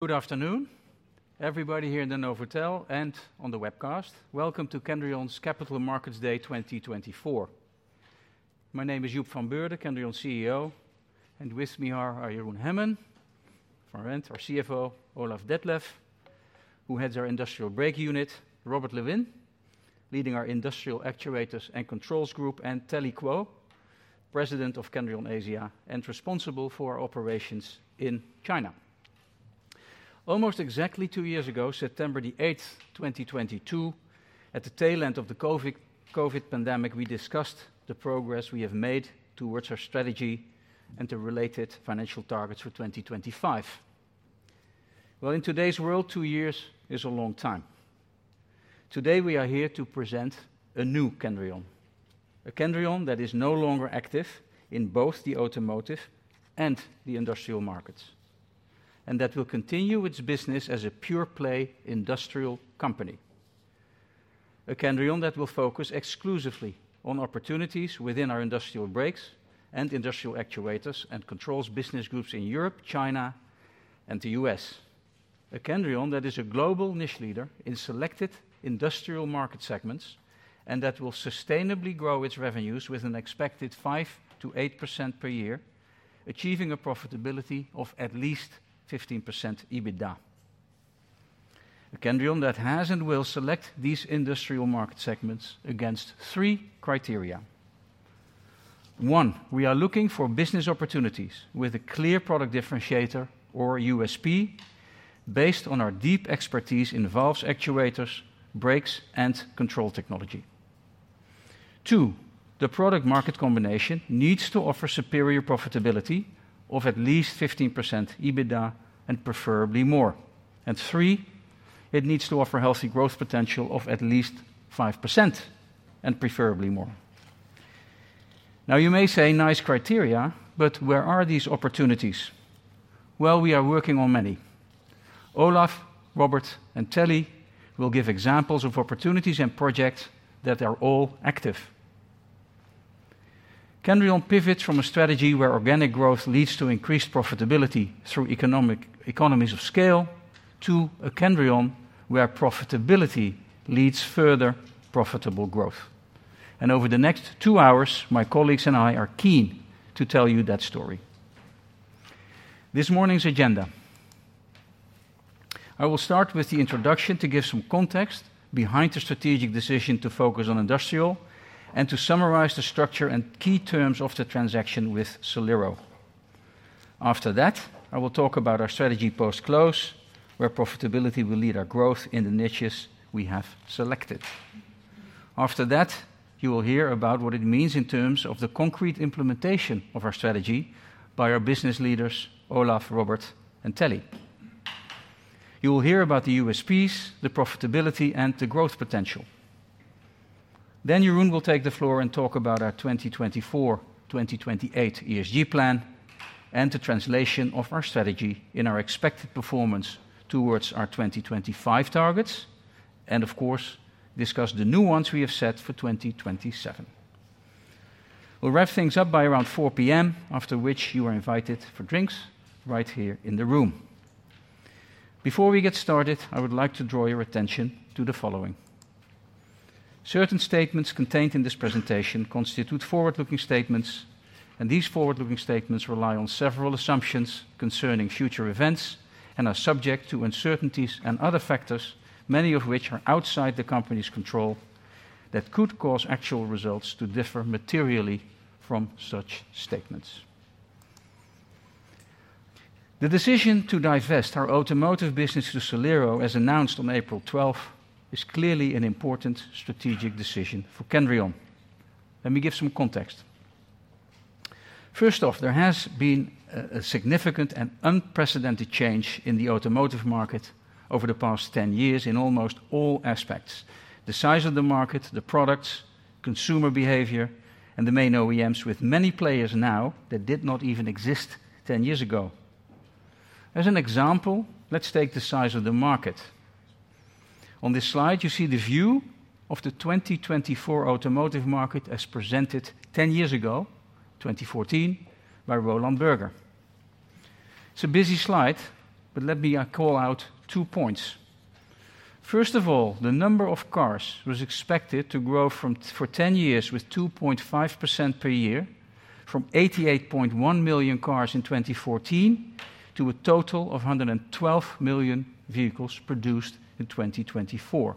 Good afternoon, everybody here in the Novotel and on the webcast. Welcome to Kendrion's Capital Markets Day 2024. My name is Joep van Beurden, Kendrion's CEO, and with me are Jeroen Hemmen, our CFO, Olaf Detlef, who heads our Industrial Brake unit, Robert Lewin, leading our Industrial Actuators and Controls Group, and Telly Kuo, President of Kendrion Asia, and responsible for our operations in China. Almost exactly two years ago, September the 8th, 2022, at the tail end of the COVID pandemic, we discussed the progress we have made towards our strategy and the related financial targets for 2025. In today's world, two years is a long time. Today, we are here to present a new Kendrion. A Kendrion that is no longer active in both the automotive and the industrial markets, and that will continue its business as a pure-play industrial company. A Kendrion that will focus exclusively on opportunities within our Industrial Brakes and Industrial Actuators and Controls business groups in Europe, China, and the U.S. A Kendrion that is a global niche leader in selected industrial market segments, and that will sustainably grow its revenues with an expected 5%-8% per year, achieving a profitability of at least 15% EBITDA. A Kendrion that has and will select these industrial market segments against three criteria. One, we are looking for business opportunities with a clear product differentiator or USP based on our deep expertise in valves, actuators, brakes, and control technology. Two, the product-market combination needs to offer superior profitability of at least 15% EBITDA and preferably more. And three, it needs to offer healthy growth potential of at least 5%, and preferably more. Now, you may say, "Nice criteria, but where are these opportunities?" We are working on many. Olaf, Robert, and Telly will give examples of opportunities and projects that are all active. Kendrion pivots from a strategy where organic growth leads to increased profitability through economies of scale, to a Kendrion where profitability leads further profitable growth. Over the next two hours, my colleagues and I are keen to tell you that story. This morning's agenda: I will start with the introduction to give some context behind the strategic decision to focus on Industrial, and to summarize the structure and key terms of the transaction with Solero. After that, I will talk about our strategy post-close, where profitability will lead our growth in the niches we have selected. After that, you will hear about what it means in terms of the concrete implementation of our strategy by our business leaders, Olaf, Robert, and Telly. You will hear about the USPs, the profitability, and the growth potential. Then Jeroen will take the floor and talk about our 2024-2028 ESG plan, and the translation of our strategy in our expected performance towards our 2025 targets, and of course, discuss the new ones we have set for 2027. We'll wrap things up by around 4:00 P.M., after which you are invited for drinks right here in the room. Before we get started, I would like to draw your attention to the following. Certain statements contained in this presentation constitute forward-looking statements, and these forward-looking statements rely on several assumptions concerning future events, and are subject to uncertainties and other factors, many of which are outside the company's control, that could cause actual results to differ materially from such statements. The decision to divest our automotive business to Solero, as announced on April 12th, is clearly an important strategic decision for Kendrion. Let me give some context. First off, there has been a significant and unprecedented change in the automotive market over the past 10 years in almost all aspects: the size of the market, the products, consumer behavior, and the main OEMs, with many players now that did not even exist 10 years ago. As an example, let's take the size of the market. On this slide, you see the view of the 2024 automotive market as presented 10 years ago, 2014, by Roland Berger. It's a busy slide, but let me call out two points. First of all, the number of cars was expected to grow for 10 years with 2.5% per year, from 88.1 million cars in 2014, to a total of 112 million vehicles produced in 2024,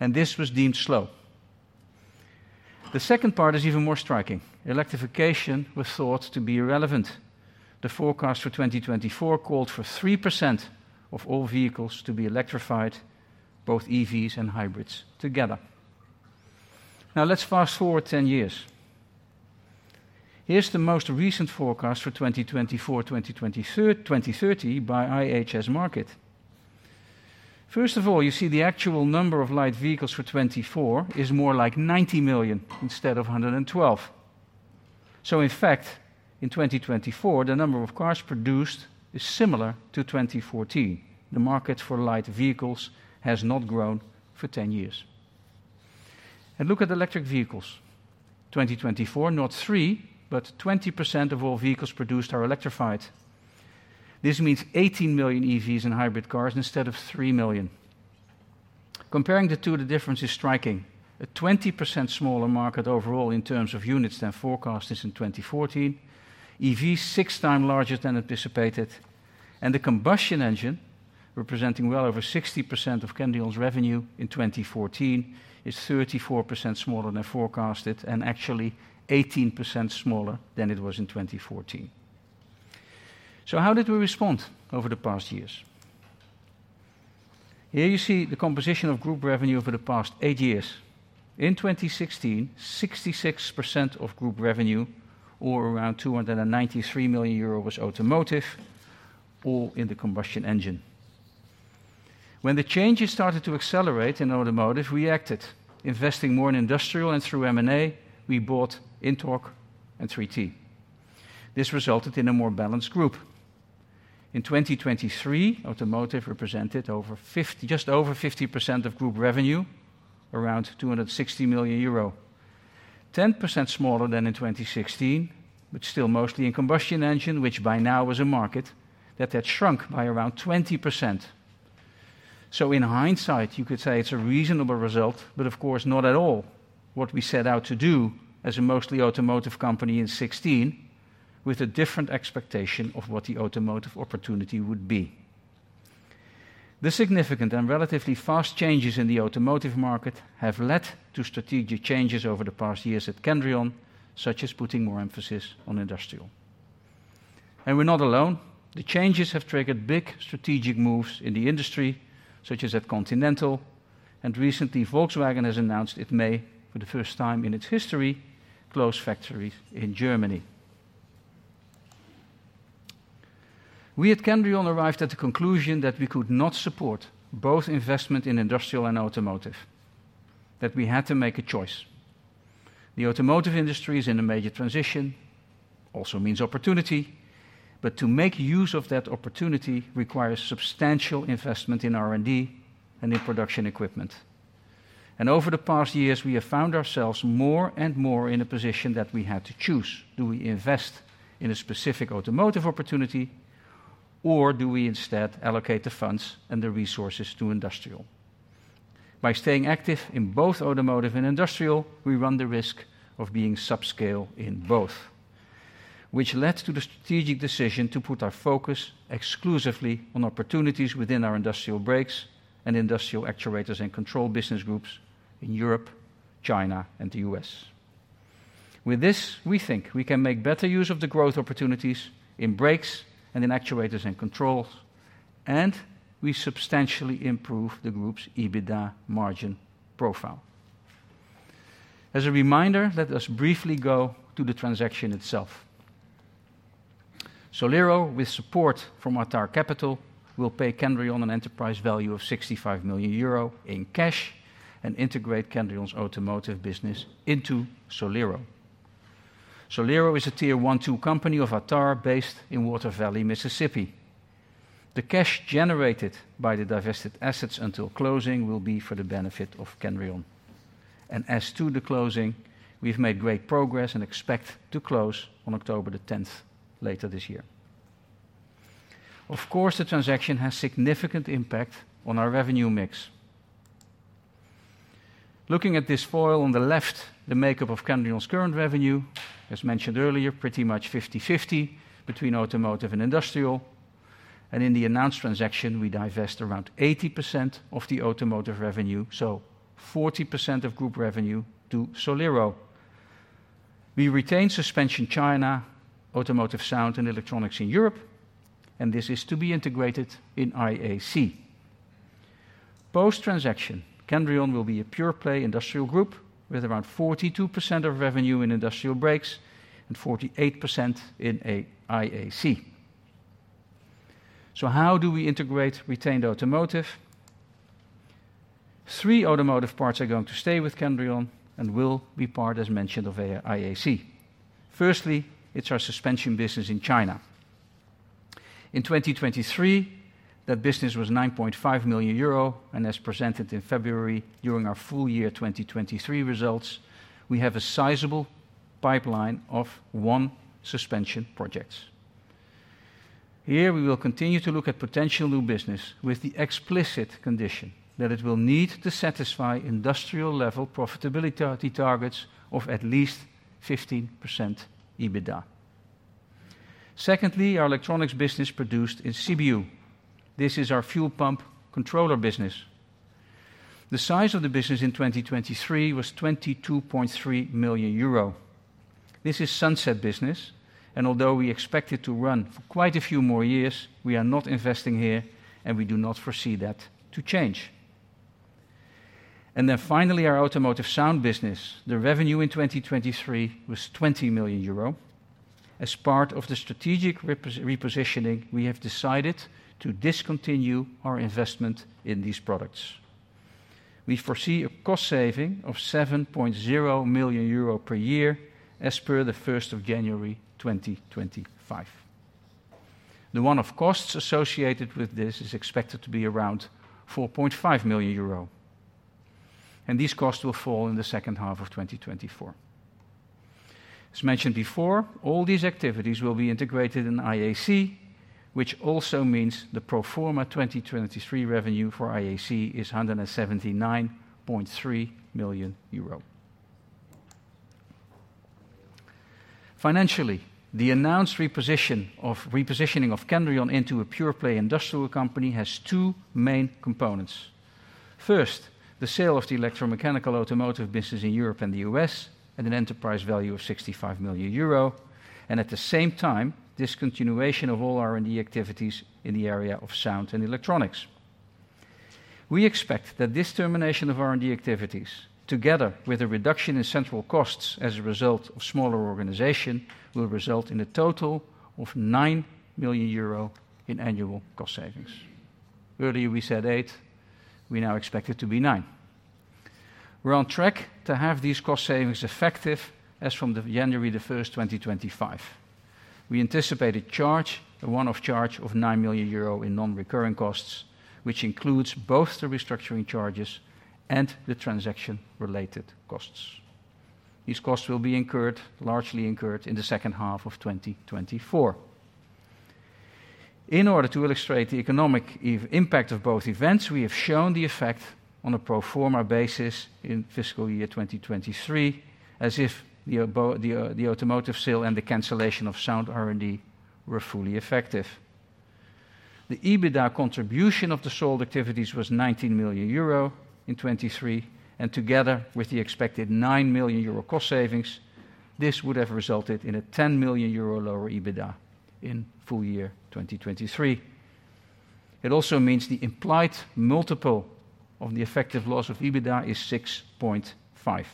and this was deemed slow. The second part is even more striking. Electrification was thought to be irrelevant. The forecast for 2024 called for 3% of all vehicles to be electrified, both EVs and hybrids together. Now, let's fast-forward 10 years. Here's the most recent forecast for 2024-2030 by IHS Markit. First of all, you see the actual number of light vehicles for 2024 is more like 90 million instead of 112. So in fact, in 2024, the number of cars produced is similar to 2014. The market for light vehicles has not grown for 10 years… And look at electric vehicles. 2024, not 3%, but 20% of all vehicles produced are electrified. This means 18 million EVs and hybrid cars instead of 3 million. Comparing the two, the difference is striking. A 20% smaller market overall in terms of units than forecasted in 2014, EVs 6x larger than anticipated, and the combustion engine, representing well over 60% of Kendrion's revenue in 2014, is 34% smaller than forecasted and actually 18% smaller than it was in 2014. So how did we respond over the past years? Here you see the composition of group revenue over the past eight years. In 2016, 66% of group revenue, or around 293 million euros, was automotive, all in the combustion engine. When the changes started to accelerate in automotive, we acted, investing more in industrial, and through M&A, we bought INTORQ and 3T. This resulted in a more balanced group. In 2023, automotive represented just over 50% of group revenue, around 260 million euro. 10% smaller than in 2016, but still mostly in combustion engine, which by now is a market that had shrunk by around 20%. In hindsight, you could say it's a reasonable result, but of course not at all what we set out to do as a mostly automotive company in 2016, with a different expectation of what the automotive opportunity would be. The significant and relatively fast changes in the automotive market have led to strategic changes over the past years at Kendrion, such as putting more emphasis on industrial. We're not alone. The changes have triggered big strategic moves in the industry, such as at Continental, and recently, Volkswagen has announced it may, for the first time in its history, close factories in Germany. We at Kendrion arrived at the conclusion that we could not support both investment in industrial and automotive, that we had to make a choice. The automotive industry is in a major transition, also means opportunity, but to make use of that opportunity requires substantial investment in R&D and in production equipment and over the past years, we have found ourselves more and more in a position that we had to choose. Do we invest in a specific automotive opportunity, or do we instead allocate the funds and the resources to industrial? By staying active in both automotive and industrial, we run the risk of being subscale in both, which led to the strategic decision to put our focus exclusively on opportunities within our Industrial Brakes and Industrial Actuators and Control business groups in Europe, China, and the U.S. With this, we think we can make better use of the growth opportunities in brakes and in actuators and controls, and we substantially improve the group's EBITDA margin profile. As a reminder, let us briefly go to the transaction itself. Solero, with support from Atar Capital, will pay Kendrion an enterprise value of 65 million euro in cash and integrate Kendrion's automotive business into Solero. Solero is a Tier 1-2 company of Atar, based in Water Valley, Mississippi. The cash generated by the divested assets until closing will be for the benefit of Kendrion. And as to the closing, we've made great progress and expect to close on October the 10th, later this year. Of course, the transaction has significant impact on our revenue mix. Looking at this foil on the left, the makeup of Kendrion's current revenue, as mentioned earlier, pretty much 50/50 between automotive and industrial. And in the announced transaction, we divest around 80% of the automotive revenue, so 40% of group revenue to Solero. We retain suspension China, automotive sound and electronics in Europe, and this is to be integrated in IAC. Post-transaction, Kendrion will be a pure-play industrial group with around 42% of revenue in industrial brakes and 48% in IAC. How do we integrate retained automotive? Three automotive parts are going to stay with Kendrion and will be part, as mentioned, of IAC. Firstly, it is our suspension business in China. In 2023, that business was 9.5 million euro, and as presented in February, during our full-year 2023 results, we have a sizable pipeline of one suspension projects. Here, we will continue to look at potential new business with the explicit condition that it will need to satisfy industrial-level profitability targets of at least 15% EBITDA. Secondly, our electronics business produced in Sibiu. This is our fuel pump controller business. The size of the business in 2023 was 22.3 million euro. This is sunset business, and although we expect it to run for quite a few more years, we are not investing here, and we do not foresee that to change. And then finally, our automotive sound business. The revenue in 2023 was 20 million euro. As part of the strategic repositioning, we have decided to discontinue our investment in these products. We foresee a cost saving of 7.0 million euro per year as per the first of January, 2025. The one-off costs associated with this is expected to be around 4.5 million euro, and these costs will fall in the second half of 2024. As mentioned before, all these activities will be integrated in IAC, which also means the pro forma 2023 revenue for IAC is EUR 179.3 million. Financially, the automotive sale and the cancellation of sound R&D were fully effective. The EBITDA contribution of the sold activities was 19 million euro in 2023, and together with the expected 9 million euro cost savings, this would have resulted in a 10 million euro lower EBITDA in full year 2023. It also means the implied multiple of the effective loss of EBITDA is 6.5. The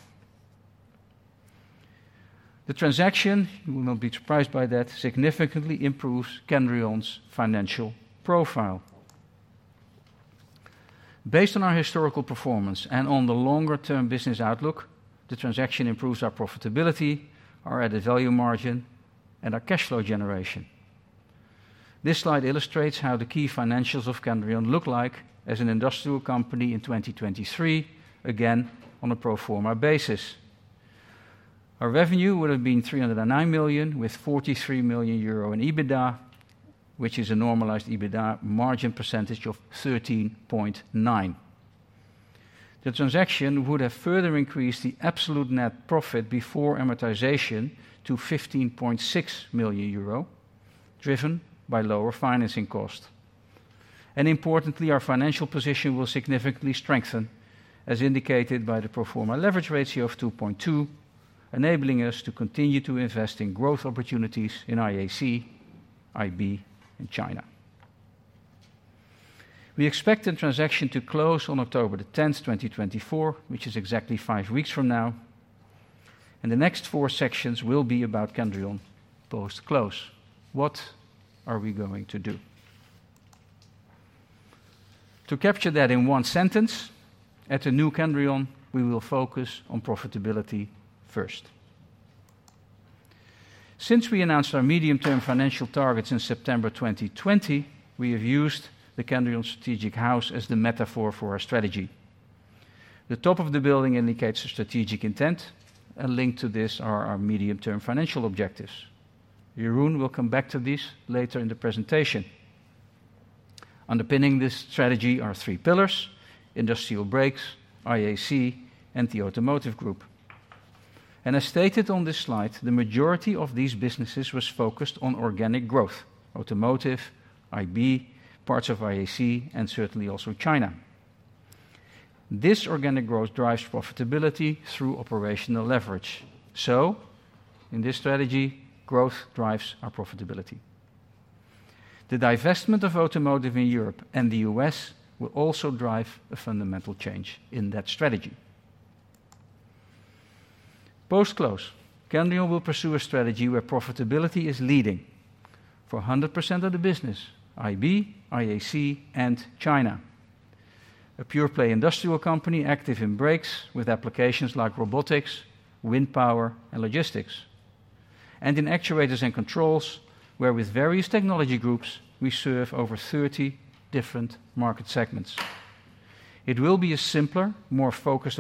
transaction, you will not be surprised by that, significantly improves Kendrion's financial profile. Based on our historical performance and on the longer-term business outlook, the transaction improves our profitability, our added value margin, and our cash flow generation. This slide illustrates how the key financials of Kendrion look like as an industrial company in 2023, again, on a pro forma basis. Our revenue would have been 309 million, with 43 million euro in EBITDA, which is a normalized EBITDA margin of 13.9%. The transaction would have further increased the absolute net profit before amortization to 15.6 million euro, driven by lower financing costs. Importantly, our financial position will significantly strengthen, as indicated by the pro forma leverage ratio of 2.2, enabling us to continue to invest in growth opportunities in IAC, IB, and China. We expect the transaction to close on October the 10th, 2024, which is exactly five weeks from now, and the next four sections will be about Kendrion post-close. What are we going to do? To capture that in one sentence, at the new Kendrion, we will focus on profitability first. Since we announced our medium-term financial targets in September 2020, we have used the Kendrion strategic house as the metaphor for our strategy. The top of the building indicates the strategic intent, and linked to this are our medium-term financial objectives. Jeroen will come back to this later in the presentation. Underpinning this strategy are three pillars: Industrial Brakes, IAC, and the Automotive group. As stated on this slide, the majority of these businesses was focused on organic growth: Automotive, IB, parts of IAC, and certainly also China. This organic growth drives profitability through operational leverage. So, in this strategy, growth drives our profitability. The divestment of automotive in Europe and the U.S. will also drive a fundamental change in that strategy. Post-close, Kendrion will pursue a strategy where profitability is leading for 100% of the business, IB, IAC, and China. A pure-play industrial company active in brakes with applications like robotics, wind power, and logistics, and in actuators and controls, where with various technology groups, we serve over 30 different market segments. It will be a simpler, more focused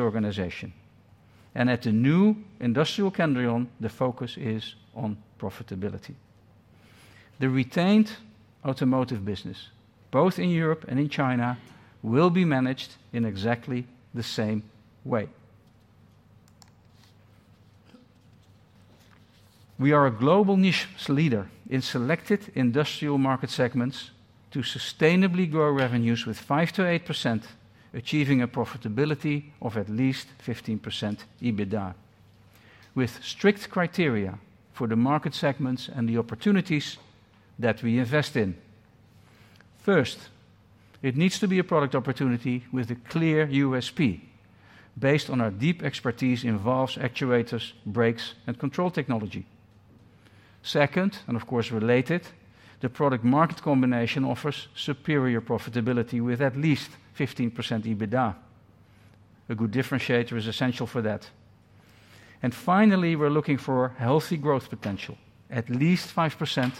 organization, and at the new industrial Kendrion, the focus is on profitability. The retained Automotive business, both in Europe and in China, will be managed in exactly the same way. We are a global niche leader in selected industrial market segments to sustainably grow revenues with 5%-8%, achieving a profitability of at least 15% EBITDA, with strict criteria for the market segments and the opportunities that we invest in. First, it needs to be a product opportunity with a clear USP based on our deep expertise in valves, actuators, brakes, and control technology. Second, and of course, related, the product market combination offers superior profitability with at least 15% EBITDA. A good differentiator is essential for that, and finally, we're looking for healthy growth potential, at least 5%,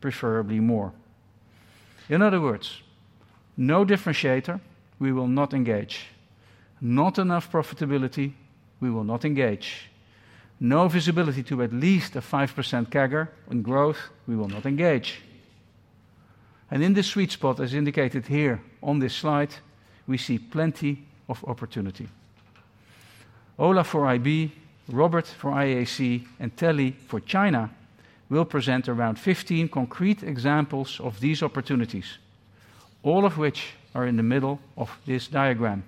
preferably more. In other words, no differentiator, we will not engage. Not enough profitability, we will not engage. No visibility to at least a 5% CAGR in growth, we will not engage. In this sweet spot, as indicated here on this slide, we see plenty of opportunity. Olaf for IB, Robert for IAC, and Telly for China, will present around 15 concrete examples of these opportunities, all of which are in the middle of this diagram.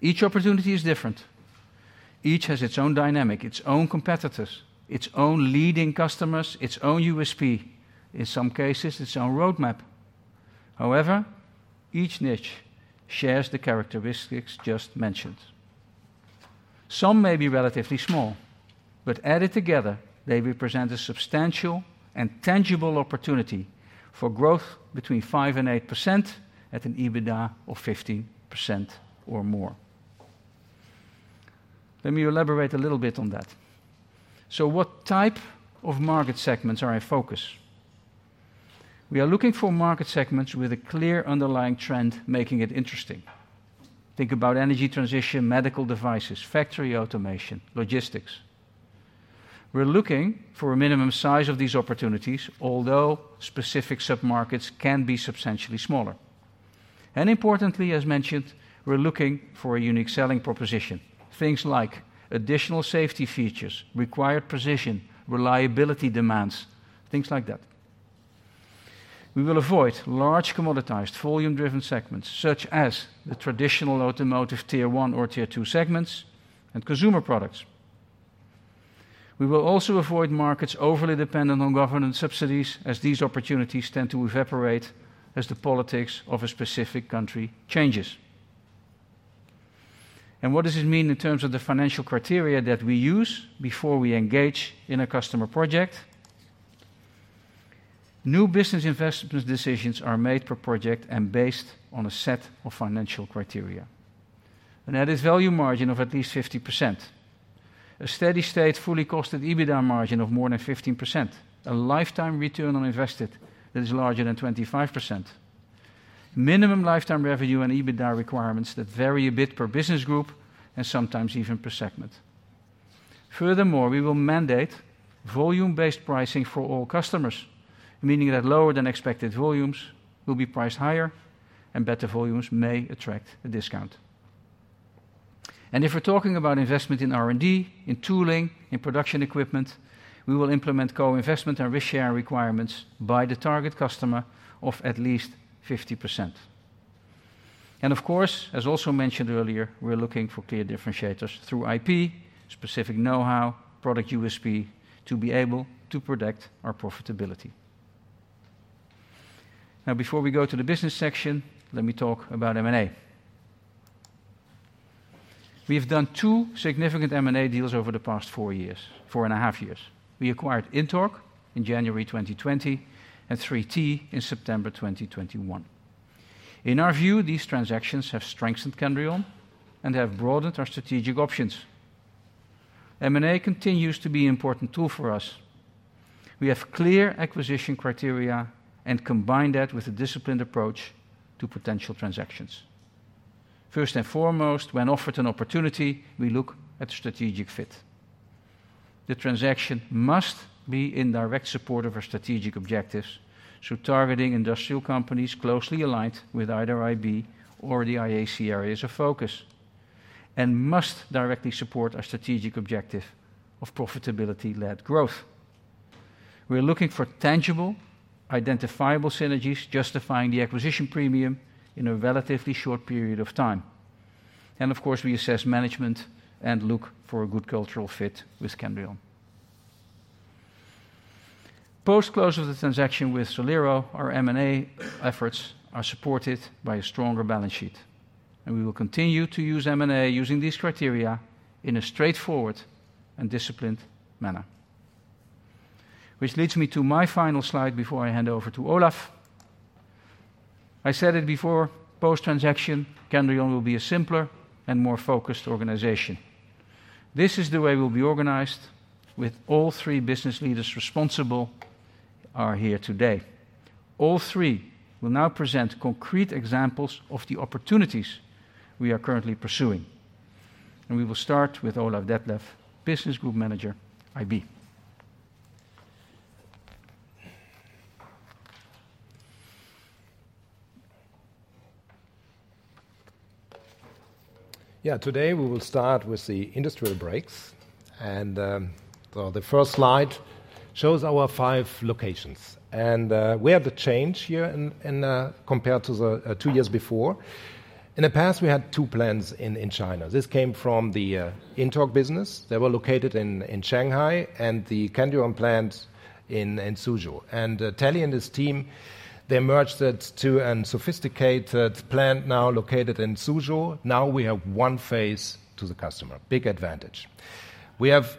Each opportunity is different. Each has its own dynamic, its own competitors, its own leading customers, its own USP, in some cases, its own roadmap. However, each niche shares the characteristics just mentioned. Some may be relatively small, but added together, they represent a substantial and tangible opportunity for growth between 5% and 8% at an EBITDA of 15% or more. Let me elaborate a little bit on that. So what type of market segments are in focus? We are looking for market segments with a clear underlying trend, making it interesting. Think about energy transition, medical devices, factory automation, logistics. We're looking for a minimum size of these opportunities, although specific submarkets can be substantially smaller. And importantly, as mentioned, we're looking for a unique selling proposition. Things like additional safety features, required precision, reliability demands, things like that. We will avoid large commoditized, volume-driven segments, such as the traditional automotive Tier 1 or Tier 2 segments and consumer products. We will also avoid markets overly dependent on government subsidies, as these opportunities tend to evaporate as the politics of a specific country changes. And what does this mean in terms of the financial criteria that we use before we engage in a customer project? New business investment decisions are made per project and based on a set of financial criteria. An added value margin of at least 50%, a steady-state, fully costed EBITDA margin of more than 15%, a lifetime return on investment that is larger than 25%, minimum lifetime revenue and EBITDA requirements that vary a bit per business group and sometimes even per segment. Furthermore, we will mandate volume-based pricing for all customers, meaning that lower-than-expected volumes will be priced higher and better volumes may attract a discount. And if we're talking about investment in R&D, in tooling, in production equipment, we will implement co-investment and risk-share requirements by the target customer of at least 50%. And of course, as also mentioned earlier, we're looking for clear differentiators through IP, specific know-how, product USP, to be able to protect our profitability. Now, before we go to the business section, let me talk about M&A. We have done two significant M&A deals over the past four years, four and a half years. We acquired INTORQ in January 2020, and 3T in September 2021. In our view, these transactions have strengthened Kendrion and have broadened our strategic options. M&A continues to be an important tool for us. We have clear acquisition criteria and combine that with a disciplined approach to potential transactions. First and foremost, when offered an opportunity, we look at strategic fit. The transaction must be in direct support of our strategic objectives, so targeting industrial companies closely aligned with either IB or the IAC areas of focus, and must directly support our strategic objective of profitability-led growth. We're looking for tangible, identifiable synergies, justifying the acquisition premium in a relatively short period of time. And of course, we assess management and look for a good cultural fit with Kendrion. Post-close of the transaction with Solero, our M&A efforts are supported by a stronger balance sheet, and we will continue to use M&A using these criteria in a straightforward and disciplined manner. Which leads me to my final slide before I hand over to Olaf. I said it before, post-transaction, Kendrion will be a simpler and more focused organization. This is the way we'll be organized, with all three business leaders responsible are here today. All three will now present concrete examples of the opportunities we are currently pursuing, and we will start with Olaf Detlef, Business Group Manager, IB. Yeah, today, we will start with the industrial brakes, and so the first slide shows our five locations. And we have the change here in compared to the two years before. In the past, we had two plants in China. This came from the INTORQ business. They were located in Shanghai, and the Kendrion plant in Suzhou. And Telly and his team, they merged it to a sophisticated plant now located in Suzhou. Now we have one face to the customer. Big advantage. We have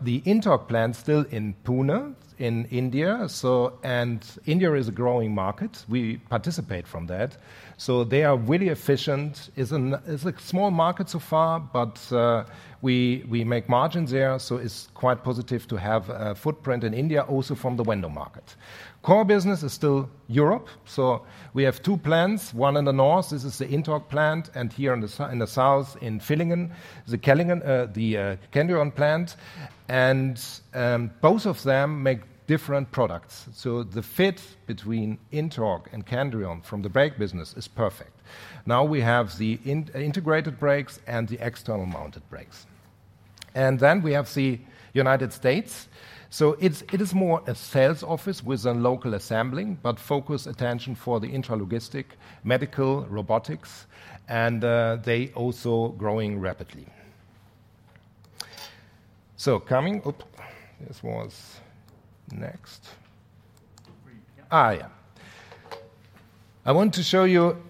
the INTORQ plant still in Pune, in India. So, and India is a growing market. We participate from that. So they are really efficient. It's a small market so far, but we make margins there, so it's quite positive to have a footprint in India also from the wind market. Core business is still Europe, so we have two plants, one in the north, this is the INTORQ plant, and here in the south, in Villingen, the Kendrion plant, and both of them make different products. So the fit between INTORQ and Kendrion from the brake business is perfect. Now, we have the integrated brakes and the external mounted brakes. And then we have the United States. So it is more a sales office with a local assembling, but focus attention for the intralogistics, medical, robotics, and they also growing rapidly. Three, yeah. Yeah. I want to show you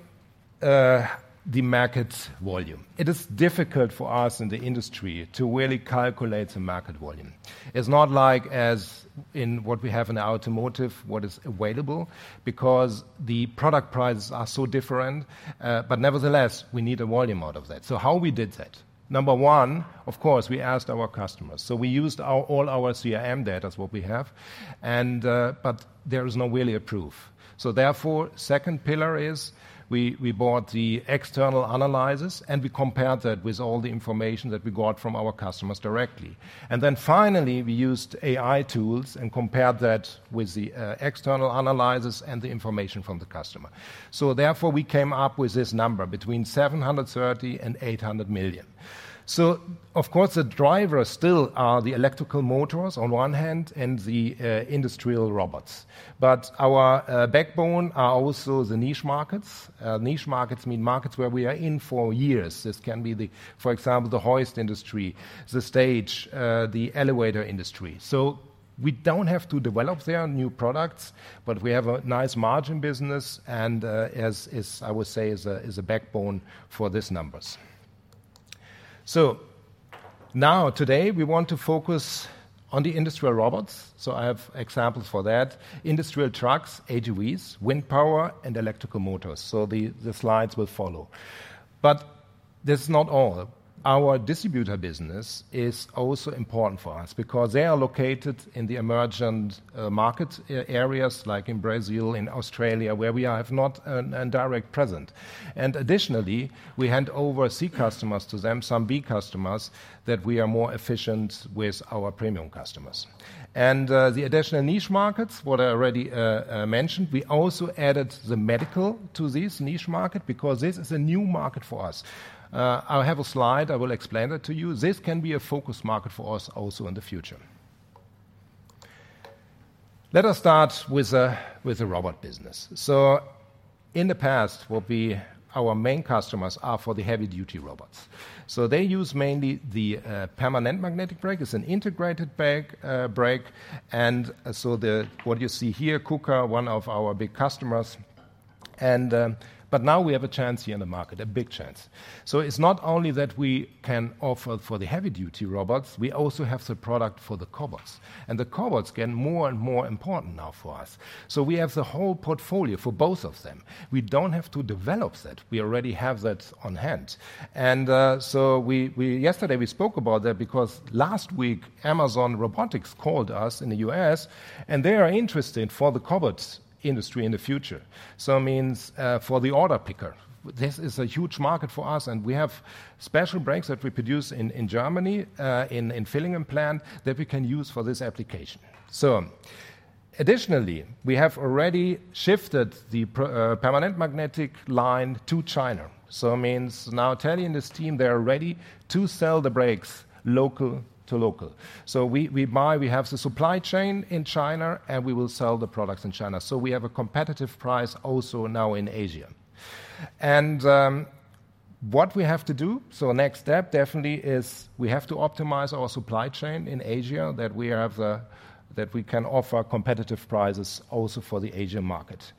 the market volume. It is difficult for us in the industry to really calculate the market volume. It's not like as in what we have in automotive, what is available, because the product prices are so different, but nevertheless, we need a volume out of that. So how we did that? Number one, of course, we asked our customers. So we used our CRM data, is what we have, and but there is no really a proof. So therefore, second pillar is we bought the external analysts, and we compared that with all the information that we got from our customers directly. And then finally, we used AI tools and compared that with the external analysts and the information from the customer. So therefore, we came up with this number, between 730 million and 800 million. So of course, the drivers still are the electrical motors on one hand and the industrial robots. But our backbone are also the niche markets. Niche markets mean markets where we are in for years. This can be, for example, the hoist industry, the stage, the elevator industry. So we don't have to develop there new products, but we have a nice margin business and, as I would say, is a backbone for this numbers. So now, today, we want to focus on the industrial robots, so I have examples for that. Industrial trucks, AGVs, wind power, and electrical motors. So the slides will follow. But this is not all. Our distributor business is also important for us because they are located in the emergent market areas, like in Brazil, in Australia, where we have not a direct presence. Additionally, we hand over C customers to them, some B customers, that we are more efficient with our premium customers. The additional niche markets, what I already mentioned, we also added the medical to this niche market because this is a new market for us. I'll have a slide, I will explain it to you. This can be a focus market for us also in the future. Let us start with the robot business. So in the past, our main customers are for the heavy duty robots. So they use mainly the permanent magnet brake. It's an integrated brake, and so what you see here, KUKA, one of our big customers, and. But now we have a chance here in the market, a big chance. So it's not only that we can offer for the heavy duty robots, we also have the product for the cobots, and the cobots get more and more important now for us. So we have the whole portfolio for both of them. We don't have to develop that. We already have that on hand. And so we yesterday we spoke about that because last week, Amazon Robotics called us in the U.S., and they are interested for the cobots industry in the future. So it means, for the order picker, this is a huge market for us, and we have special brakes that we produce in Germany, in Villingen plant, that we can use for this application. So additionally, we have already shifted the permanent magnetic line to China. So it means now Telly and his team, they are ready to sell the brakes local to local. So we buy, we have the supply chain in China, and we will sell the products in China. So we have a competitive price also now in Asia. And, what we have to do, next step, definitely is we have to optimize our supply chain in Asia, that we can offer competitive prices also for the Asian market.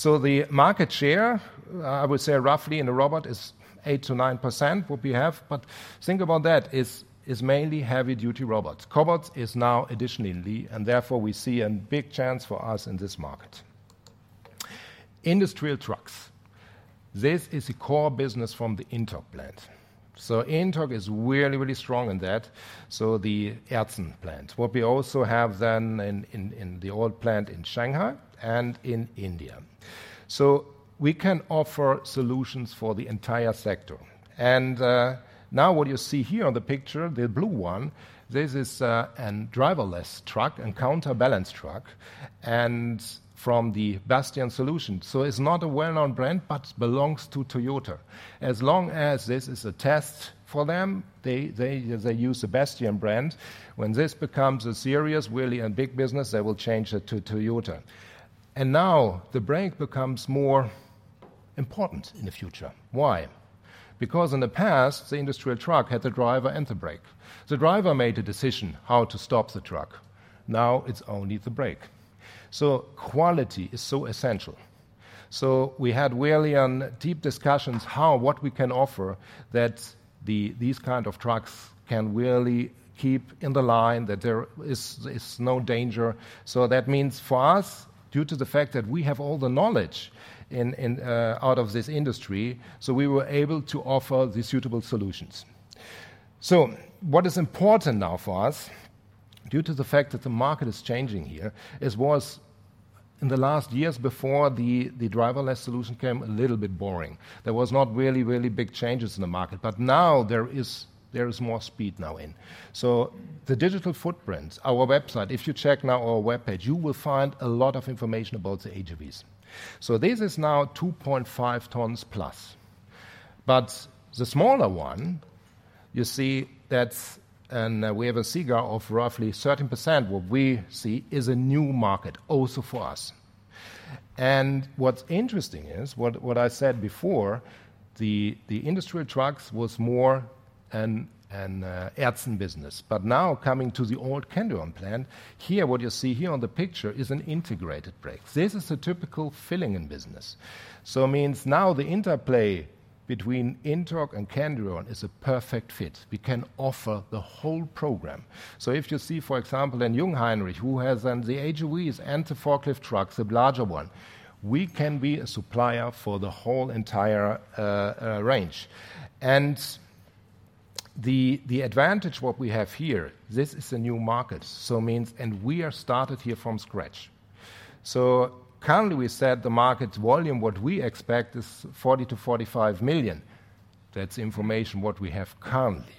The market share, I would say roughly in the robot, is 8%-9%, what we have, but think about that, is mainly heavy duty robots. Cobots is now additionally, and therefore, we see a big chance for us in this market. Industrial trucks. This is a core business from the INTORQ plant. So INTORQ is really, really strong in that, so the Aerzen plant. What we also have then in the old plant in Shanghai and in India. So we can offer solutions for the entire sector. Now what you see here on the picture, the blue one, this is a driverless truck and counterbalance truck, and from Bastian Solutions. So it's not a well-known brand, but belongs to Toyota. As long as this is a test for them, they use the Bastian brand. When this becomes a serious, really and big business, they will change it to Toyota. And now, the brake becomes more important in the future. Why? Because in the past, the industrial truck had the driver and the brake. The driver made a decision how to stop the truck. Now, it's only the brake. So quality is so essential. So we had really deep discussions how what we can offer that these kind of trucks can really keep in the line, that there is no danger. So that means for us, due to the fact that we have all the knowledge in and out of this industry, so we were able to offer the suitable solutions. So what is important now for us, due to the fact that the market is changing here, it was in the last years before the driverless solution came, a little bit boring. There was not really big changes in the market, but now there is more speed now in. So the digital footprint, our website, if you check now our webpage, you will find a lot of information about the AGVs. So this is now 2.5+ tons. But the smaller one, you see that's... And we have a figure of roughly 13%, what we see is a new market also for us. And what's interesting is, what I said before, the industrial trucks was more an Aerzen business. But now, coming to the old Kendrion plant. Here, what you see here on the picture is an integrated brake. This is a typical fit in business. So it means now the interplay between INTORQ and Kendrion is a perfect fit. We can offer the whole program. So if you see, for example, in Jungheinrich, who has the AGVs and the forklift trucks, the larger one, we can be a supplier for the whole entire range. And the advantage what we have here, this is a new market, so means and we are started here from scratch. So currently, we said the market volume, what we expect is 40 million-45 million. That's information what we have currently.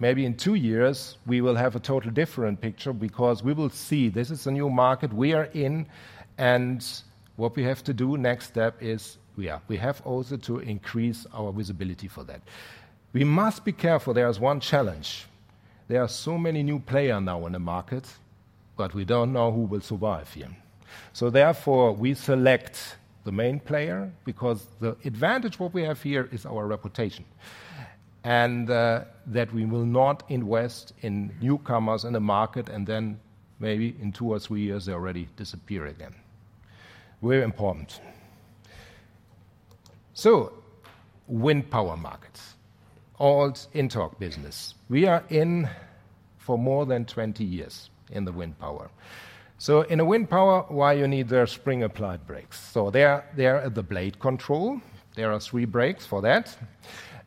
Maybe in two years, we will have a total different picture, because we will see this is a new market we are in, and what we have to do next step is, we have also to increase our visibility for that. We must be careful, there is one challenge. There are so many new player now in the market, but we don't know who will survive here. So therefore, we select the main player, because the advantage what we have here is our reputation, and that we will not invest in newcomers in the market, and then maybe in two or three years, they already disappear again. Very important. So wind power markets, all INTORQ business. We are in for more than 20 years in the wind power. So in a wind power, why you need the spring-applied brakes? So they are at the blade control. There are three brakes for that,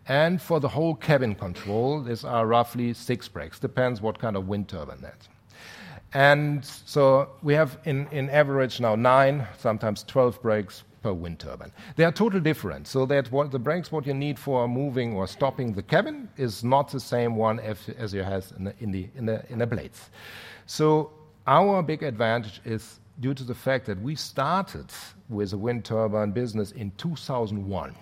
and for the whole cabin control, there are roughly six brakes, depends what kind of wind turbine that is. And so we have in average now nine, sometimes 12 brakes per wind turbine. They are total different, so that what the brakes, what you need for moving or stopping the cabin is not the same one as you have in the blades. So our big advantage is due to the fact that we started with the wind turbine business in 2001.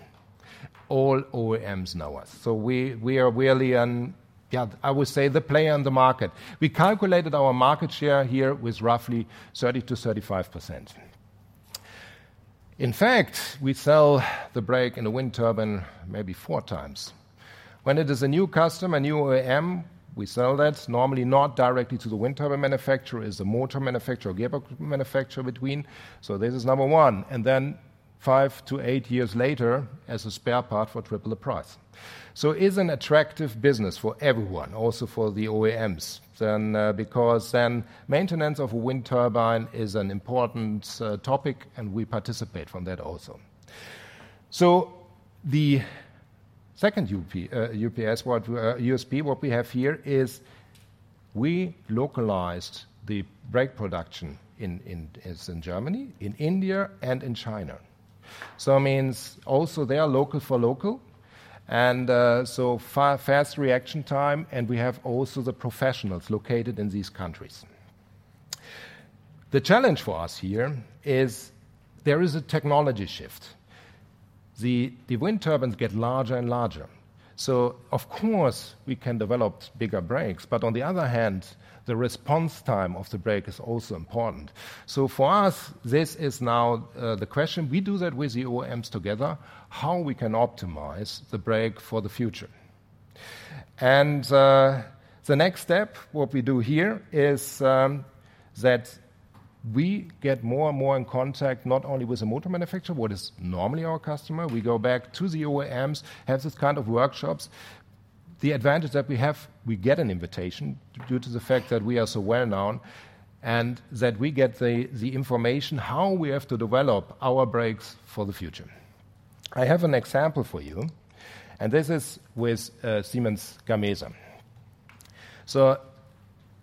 All OEMs know us, so we are really, I would say, the player on the market. We calculated our market share here with roughly 30%-35%. In fact, we sell the brake in a wind turbine maybe four times. When it is a new customer, a new OEM, we sell that normally not directly to the wind turbine manufacturer. It's a motor manufacturer or gearbox manufacturer between. This is number one, and then five to eight years later, as a spare part for triple the price. It's an attractive business for everyone, also for the OEMs, because then maintenance of a wind turbine is an important topic, and we participate from that also. The second USP what we have here is we localized the brake production in. It's in Germany, in India, and in China. So it means also they are local for local, and so fast reaction time, and we have also the professionals located in these countries. The challenge for us here is there is a technology shift. The wind turbines get larger and larger, so of course, we can develop bigger brakes, but on the other hand, the response time of the brake is also important. For us, this is now the question. We do that with the OEMs together, how we can optimize the brake for the future. The next step, what we do here, is that we get more and more in contact, not only with the motor manufacturer, what is normally our customer, we go back to the OEMs, have this kind of workshops. The advantage that we have, we get an invitation due to the fact that we are so well known, and that we get the information, how we have to develop our brakes for the future. I have an example for you, and this is with Siemens Gamesa.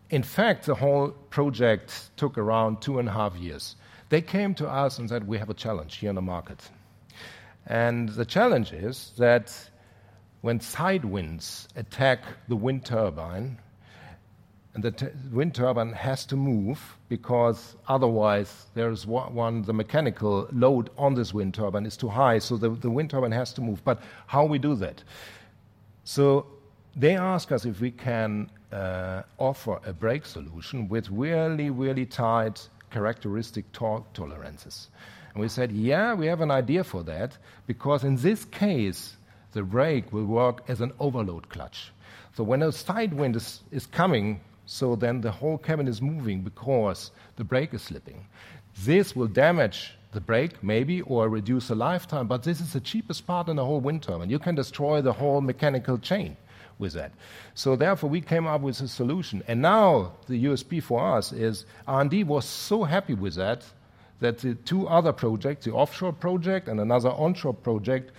In fact, the whole project took around two and a half years. They came to us and said, "We have a challenge here in the market." The challenge is that when side winds attack the wind turbine, the wind turbine has to move, because otherwise, there is one, the mechanical load on this wind turbine is too high, so the wind turbine has to move. But how we do that? They ask us if we can offer a brake solution with really, really tight characteristic torque tolerances. We said, "Yeah, we have an idea for that," because in this case, the brake will work as an overload clutch. When a side wind is coming, then the whole cabin is moving because the brake is slipping. This will damage the brake, maybe, or reduce the lifetime, but this is the cheapest part in the whole wind turbine. You can destroy the whole mechanical chain with that. So therefore, we came up with a solution. And now, the USP for us is, R&D was so happy with that, that the two other projects, the offshore project and another onshore project,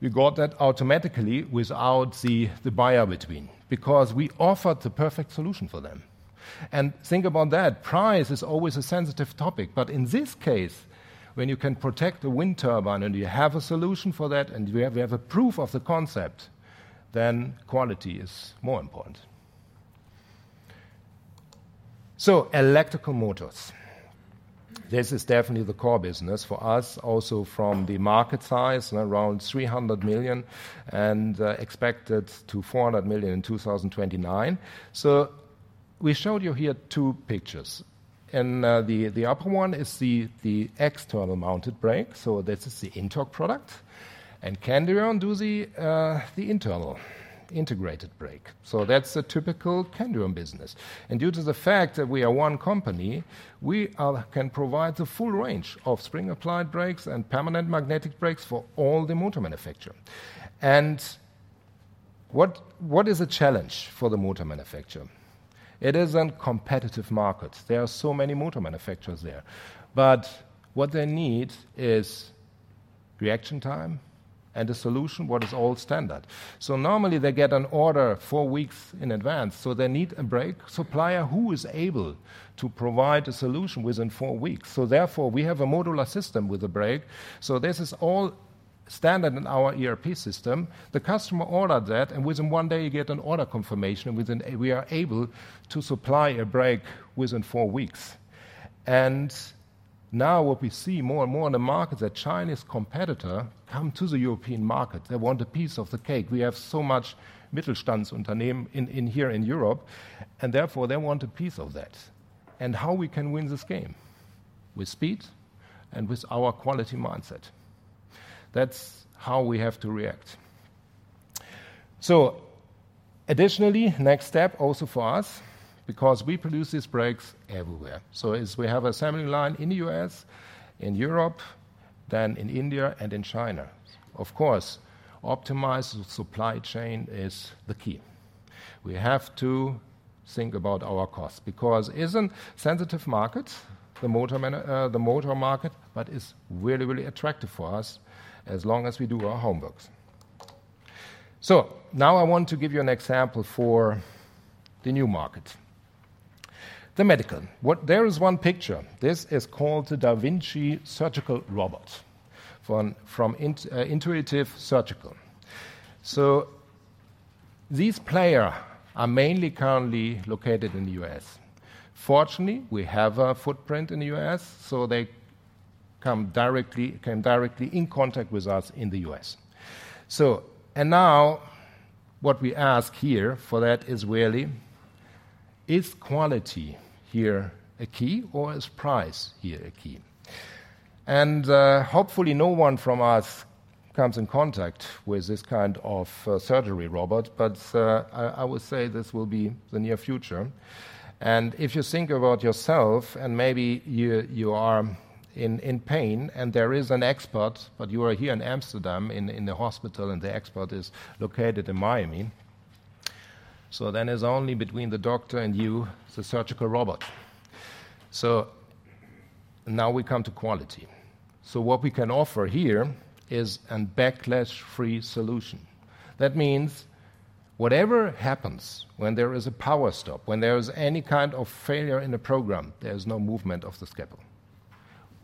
we got that automatically without the buyer between, because we offered the perfect solution for them. And think about that, price is always a sensitive topic, but in this case, when you can protect the wind turbine, and you have a solution for that, and we have a proof of the concept, then quality is more important. So electrical motors. This is definitely the core business for us, also from the market size, around 300 million, and expected to 400 million in 2029. So we showed you here two pictures, and the upper one is the external mounted brake, so this is the INTORQ product, and Kendrion do the internal integrated brake. So that's a typical Kendrion business. And due to the fact that we are one company, we can provide the full range of spring-applied brakes and permanent magnet brakes for all the motor manufacturer. And what is the challenge for the motor manufacturer? It is a competitive market. There are so many motor manufacturers there, but what they need is reaction time and a solution what is all standard. So normally, they get an order four weeks in advance, so they need a brake supplier who is able to provide a solution within four weeks. So therefore, we have a modular system with a brake, so this is all standard in our ERP system. The customer order that, and within one day, you get an order confirmation, within we are able to supply a brake within four weeks. And now, what we see more and more in the market, is that Chinese competitor come to the European market. They want a piece of the cake. We have so much Mittelstand Unternehmen in here in Europe, and therefore, they want a piece of that. And how we can win this game? With speed and with our quality mindset. That's how we have to react. So additionally, next step also for us, because we produce these brakes everywhere, so we have assembly line in the U.S., in Europe, then in India, and in China. Of course, optimized supply chain is the key. We have to think about our costs, because it's a sensitive market, the motor market, but it's really, really attractive for us, as long as we do our homework. So now, I want to give you an example for the new market, the medical. There is one picture. This is called the da Vinci Surgical Robot from Intuitive Surgical. So these players are mainly currently located in the U.S. Fortunately, we have a footprint in the U.S., so they come directly in contact with us in the U.S. So. And now, what we ask here for that is really, is quality here a key, or is price here a key? Hopefully no one from us comes in contact with this kind of surgical robot, but I would say this will be the near future. If you think about yourself, and maybe you are in pain, and there is an expert, but you are here in Amsterdam, in the hospital, and the expert is located in Miami, so then it's only between the doctor and you, the surgical robot. Now we come to quality. What we can offer here is a backlash-free solution. That means whatever happens, when there is a power stop, when there is any kind of failure in the program, there is no movement of the scalpel.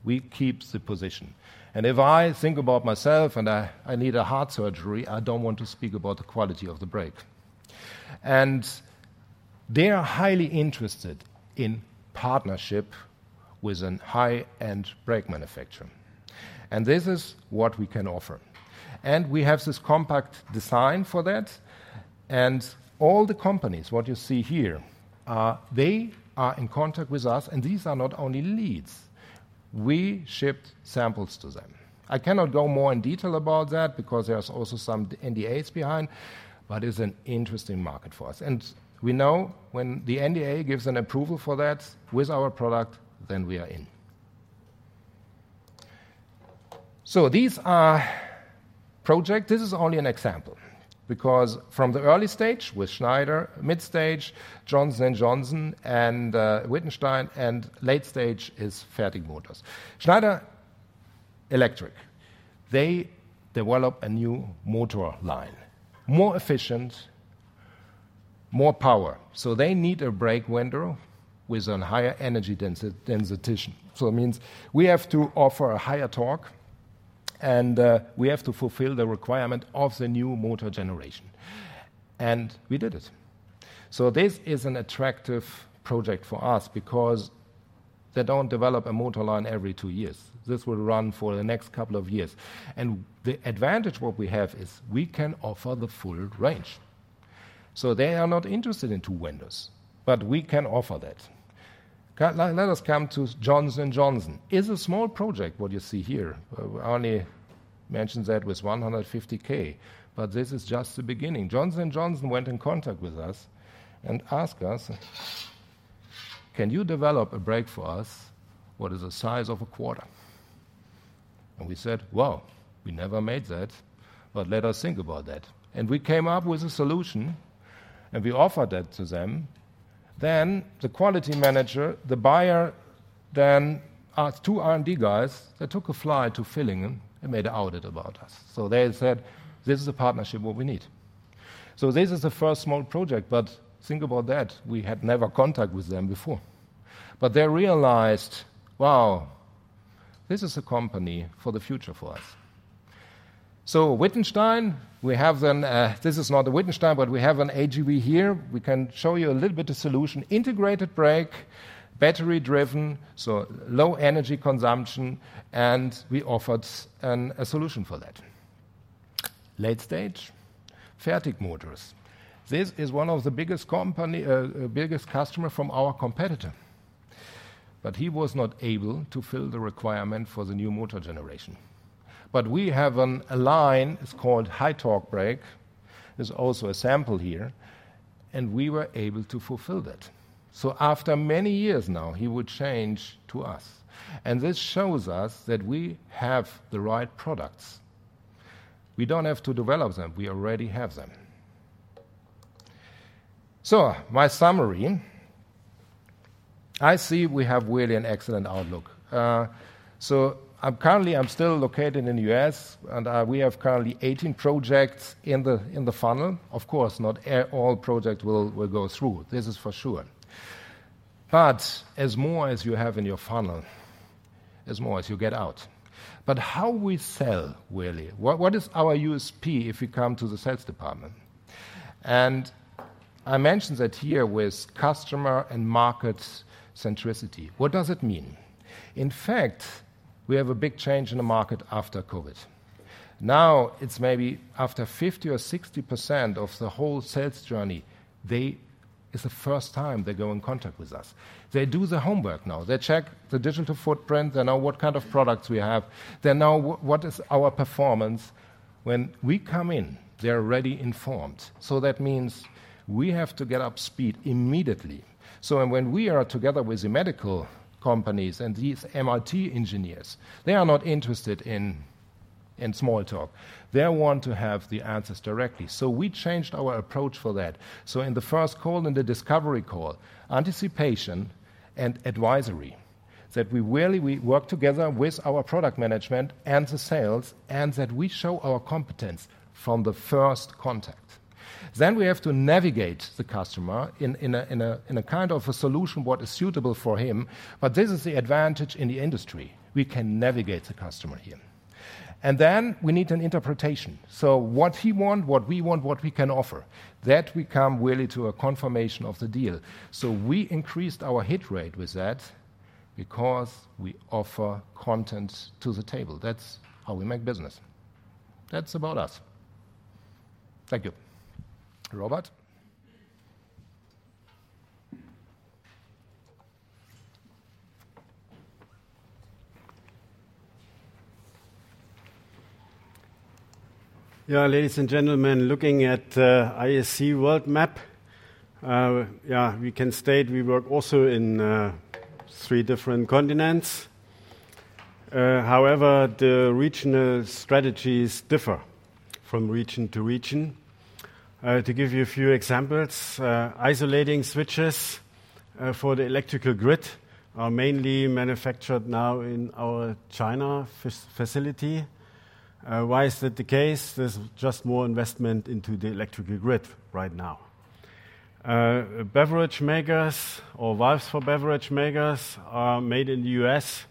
We keep the position. And if I think about myself, and I need a heart surgery, I don't want to speak about the quality of the brake. And they are highly interested in partnership with a high-end brake manufacturer, and this is what we can offer. And we have this compact design for that, and all the companies, what you see here, they are in contact with us, and these are not only leads. We shipped samples to them. I cannot go more in detail about that, because there's also some NDAs behind, but it's an interesting market for us. And we know when the NDA gives an approval for that with our product, then we are in. So this is only an example, because from the early stage with Schneider, mid stage, Johnson & Johnson, and Wittenstein, and late stage is Fertig Motors. Schneider Electric, they develop a new motor line, more efficient, more power, so they need a brake vendor with a higher energy densification. So it means we have to offer a higher torque, and we have to fulfill the requirement of the new motor generation, and we did it. So this is an attractive project for us, because they don't develop a motor line every two years. This will run for the next couple of years. And the advantage what we have is, we can offer the full range. So they are not interested in two vendors, but we can offer that. Now let us come to Johnson & Johnson. It's a small project, what you see here. I only mentioned that with 150,000, but this is just the beginning. Johnson & Johnson went in contact with us and asked us, "Can you develop a brake for us what is the size of a quarter?" We said, "Well, we never made that, but let us think about that." We came up with a solution, and we offered that to them. Then, the quality manager, the buyer, then asked two R&D guys. They took a flight to Villingen and made an audit about us. They said, "This is a partnership what we need." This is the first small project, but think about that, we had never contact with them before. They realized, "Wow, this is a company for the future for us." Wittenstein, we have an, this is not a Wittenstein, but we have an AGV here. We can show you a little bit of solution, integrated brake, battery-driven, so low energy consumption, and we offered a solution for that. Late stage, Fertig Motors. This is one of the biggest company, biggest customer from our competitor, but he was not able to fill the requirement for the new motor generation. But we have a line, it's called high torque brake, there's also a sample here, and we were able to fulfill that. So after many years now, he would change to us, and this shows us that we have the right products. We don't have to develop them, we already have them. So, my summary, I see we have really an excellent outlook. So I'm currently still located in the U.S., and we have currently 18 projects in the funnel. Of course, not all projects will go through. This is for sure. But the more you have in your funnel, the more you get out. But how we sell, really? What is our USP if we come to the sales department? And I mentioned that here with customer and market centricity. What does it mean? In fact, we have a big change in the market after COVID. Now, it's maybe after 50 or 60% of the whole sales journey, they. It's the first time they go in contact with us. They do their homework now. They check the digital footprint. They know what kind of products we have. They know what is our performance. When we come in, they're already informed. So that means we have to get up to speed immediately. So and when we are together with the medical companies and these MRT engineers, they are not interested in small talk. They want to have the answers directly. So we changed our approach for that. So in the first call, in the discovery call, anticipation and advisory, that we really work together with our product management and the sales, and that we show our competence from the first contact. Then, we have to navigate the customer in a kind of a solution what is suitable for him, but this is the advantage in the industry. We can navigate the customer here. And then, we need an interpretation. So what he want, what we want, what we can offer, that we come really to a confirmation of the deal. So we increased our hit rate with that because we offer content to the table. That's how we make business. That's about us. Thank you. Robert? Yeah, ladies and gentlemen, looking at IAC world map, yeah, we can state we work also in three different continents. However, the regional strategies differ from region to region. To give you a few examples, isolating switches for the electrical grid are mainly manufactured now in our China facility. Why is that the case? There's just more investment into the electrical grid right now. Beverage makers or valves for beverage makers are made in the U.S.,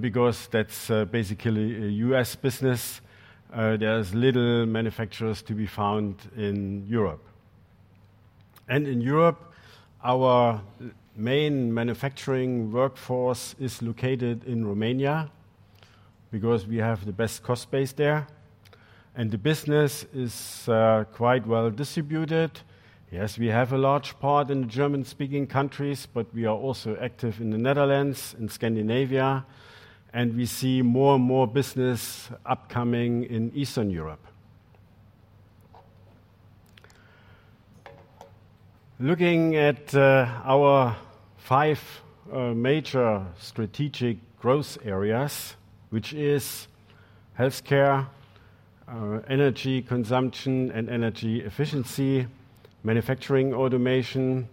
because that's basically a U.S. business. There's little manufacturers to be found in Europe. And in Europe, our main manufacturing workforce is located in Romania because we have the best cost base there, and the business is quite well distributed. Yes, we have a large part in the German-speaking countries, but we are also active in the Netherlands, in Scandinavia, and we see more and more business upcoming in Eastern Europe. Looking at our five major strategic growth areas, which is healthcare, energy consumption and energy efficiency, manufacturing automation,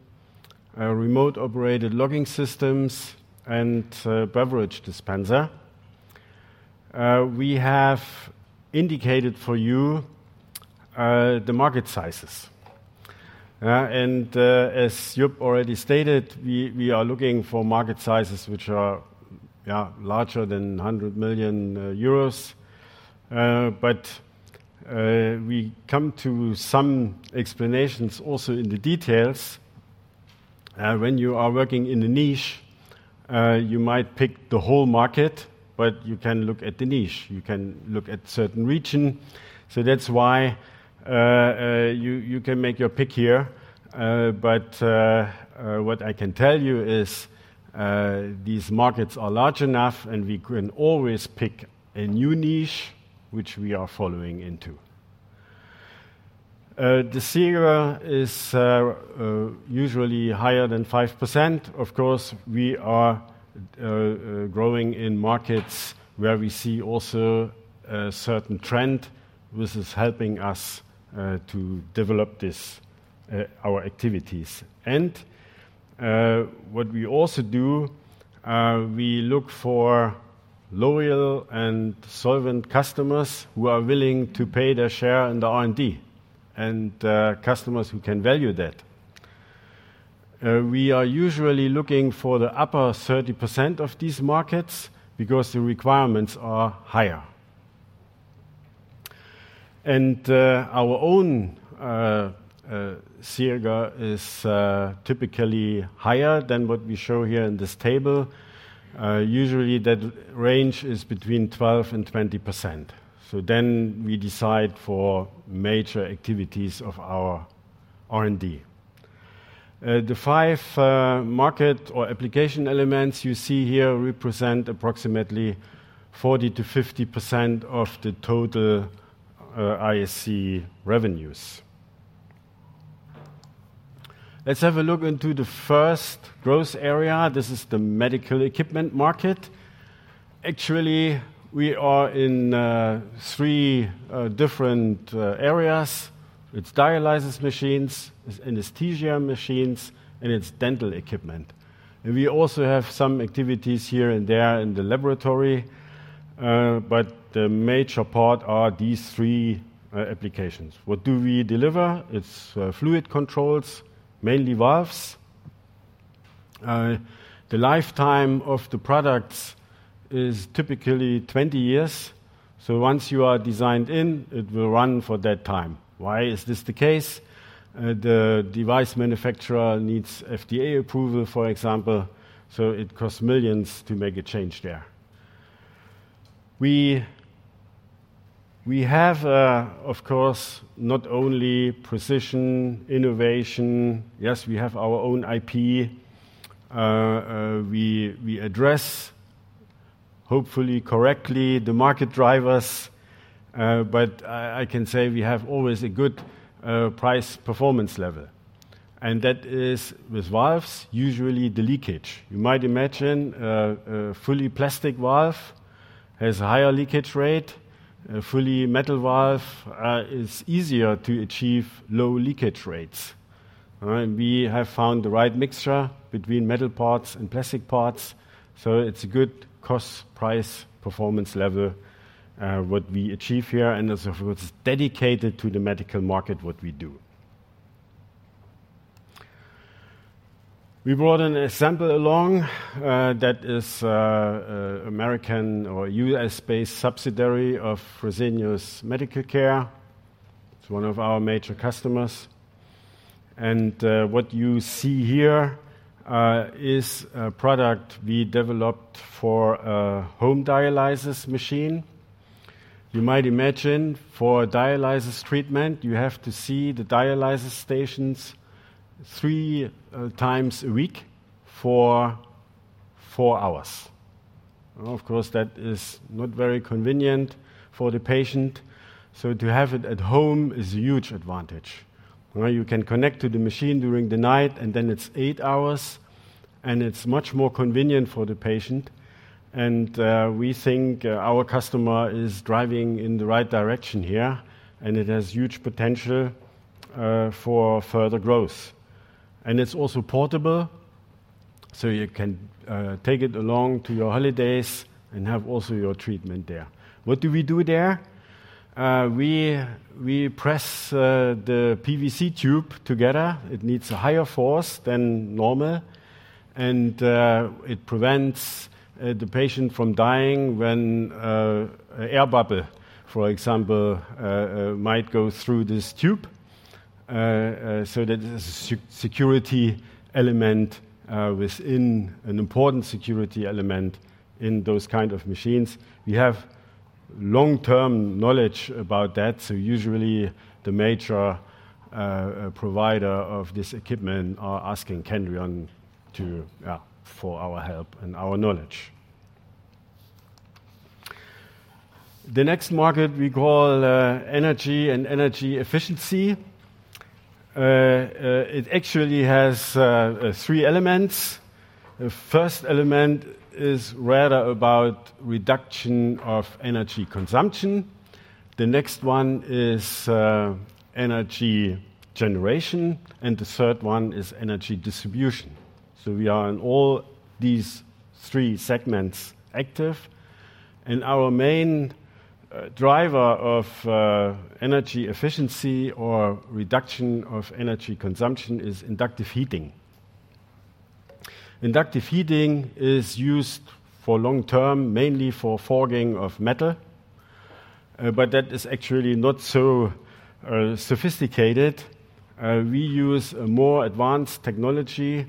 remote-operated logging systems, and beverage dispenser, we have indicated for you the market sizes. And as Joep already stated, we are looking for market sizes which are larger than 100 million euros. But we come to some explanations also in the details when you are working in a niche, you might pick the whole market, but you can look at the niche, you can look at certain region. So that's why you can make your pick here. But what I can tell you is, these markets are large enough, and we can always pick a new niche, which we are following into. The CAGR is usually higher than 5%. Of course, we are growing in markets where we see also a certain trend, which is helping us to develop this our activities. And what we also do, we look for loyal and solvent customers who are willing to pay their share in the R&D, and customers who can value that. We are usually looking for the upper 30% of these markets because the requirements are higher. And our own CAGR is typically higher than what we show here in this table. Usually that range is between 12% and 20%. So then we decide for major activities of our R&D. The five market or application elements you see here represent approximately 40%-50% of the total IAC revenues. Let's have a look into the first growth area. This is the medical equipment market. Actually, we are in three different areas. It's dialysis machines, it's anesthesia machines, and it's dental equipment. And we also have some activities here and there in the laboratory, but the major part are these three applications. What do we deliver? It's fluid controls, mainly valves. The lifetime of the products is typically 20 years, so once you are designed in, it will run for that time. Why is this the case? The device manufacturer needs FDA approval, for example, so it costs millions to make a change there. We have, of course, not only precision, innovation. Yes, we have our own IP. We address, hopefully correctly, the market drivers, but I can say we have always a good price-performance level, and that is with valves, usually the leakage. You might imagine a fully plastic valve has a higher leakage rate. A fully metal valve is easier to achieve low leakage rates. We have found the right mixture between metal parts and plastic parts, so it's a good cost, price, performance level what we achieve here, and it's dedicated to the medical market, what we do. We brought an example along, that is, American or U.S.-based subsidiary of Fresenius Medical Care. It's one of our major customers, and what you see here is a product we developed for a home dialysis machine. You might imagine, for a dialysis treatment, you have to see the dialysis stations three times a week for four hours. Of course, that is not very convenient for the patient, so to have it at home is a huge advantage. Where you can connect to the machine during the night, and then it's eight hours, and it's much more convenient for the patient. We think our customer is driving in the right direction here, and it has huge potential for further growth. It's also portable, so you can take it along to your holidays and have also your treatment there. What do we do there? We press the PVC tube together. It needs a higher force than normal, and it prevents the patient from dying when an air bubble, for example, might go through this tube. So that is a security element, an important security element in those kind of machines. We have long-term knowledge about that, so usually the major provider of this equipment are asking Kendrion for our help and our knowledge. The next market we call energy and energy efficiency. It actually has three elements. The first element is rather about reduction of energy consumption. The next one is energy generation, and the third one is energy distribution. So we are in all these three segments active. And our main driver of energy efficiency or reduction of energy consumption is inductive heating. Inductive heating is used for long term, mainly for forging of metal, but that is actually not so sophisticated. We use a more advanced technology,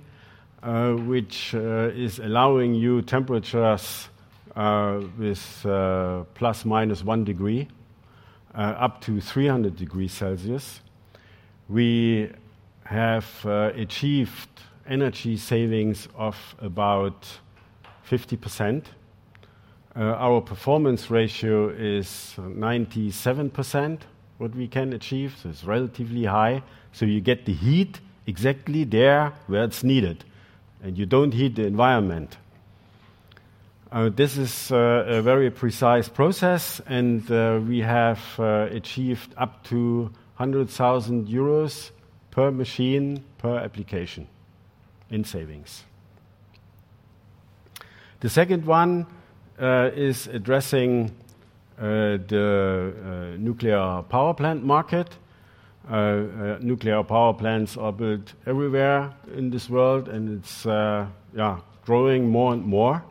which is allowing you temperatures with ±1 degree up to 300 degrees Celsius. We have achieved energy savings of about 50%. Our performance ratio is 97%, what we can achieve, so it's relatively high. So you get the heat exactly there where it's needed, and you don't heat the environment. This is a very precise process, and we have achieved up to 100,000 euros per machine, per application in savings. The second one is addressing the nuclear power plant market. Nuclear power plants are built everywhere in this world, and it's yeah, growing more and more.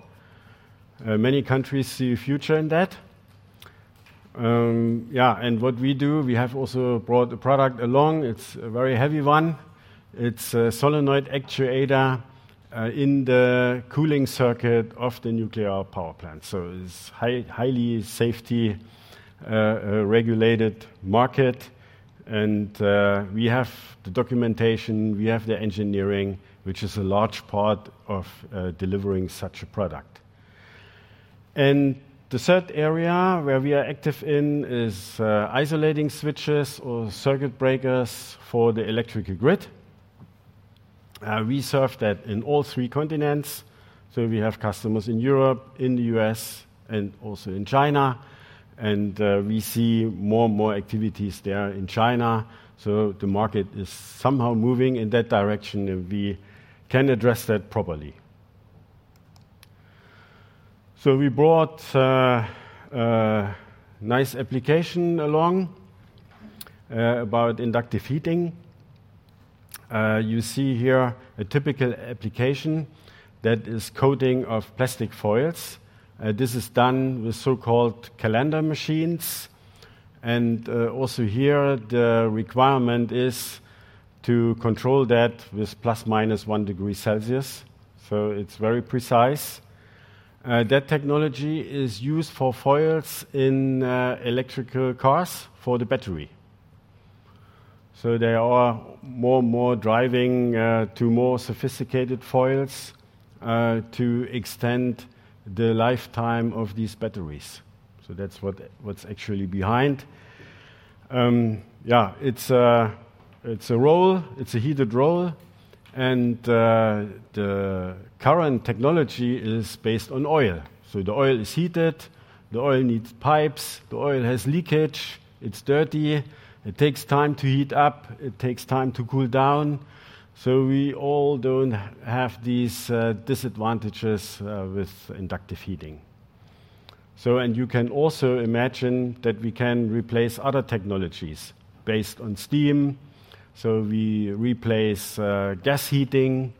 Many countries see a future in that. Yeah, and what we do, we have also brought the product along. It's a very heavy one. It's a solenoid actuator in the cooling circuit of the nuclear power plant. So it's a highly safety-regulated market, and we have the documentation, we have the engineering, which is a large part of delivering such a product. The third area where we are active in is isolating switches or circuit breakers for the electrical grid. We serve that in all three continents, so we have customers in Europe, in the U.S., and also in China, and we see more and more activities there in China. The market is somehow moving in that direction, and we can address that properly. We brought a nice application along about inductive heating. You see here a typical application that is coating of plastic foils. This is done with so-called calender machines. Also here, the requirement is to control that with ±1 degree Celsius, so it's very precise. That technology is used for foils in electric cars for the battery. They are more and more driving to more sophisticated foils to extend the lifetime of these batteries. That's what's actually behind. Yeah, it's a roll, it's a heated roll, and the current technology is based on oil. The oil is heated, the oil needs pipes, the oil has leakage, it's dirty, it takes time to heat up, it takes time to cool down. We all don't have these disadvantages with inductive heating. And you can also imagine that we can replace other technologies based on steam. We replace gas heating.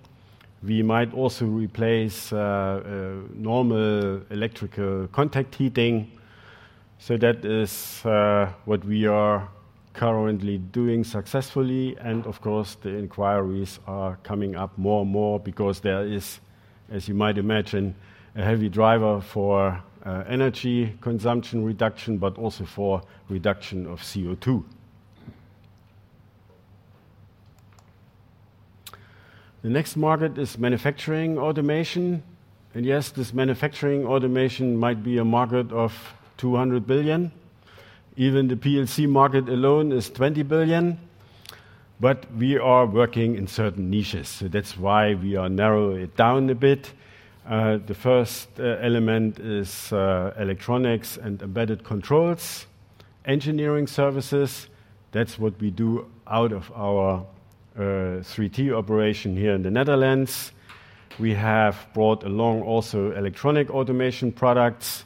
We might also replace normal electrical contact heating. That is what we are currently doing successfully, and of course, the inquiries are coming up more and more because there is, as you might imagine, a heavy driver for energy consumption reduction, but also for reduction of CO2. The next market is manufacturing automation, and yes, this manufacturing automation might be a market of 200 billion. Even the PLC market alone is 20 billion, but we are working in certain niches, so that's why we are narrowing it down a bit. The first element is electronics and embedded controls, engineering services. That's what we do out of our 3T operation here in the Netherlands. We have brought along also electronic automation products.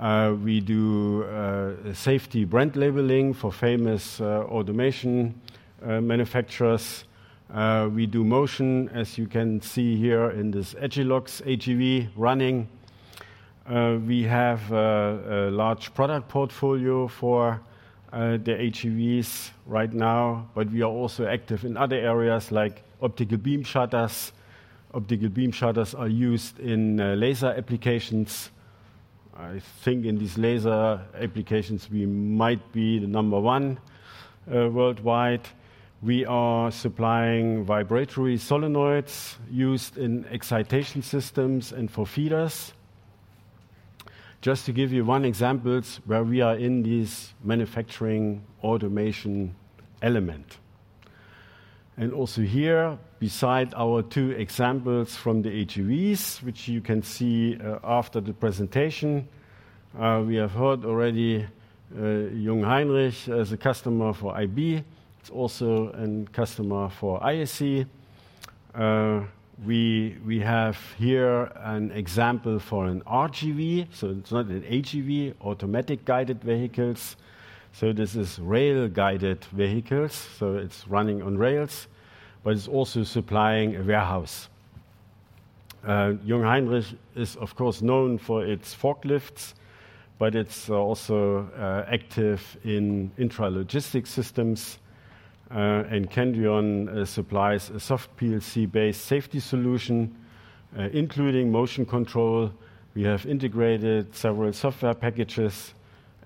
We do safety brand labeling for famous automation manufacturers. We do motion, as you can see here in this AGILOX AGV running. We have a large product portfolio for the AGVs right now, but we are also active in other areas like optical beam shutters. Optical beam shutters are used in laser applications. I think in these laser applications, we might be the number one worldwide. We are supplying vibratory solenoids used in excitation systems and for feeders. Just to give you one example, where we are in this manufacturing automation element. And also here, beside our two examples from the AGVs, which you can see after the presentation, we have heard already Jungheinrich as a customer for IB; it's also a customer for ISE. We have here an example for an RGV, so it's not an AGV, automatic guided vehicles. So this is rail-guided vehicles, so it's running on rails, but it's also supplying a warehouse. Jungheinrich is, of course, known for its forklifts, but it's also active in intralogistics systems, and Kendrion supplies a soft PLC-based safety solution, including motion control. We have integrated several software packages,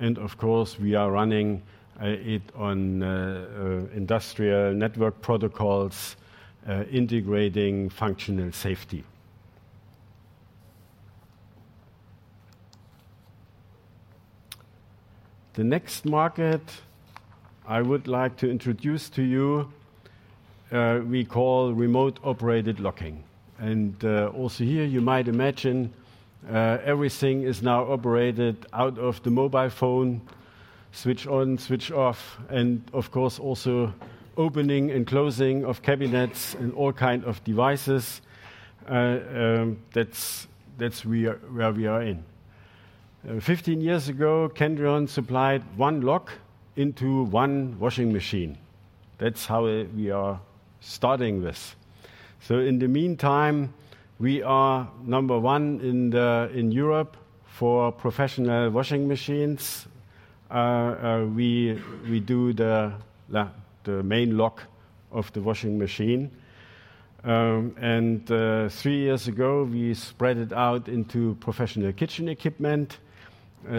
and of course, we are running it on industrial network protocols, integrating functional safety. The next market I would like to introduce to you, we call remote-operated locking. Also here, you might imagine, everything is now operated out of the mobile phone, switch on, switch off, and of course, also opening and closing of cabinets and all kind of devices. That's where we are in. 15 years ago, Kendrion supplied one lock into one washing machine. That's how we are starting this. So in the meantime, we are number one in Europe for professional washing machines. We do the main lock of the washing machine. And three years ago, we spread it out into professional kitchen equipment,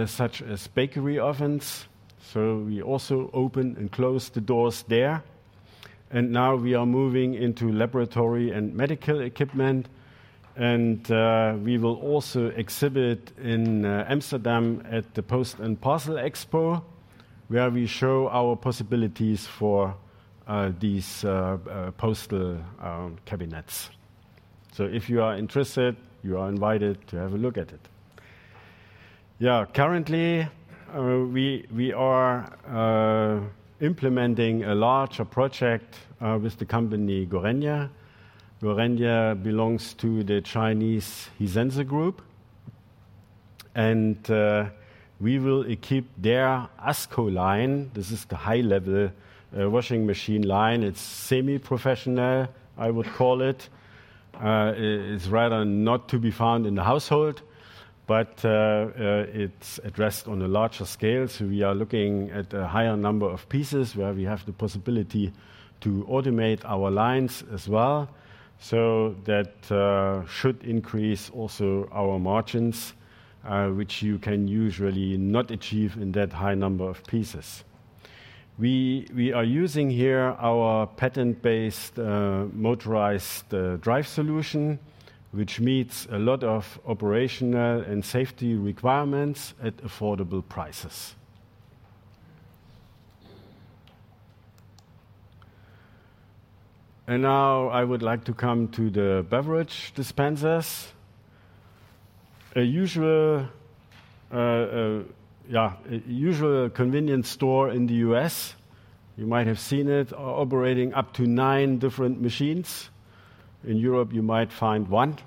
such as bakery ovens, so we also open and close the doors there. And now we are moving into laboratory and medical equipment, and we will also exhibit in Amsterdam at the Post and Parcel Expo, where we show our possibilities for these postal cabinets. So if you are interested, you are invited to have a look at it. Yeah, currently, we are implementing a larger project with the company Gorenje. Gorenje belongs to the Chinese Hisense Group, and we will equip their Asko line, this is the high-level washing machine line. It's semi-professional, I would call it. It's rather not to be found in the household, but it's addressed on a larger scale, so we are looking at a higher number of pieces where we have the possibility to automate our lines as well. So that should increase also our margins, which you can usually not achieve in that high number of pieces. We are using here our patent-based motorized drive solution, which meets a lot of operational and safety requirements at affordable prices. And now I would like to come to the beverage dispensers. A usual convenience store in the U.S., you might have seen it, are operating up to nine different machines. In Europe, you might find one.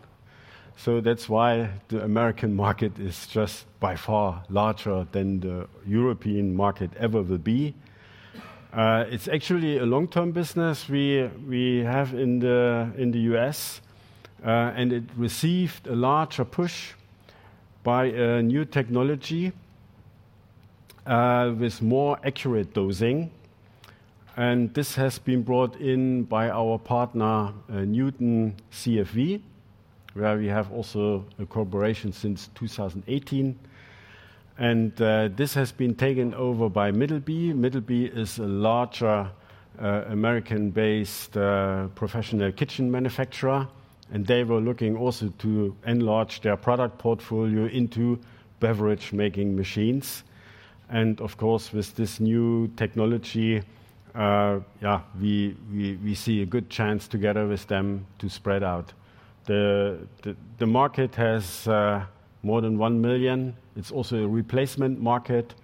So that's why the American market is just by far larger than the European market ever will be. It's actually a long-term business we have in the U.S., and it received a larger push by a new technology with more accurate dosing, and this has been brought in by our partner, Newton CFV, where we have also a cooperation since 2018, and this has been taken over by Middleby. Middleby is a larger American-based professional kitchen manufacturer, and they were looking also to enlarge their product portfolio into beverage-making machines. And of course, with this new technology, yeah, we see a good chance together with them to spread out. The market has more than one million. It's also a replacement market,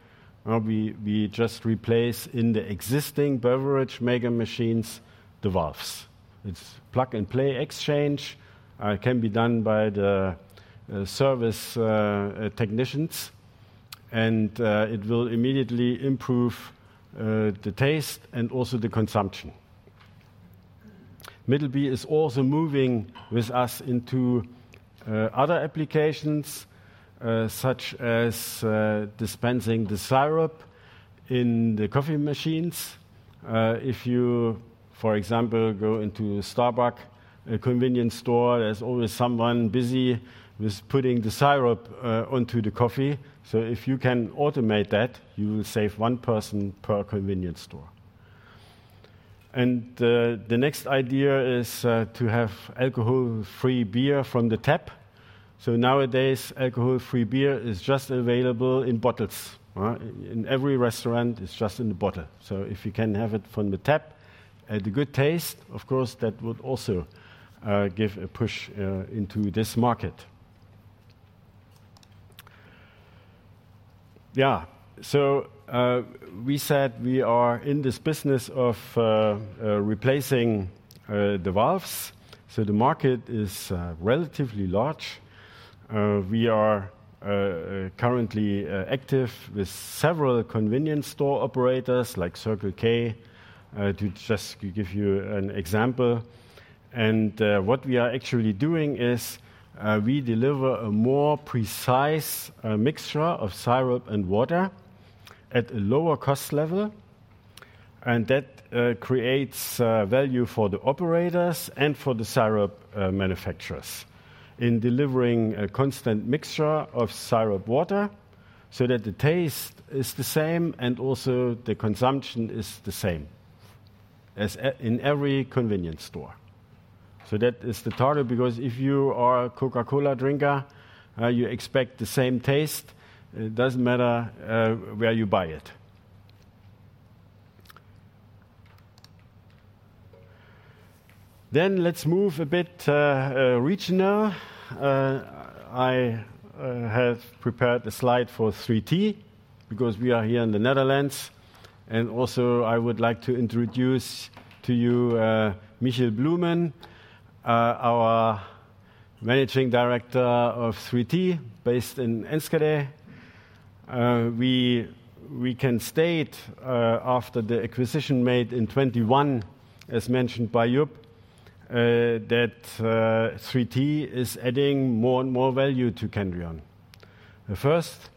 where we just replace in the existing beverage-making machines the valves. It's plug-and-play exchange. It can be done by the service technicians, and it will immediately improve the taste and also the consumption. Middleby is also moving with us into other applications, such as dispensing the syrup in the coffee machines. If you, for example, go into a Starbucks, a convenience store, there's always someone busy with putting the syrup onto the coffee. So if you can automate that, you will save one person per convenience store. The next idea is to have alcohol-free beer from the tap. So nowadays, alcohol-free beer is just available in bottles in every restaurant. It's just in the bottle. So if you can have it from the tap at a good taste, of course, that would also give a push into this market. Yeah, so we said we are in this business of replacing the valves. The market is relatively large. We are currently active with several convenience store operators, like Circle K, to just give you an example, and what we are actually doing is we deliver a more precise mixture of syrup and water at a lower cost level, and that creates value for the operators and for the syrup manufacturers in delivering a constant mixture of syrup water, so that the taste is the same, and also the consumption is the same, as in every convenience store. So that is the target, because if you are a Coca-Cola drinker, you expect the same taste, it doesn't matter where you buy it. Then let's move a bit regional. I have prepared a slide for 3T, because we are here in the Netherlands, and also, I would like to introduce to you Michiel Bloemen, our Managing Director of 3T, based in Enschede. We can state, after the acquisition made in 2021, as mentioned by Joep, that 3T is adding more and more value to Kendrion. First,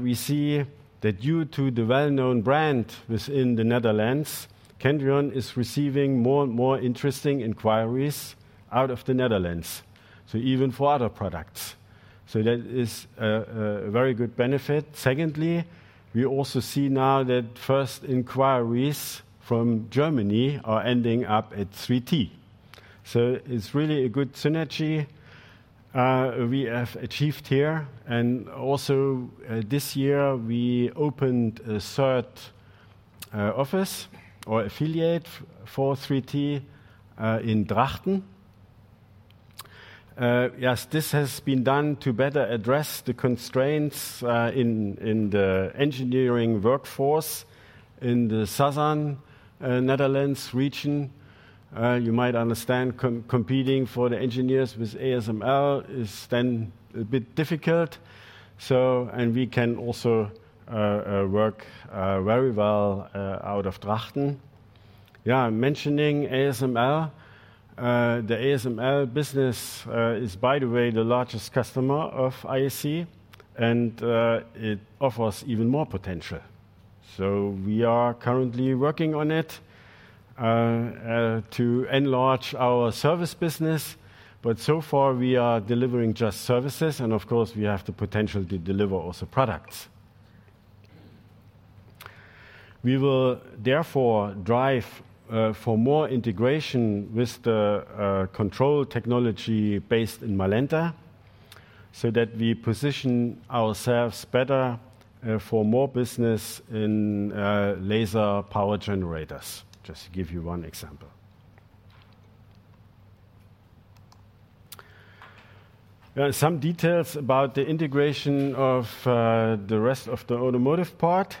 we see that due to the well-known brand within the Netherlands, Kendrion is receiving more and more interesting inquiries out of the Netherlands, so even for other products. So that is a very good benefit. Secondly, we also see now that first inquiries from Germany are ending up at 3T. So it's really a good synergy we have achieved here. And also, this year, we opened a third office or affiliate for 3T in Drachten. Yes, this has been done to better address the constraints in the engineering workforce in the southern Netherlands region. You might understand competing for the engineers with ASML is then a bit difficult, so and we can also work very well out of Drachten. Yeah, mentioning ASML, the ASML business is, by the way, the largest customer of IAC, and it offers even more potential. So we are currently working on it to enlarge our service business, but so far we are delivering just services, and of course, we have the potential to deliver also products. We will therefore drive for more integration with the control technology based in Malente, so that we position ourselves better for more business in laser power generators, just to give you one example. Some details about the integration of the rest of the automotive part.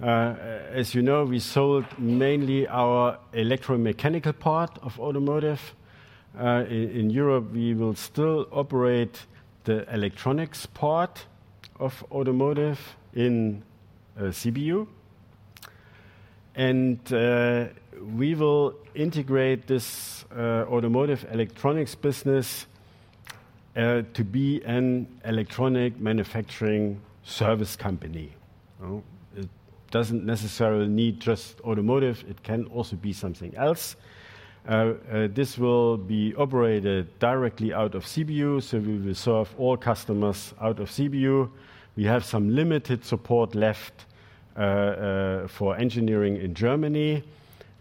As you know, we sold mainly our electromechanical part of automotive. In Europe, we will still operate the electronics part of automotive in Sibiu, and we will integrate this automotive electronics business to be an electronic manufacturing service company. It doesn't necessarily need just automotive, it can also be something else. This will be operated directly out of Sibiu, so we will serve all customers out of Sibiu. We have some limited support left for engineering in Germany,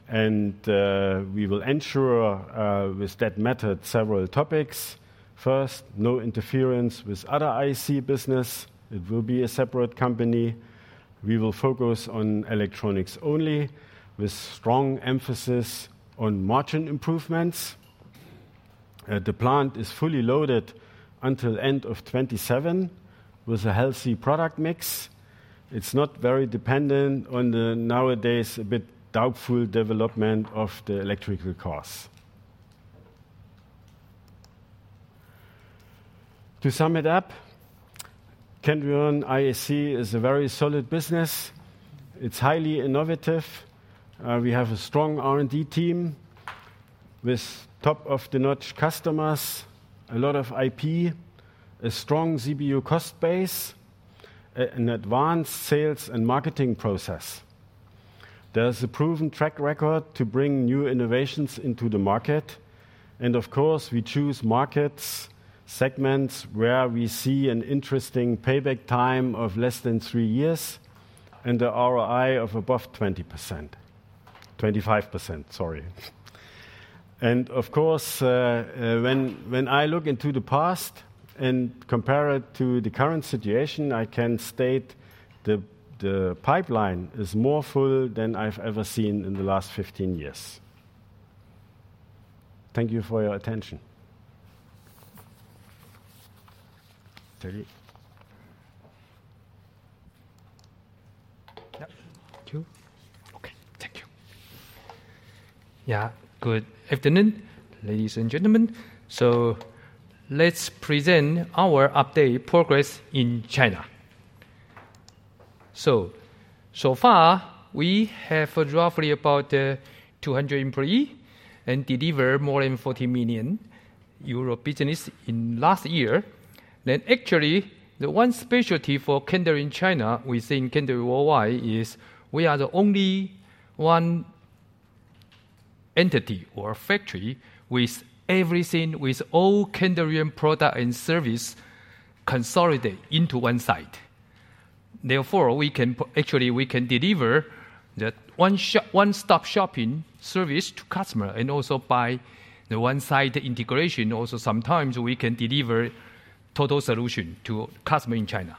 and we will ensure with that method several topics. First, no interference with other IAC business. It will be a separate company. We will focus on electronics only, with strong emphasis on margin improvements. The plant is fully loaded until end of 2027, with a healthy product mix. It's not very dependent on the nowadays a bit doubtful development of the electrical costs. To sum it up, Kendrion IAC is a very solid business. It's highly innovative. We have a strong R&D team with top-notch customers, a lot of IP, a strong Sibiu cost base, an advanced sales and marketing process. There is a proven track record to bring new innovations into the market, and of course, we choose markets, segments, where we see an interesting payback time of less than three years and a ROI of above 20%. 25%, sorry. And of course, when I look into the past and compare it to the current situation, I can state the pipeline is more full than I've ever seen in the last 15 years. Thank you for your attention. Telly? Thank you. Okay, thank you. Yeah, good afternoon, ladies and gentlemen. So let's present our update progress in China. So, so far, we have roughly about 200 employees, and deliver more than 40 million euro business in last year. Then actually, the one specialty for Kendrion in China, within Kendrion Worldwide, is we are the only one entity or factory with everything, with all Kendrion product and service consolidate into one site. Therefore, we can actually, we can deliver the one-stop shopping service to customer, and also by the one-side integration, also sometimes we can deliver total solution to customer in China.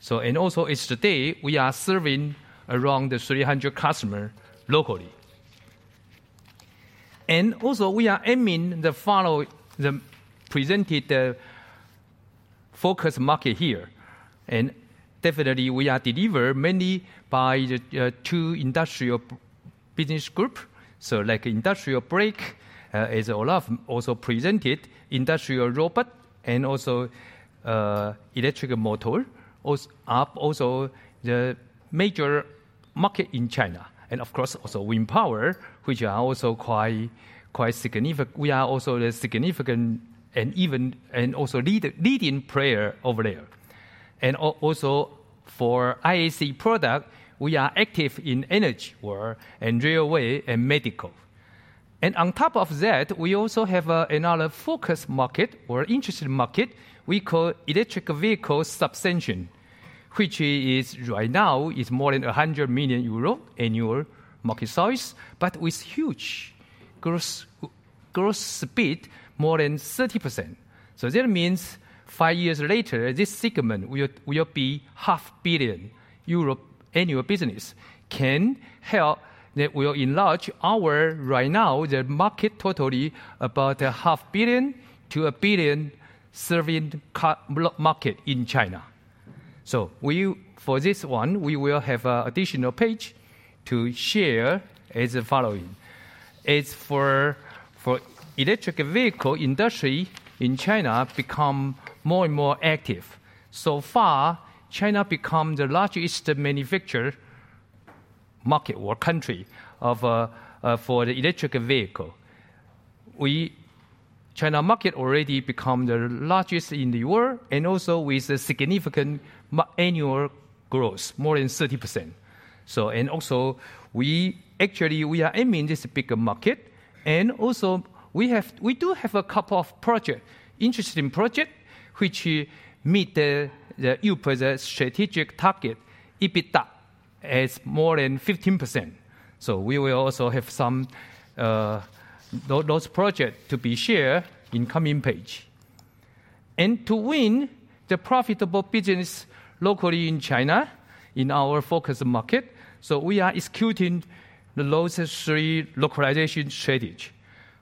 So, and also as today, we are serving around the 300 customer locally. And also we are aiming the follow, the presented, the focus market here. And definitely we are deliver mainly by the two industrial business group. Like industrial brake, as Olaf also presented, industrial robot and also electric motor also are the major market in China. And of course, also wind power, which are also quite significant. We are also significant and even also leading player over there. And also, for IEC product, we are active in energy world, and railway, and medical. And on top of that, we also have another focus market or interesting market we call electric vehicle substation, which right now is more than 100 million euro annual market size, but with huge growth speed more than 30%. So that means five years later, this segment will be 500 million annual business. That will enlarge our right now the market totally about 500 million to 1 billion serving market in China. So we, for this one, we will have an additional page to share as the following. As for the electric vehicle industry in China become more and more active. So far, China become the largest manufacturer market or country of for the electric vehicle. China market already become the largest in the world, and also with a significant annual growth, more than 30%. So, and also we actually, we are aiming this bigger market, and also we have, we do have a couple of project, interesting project, which meet the strategic target, EBITDA, as more than 15%. So we will also have some those project to be shared in coming page. And to win the profitable business locally in China, in our focus market, so we are executing those three localization strategy.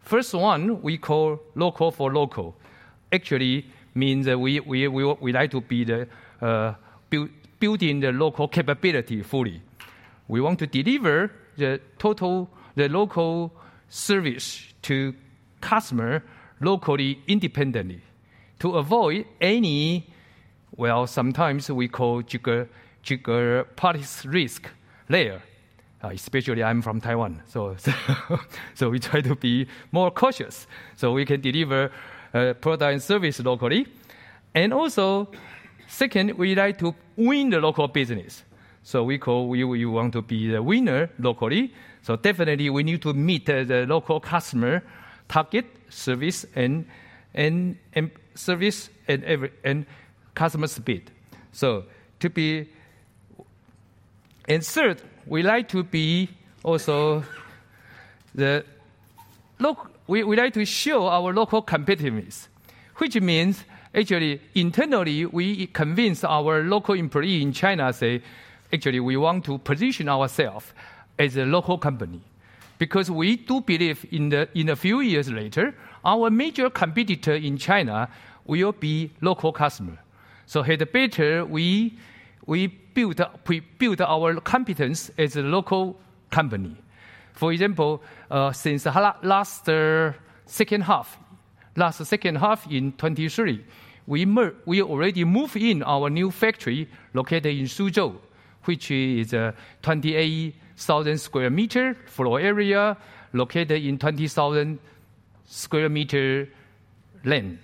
First one we call local for local, actually means that we like to be building the local capability fully. We want to deliver the total local service to customer locally, independently, to avoid any, well, sometimes we call geopolitical risk there. Especially I'm from Taiwan, so we try to be more cautious, so we can deliver product and service locally. And also, second, we like to win the local business. So we want to be the winner locally, so definitely we need to meet the local customer target, service, and service and every customer speed. And third, we like to show our local competitiveness, which means actually internally, we convince our local employees in China. Actually, we want to position ourselves as a local company, because we do believe in a few years later, our major competitor in China will be local customer. So the better we build our competence as a local company. For example, since the last second half in 2023, we already move in our new factory located in Suzhou, which is a 28,000 square meter floor area, located in 20,000 square meter land.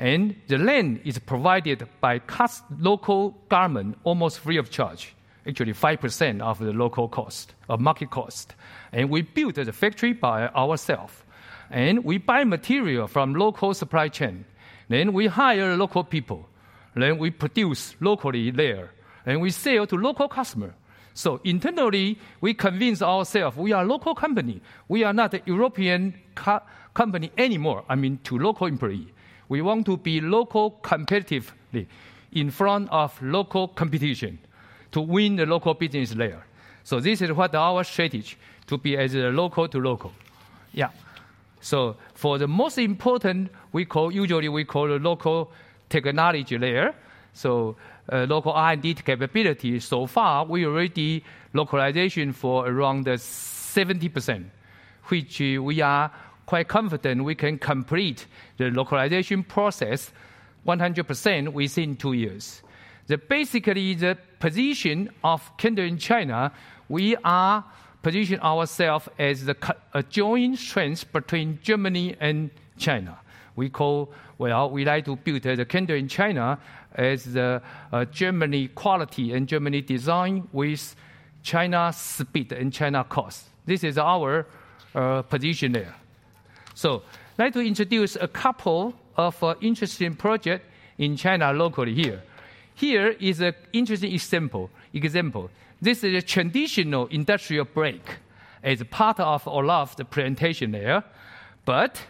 And the land is provided at cost by local government, almost free of charge, actually 5% of the local cost of market cost. And we built the factory by ourself, and we buy material from local supply chain, then we hire local people, then we produce locally there, and we sell to local customer. So internally, we convince ourself we are a local company. We are not a European company anymore, I mean, to local employee. We want to be local competitively in front of local competition, to win the local business layer. So this is what our strategy, to be as a local to local. Yeah. So for the most important, we call, usually we call a local technology layer, so, local R&D capability. So far, we already localization for around 70%, which, we are quite confident we can complete the localization process 100% within two years. Basically, the position of Kendrion in China, we are positioning ourselves as a joint strength between Germany and China. Well, we like to build the Kendrion in China as the Germany quality and Germany design with China speed and China cost. This is our position there. So I'd like to introduce a couple of interesting projects in China locally here. Here is an interesting example. This is a traditional industrial brake, as part of Olaf's presentation there. But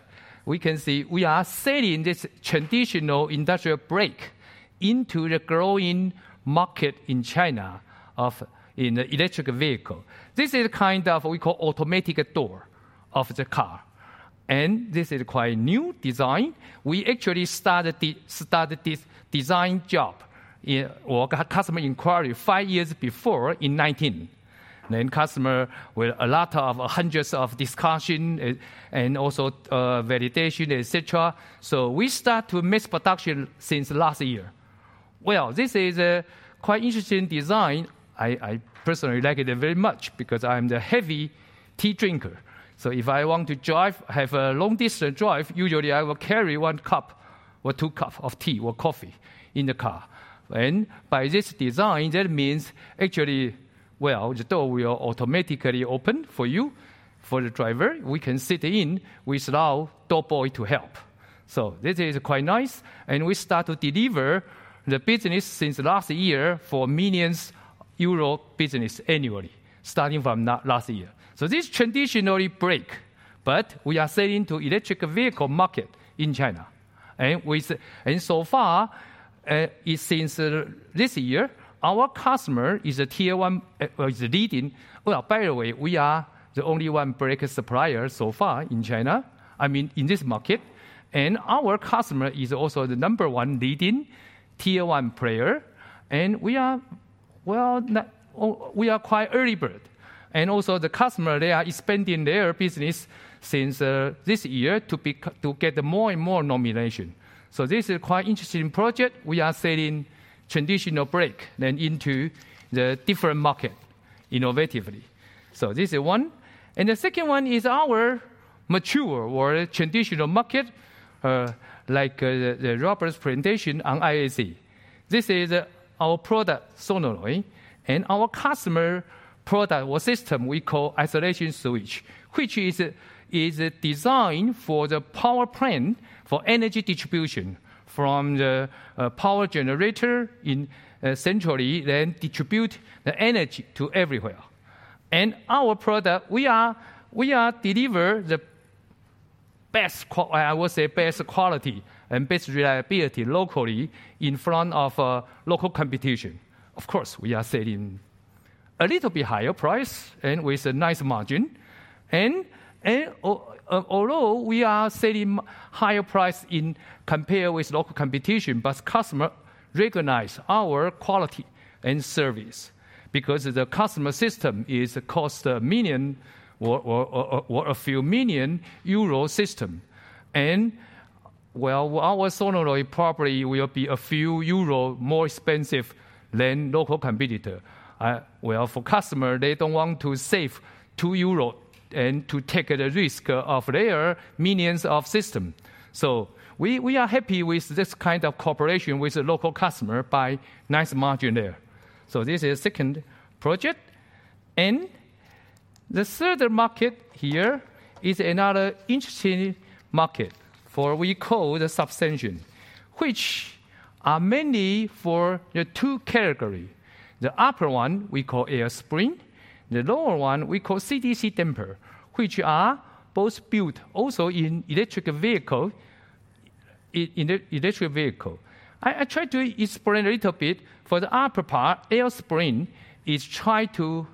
we can see we are selling this traditional industrial brake into the growing market in China of electric vehicles. This is a kind of we call automatic door of the car, and this is quite a new design. We actually started this design job or customer inquiry five years before in 2019. The customer with a lot of hundreds of discussion, and also, validation, et cetera. So we start to mass production since last year. This is a quite interesting design. I personally like it very much because I'm the heavy tea drinker. So if I want to drive, have a long distance drive, usually I will carry one cup or two cup of tea or coffee in the car. And by this design, that means actually, the door will automatically open for you, for the driver. We can sit in without door boy to help. So this is quite nice, and we start to deliver the business since last year for millions euros business annually, starting from last year. This traditional brake, but we are selling to electric vehicle market in China. So far, since this year, our customer is a Tier 1, is leading. Well, by the way, we are the only one brake supplier so far in China, I mean, in this market, and our customer is also the number one leading Tier 1 player, and we are, well, we are quite early bird. Also the customer, they are expanding their business since this year to get more and more nomination. This is a quite interesting project. We are selling traditional brake, then into the different market innovatively. This is one, and the second one is our mature or traditional market, like, the Robert's presentation on IAC. This is our product, solenoid, and our customer product or system we call isolation switch, which is designed for the power plant, for energy distribution from the power generator in centrally, then distribute the energy to everywhere. And our product, we are deliver the best quality and best reliability locally in front of local competition. Of course, we are selling a little bit higher price and with a nice margin, and although we are selling higher price in compare with local competition, but customer recognize our quality and service because the customer system costs 1 million or a few million euros system. And well, our solenoid probably will be a few euros more expensive than local competitor. For customer, they don't want to save 2 euro and to take the risk of their millions of system. So we, we are happy with this kind of cooperation with the local customer by nice margin there. So this is second project, and the third market here is another interesting market, for we call the suspension, which are mainly for the two category. The upper one we call air spring, the lower one we call CDC damper, which are both built also in electric vehicle, in the electric vehicle. I try to explain a little bit for the upper part, air spring is try to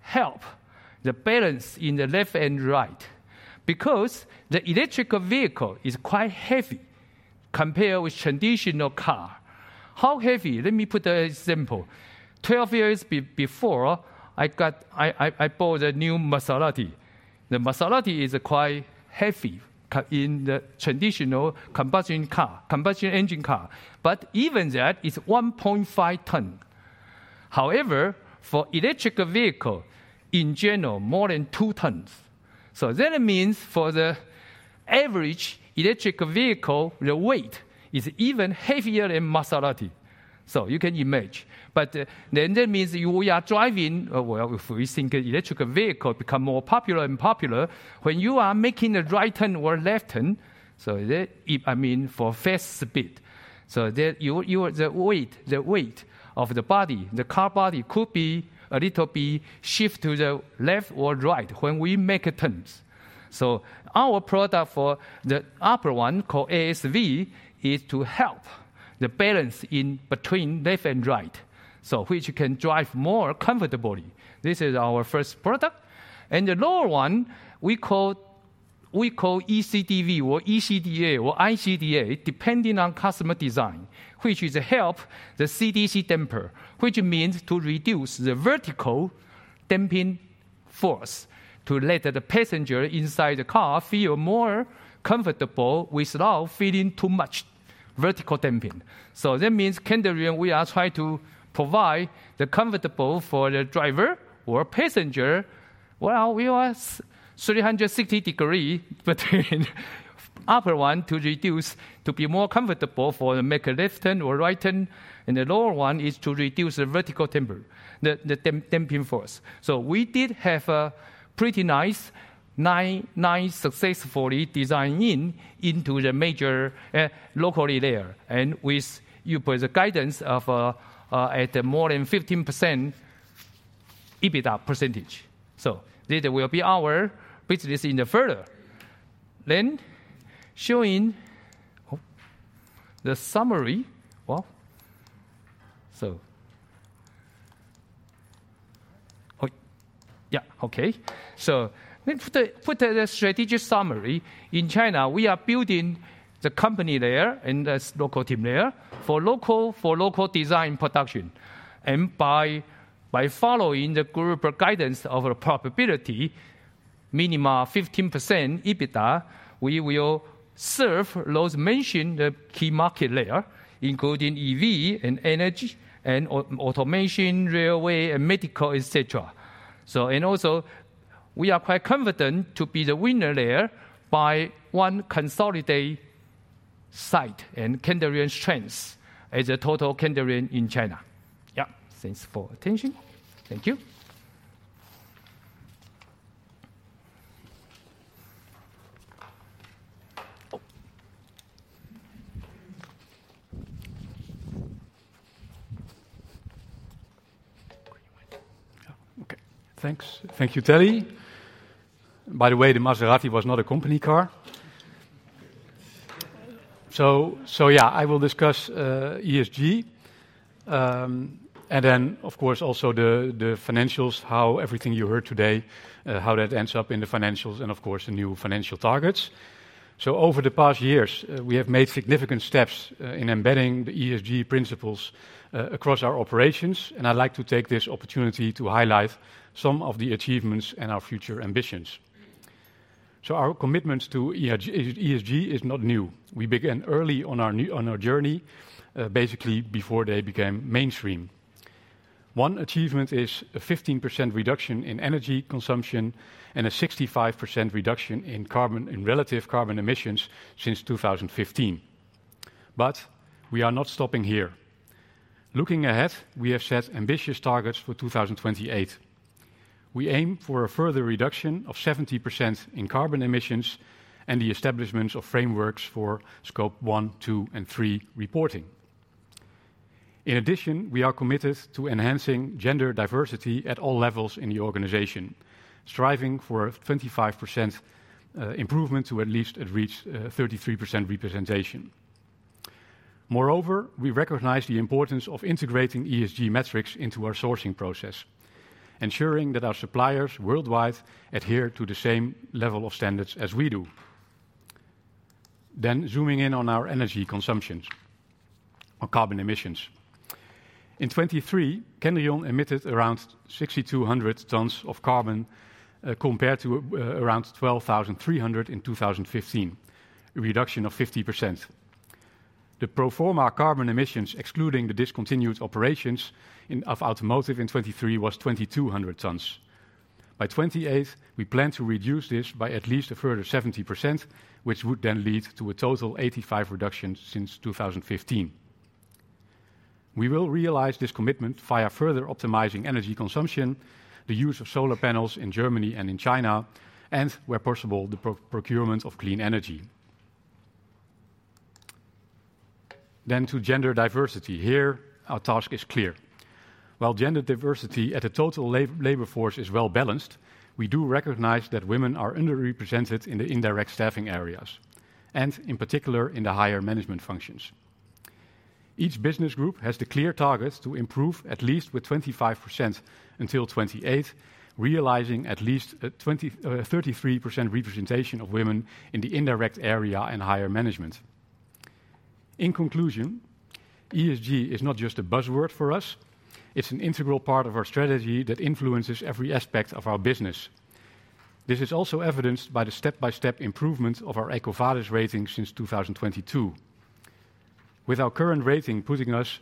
help the balance in the left and right because the electric vehicle is quite heavy compared with traditional car. How heavy? Let me put a example. 12 years before, I bought a new Maserati. The Maserati is quite heavy in the traditional combustion car, combustion engine car, but even that is 1.5 ton. However, for electric vehicle, in general, more than 2 tons. So that means for the average electric vehicle, the weight is even heavier than Maserati, so you can imagine, but then that means we are driving, well, if we think electric vehicle become more popular and popular, when you are making a right turn or left turn, I mean, for fast speed, so the weight of the body, the car body, could be a little bit shift to the left or right when we make turns, so our product for the upper one, called ASV, is to help the balance in between left and right, so which you can drive more comfortably. This is our first product, and the lower one we call ECDV or ECDA or ICDA, depending on customer design, which is help the CDC damper, which means to reduce the vertical damping force to let the passenger inside the car feel more comfortable without feeling too much vertical damping. That means Kendrion, we are trying to provide the comfortable for the driver or passenger. We are 360-degree between upper one to reduce, to be more comfortable for the make a left turn or right turn, and the lower one is to reduce the vertical temper, the damping force. We did have a pretty nice 99 successfully designed into the major locally there, and with the by the guidance of at more than 15% EBITDA percentage. This will be our business in the future. Then, the summary. Let's put the strategic summary. In China, we are building the company there, and there's local team there, for local design production. And by following the group guidance of the profitability, minimum 15% EBITDA, we will serve the mentioned key market layers, including EV and energy, and automation, railway, and medical, et cetera. And also, we are quite confident to be the winner there by one consolidated site and Kendrion strengths as a total Kendrion in China. Thanks for attention. Thank you. Yeah. Okay, thanks. Thank you, Telly. By the way, the Maserati was not a company car. So, so yeah, I will discuss ESG, and then, of course, also the financials, how everything you heard today, how that ends up in the financials, and of course, the new financial targets. So over the past years, we have made significant steps in embedding the ESG principles across our operations, and I'd like to take this opportunity to highlight some of the achievements and our future ambitions. So our commitments to ESG is not new. We began early on our journey, basically before they became mainstream. One achievement is a 15% reduction in energy consumption and a 65% reduction in relative carbon emissions since 2015. But we are not stopping here. Looking ahead, we have set ambitious targets for 2028. We aim for a further reduction of 70% in carbon emissions and the establishment of frameworks for Scope 1, 2, and 3 reporting. In addition, we are committed to enhancing gender diversity at all levels in the organization, striving for a 25% improvement to at least reach 33% representation. Moreover, we recognize the importance of integrating ESG metrics into our sourcing process, ensuring that our suppliers worldwide adhere to the same level of standards as we do, then zooming in on our energy consumption or carbon emissions. In 2023, Kendrion emitted around 6,200 tons of carbon, compared to around 12,300 in 2015, a reduction of 50%. The pro forma carbon emissions, excluding the discontinued operations of automotive in 2023, was 2,200 tons. By 2028, we plan to reduce this by at least a further 70%, which would then lead to a total 85% reduction since 2015. We will realize this commitment via further optimizing energy consumption, the use of solar panels in Germany and in China, and, where possible, the procurement of clean energy. Then to gender diversity. Here, our task is clear. While gender diversity at the total labor force is well-balanced, we do recognize that women are underrepresented in the indirect staffing areas, and in particular, in the higher management functions. Each business group has the clear targets to improve at least with 25% until 2028, realizing at least a 33% representation of women in the indirect area and higher management. In conclusion, ESG is not just a buzzword for us, it's an integral part of our strategy that influences every aspect of our business. This is also evidenced by the step-by-step improvement of our EcoVadis rating since 2022, with our current rating putting us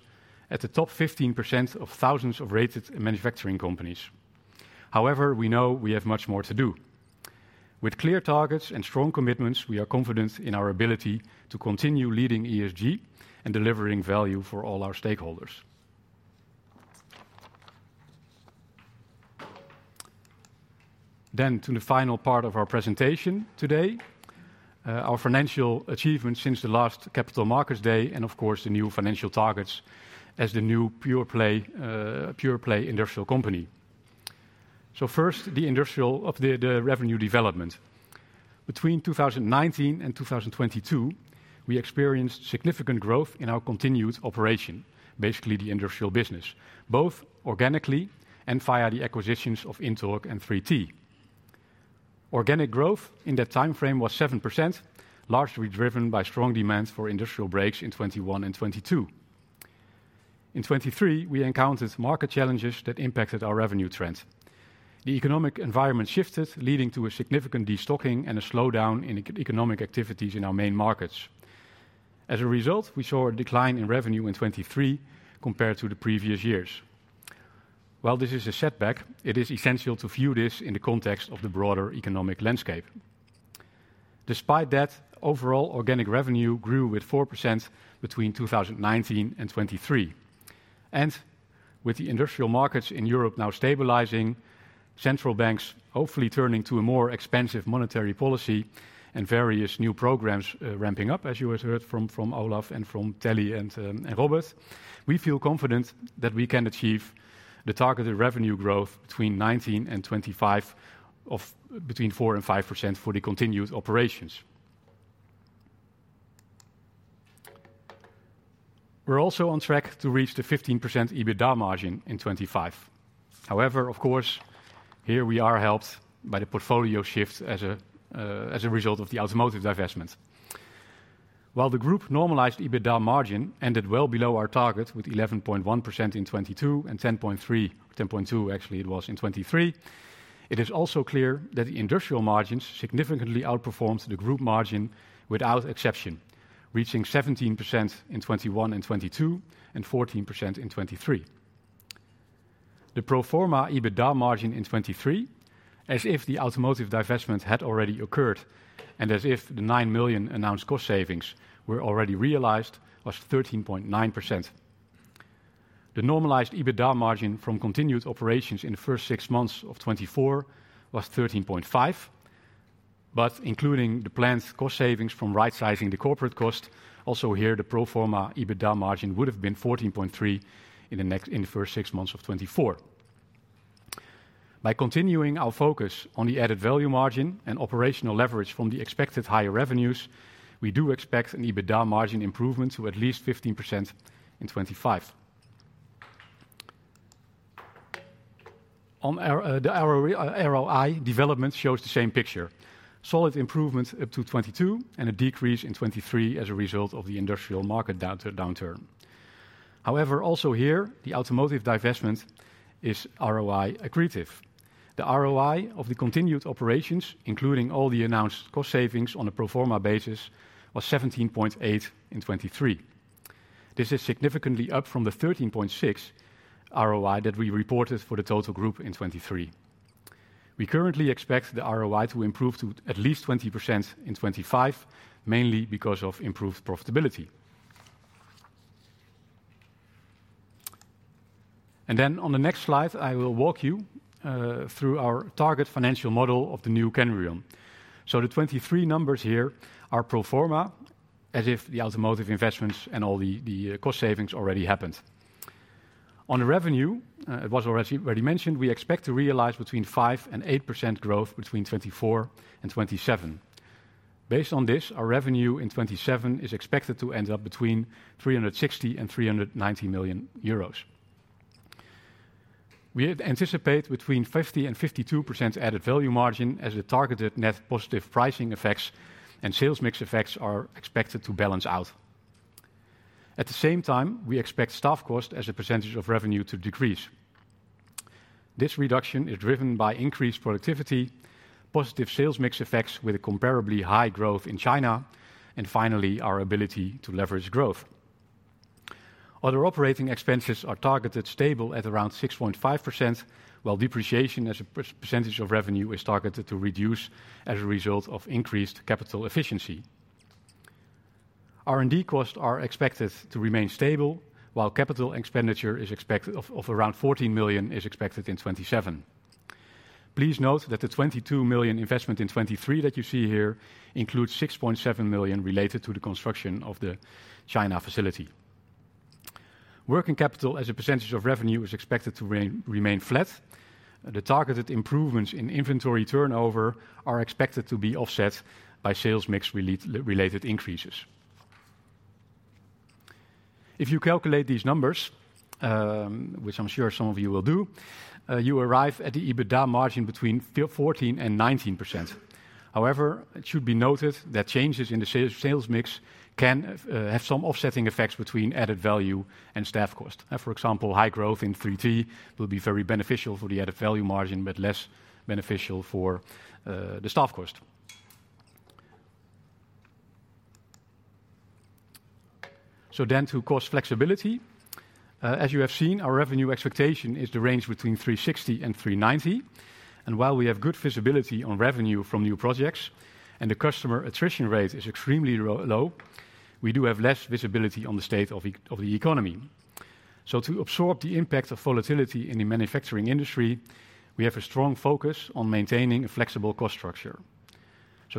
at the top 15% of thousands of rated manufacturing companies. However, we know we have much more to do. With clear targets and strong commitments, we are confident in our ability to continue leading ESG and delivering value for all our stakeholders. To the final part of our presentation today, our financial achievements since the last Capital Markets Day, and of course, the new financial targets as the new pure-play industrial company. So first, the industrial revenue development. Between 2019 and 2022, we experienced significant growth in our continued operation, basically the industrial business, both organically and via the acquisitions of INTORQ and 3T. Organic growth in that timeframe was 7%, largely driven by strong demand for industrial brakes in 2021 and 2022. In 2023, we encountered market challenges that impacted our revenue trends. The economic environment shifted, leading to a significant destocking and a slowdown in economic activities in our main markets. As a result, we saw a decline in revenue in 2023 compared to the previous years. While this is a setback, it is essential to view this in the context of the broader economic landscape. Despite that, overall organic revenue grew with 4% between 2019 and 2023. And with the industrial markets in Europe now stabilizing, central banks hopefully turning to a more expansionary monetary policy, and various new programs ramping up, as you has heard from Olaf and from Telly and Robert, we feel confident that we can achieve the targeted revenue growth between 2019 and 2025 of between 4% and 5% for the continued operations. We're also on track to reach the 15% EBITDA margin in 2025. However, of course, here we are helped by the portfolio shift as a result of the automotive divestment. While the group normalized EBITDA margin ended well below our target with 11.1% in 2022 and 10.3, 10.2, actually, it was in 2023, it is also clear that the industrial margins significantly outperformed the group margin without exception, reaching 17% in 2021 and 2022, and 14% in 2023. The pro forma EBITDA margin in 2023, as if the automotive divestment had already occurred, and as if the 9 million announced cost savings were already realized, was 13.9%. The normalized EBITDA margin from continued operations in the first six months of 2024 was 13.5%, but including the planned cost savings from rightsizing the corporate cost, also here, the pro forma EBITDA margin would have been 14.3% in the first six months of 2024. By continuing our focus on the added value margin and operational leverage from the expected higher revenues, we do expect an EBITDA margin improvement to at least 15% in 2025. On our, the ROI, ROI development shows the same picture. Solid improvement up to 2022, and a decrease in 2023 as a result of the industrial market downturn. However, also here, the automotive divestment is ROI accretive. The ROI of the continued operations, including all the announced cost savings on a pro forma basis, was 17.8 in 2023. This is significantly up from the 13.6 ROI that we reported for the total group in 2023. We currently expect the ROI to improve to at least 20% in 2025, mainly because of improved profitability. Then on the next slide, I will walk you through our target financial model of the new Kendrion. So the 2023 numbers here are pro forma, as if the automotive investments and all the cost savings already happened. On the revenue, it was already mentioned, we expect to realize between 5%-8% growth between 2024 and 2027. Based on this, our revenue in 2027 is expected to end up between 360 million-390 million euros. We anticipate 50%-52% added value margin as the targeted net positive pricing effects and sales mix effects are expected to balance out. At the same time, we expect staff cost as a percentage of revenue to decrease. This reduction is driven by increased productivity, positive sales mix effects with a comparably high growth in China, and finally, our ability to leverage growth. Other operating expenses are targeted stable at around 6.5%, while depreciation as a percentage of revenue is targeted to reduce as a result of increased capital efficiency. R&D costs are expected to remain stable, while capital expenditure is expected of around 14 million, is expected in 2027. Please note that the 22 million investment in 2023 that you see here includes 6.7 million related to the construction of the China facility. Working capital as a percentage of revenue is expected to remain flat. The targeted improvements in inventory turnover are expected to be offset by sales mix related increases. If you calculate these numbers, which I'm sure some of you will do, you arrive at the EBITDA margin between 14% and 19%. However, it should be noted that changes in the sales mix can have some offsetting effects between added value and staff cost. For example, high growth in 3T will be very beneficial for the added value margin, but less beneficial for the staff cost. So then to cost flexibility. As you have seen, our revenue expectation is to range between 360 million and 390 million. And while we have good visibility on revenue from new projects and the customer attrition rate is extremely low, we do have less visibility on the state of the economy. To absorb the impact of volatility in the manufacturing industry, we have a strong focus on maintaining a flexible cost structure.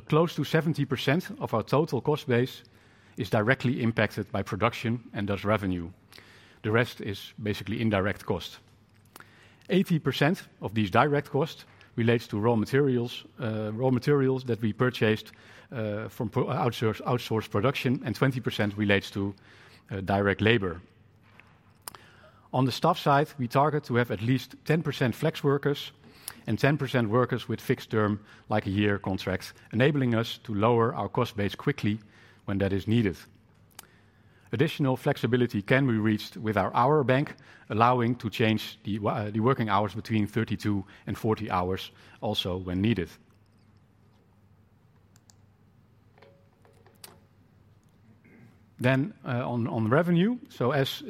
Close to 70% of our total cost base is directly impacted by production and thus, revenue. The rest is basically indirect cost. 80% of these direct costs relates to raw materials that we purchased from outsourced production, and 20% relates to direct labor. On the staff side, we target to have at least 10% flex workers and 10% workers with fixed term, like a year contract, enabling us to lower our cost base quickly when that is needed. Additional flexibility can be reached with our hour bank, allowing to change the working hours between 32 and 40 hours also when needed. Then, on revenue, so as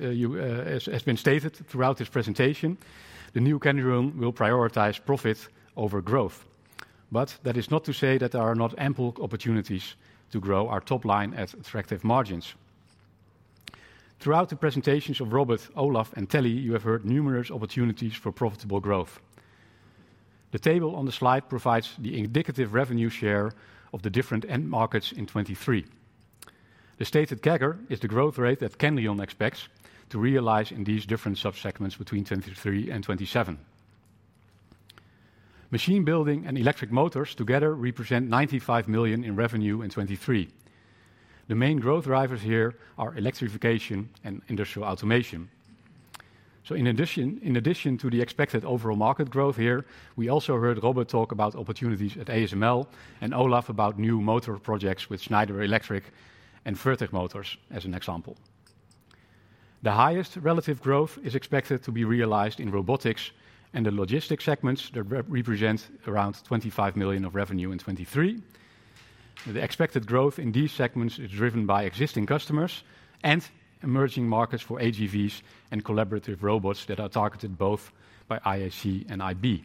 has been stated throughout this presentation, the new Kendrion will prioritize profit over growth. But that is not to say that there are not ample opportunities to grow our top line at attractive margins. Throughout the presentations of Robert, Olaf, and Telly, you have heard numerous opportunities for profitable growth. The table on the slide provides the indicative revenue share of the different end markets in 2023. The stated CAGR is the growth rate that Kendrion expects to realize in these different subsegments between 2023 and 2027. Machine building and electric motors together represent 95 million in revenue in 2023. The main growth drivers here are electrification and industrial automation. In addition to the expected overall market growth here, we also heard Robert talk about opportunities at ASML, and Olaf about new motor projects with Schneider Electric and Fertig Motors, as an example. The highest relative growth is expected to be realized in robotics and the logistics segments represent around 25 million of revenue in 2023. The expected growth in these segments is driven by existing customers and emerging markets for AGVs and collaborative robots that are targeted both by IAC and IB.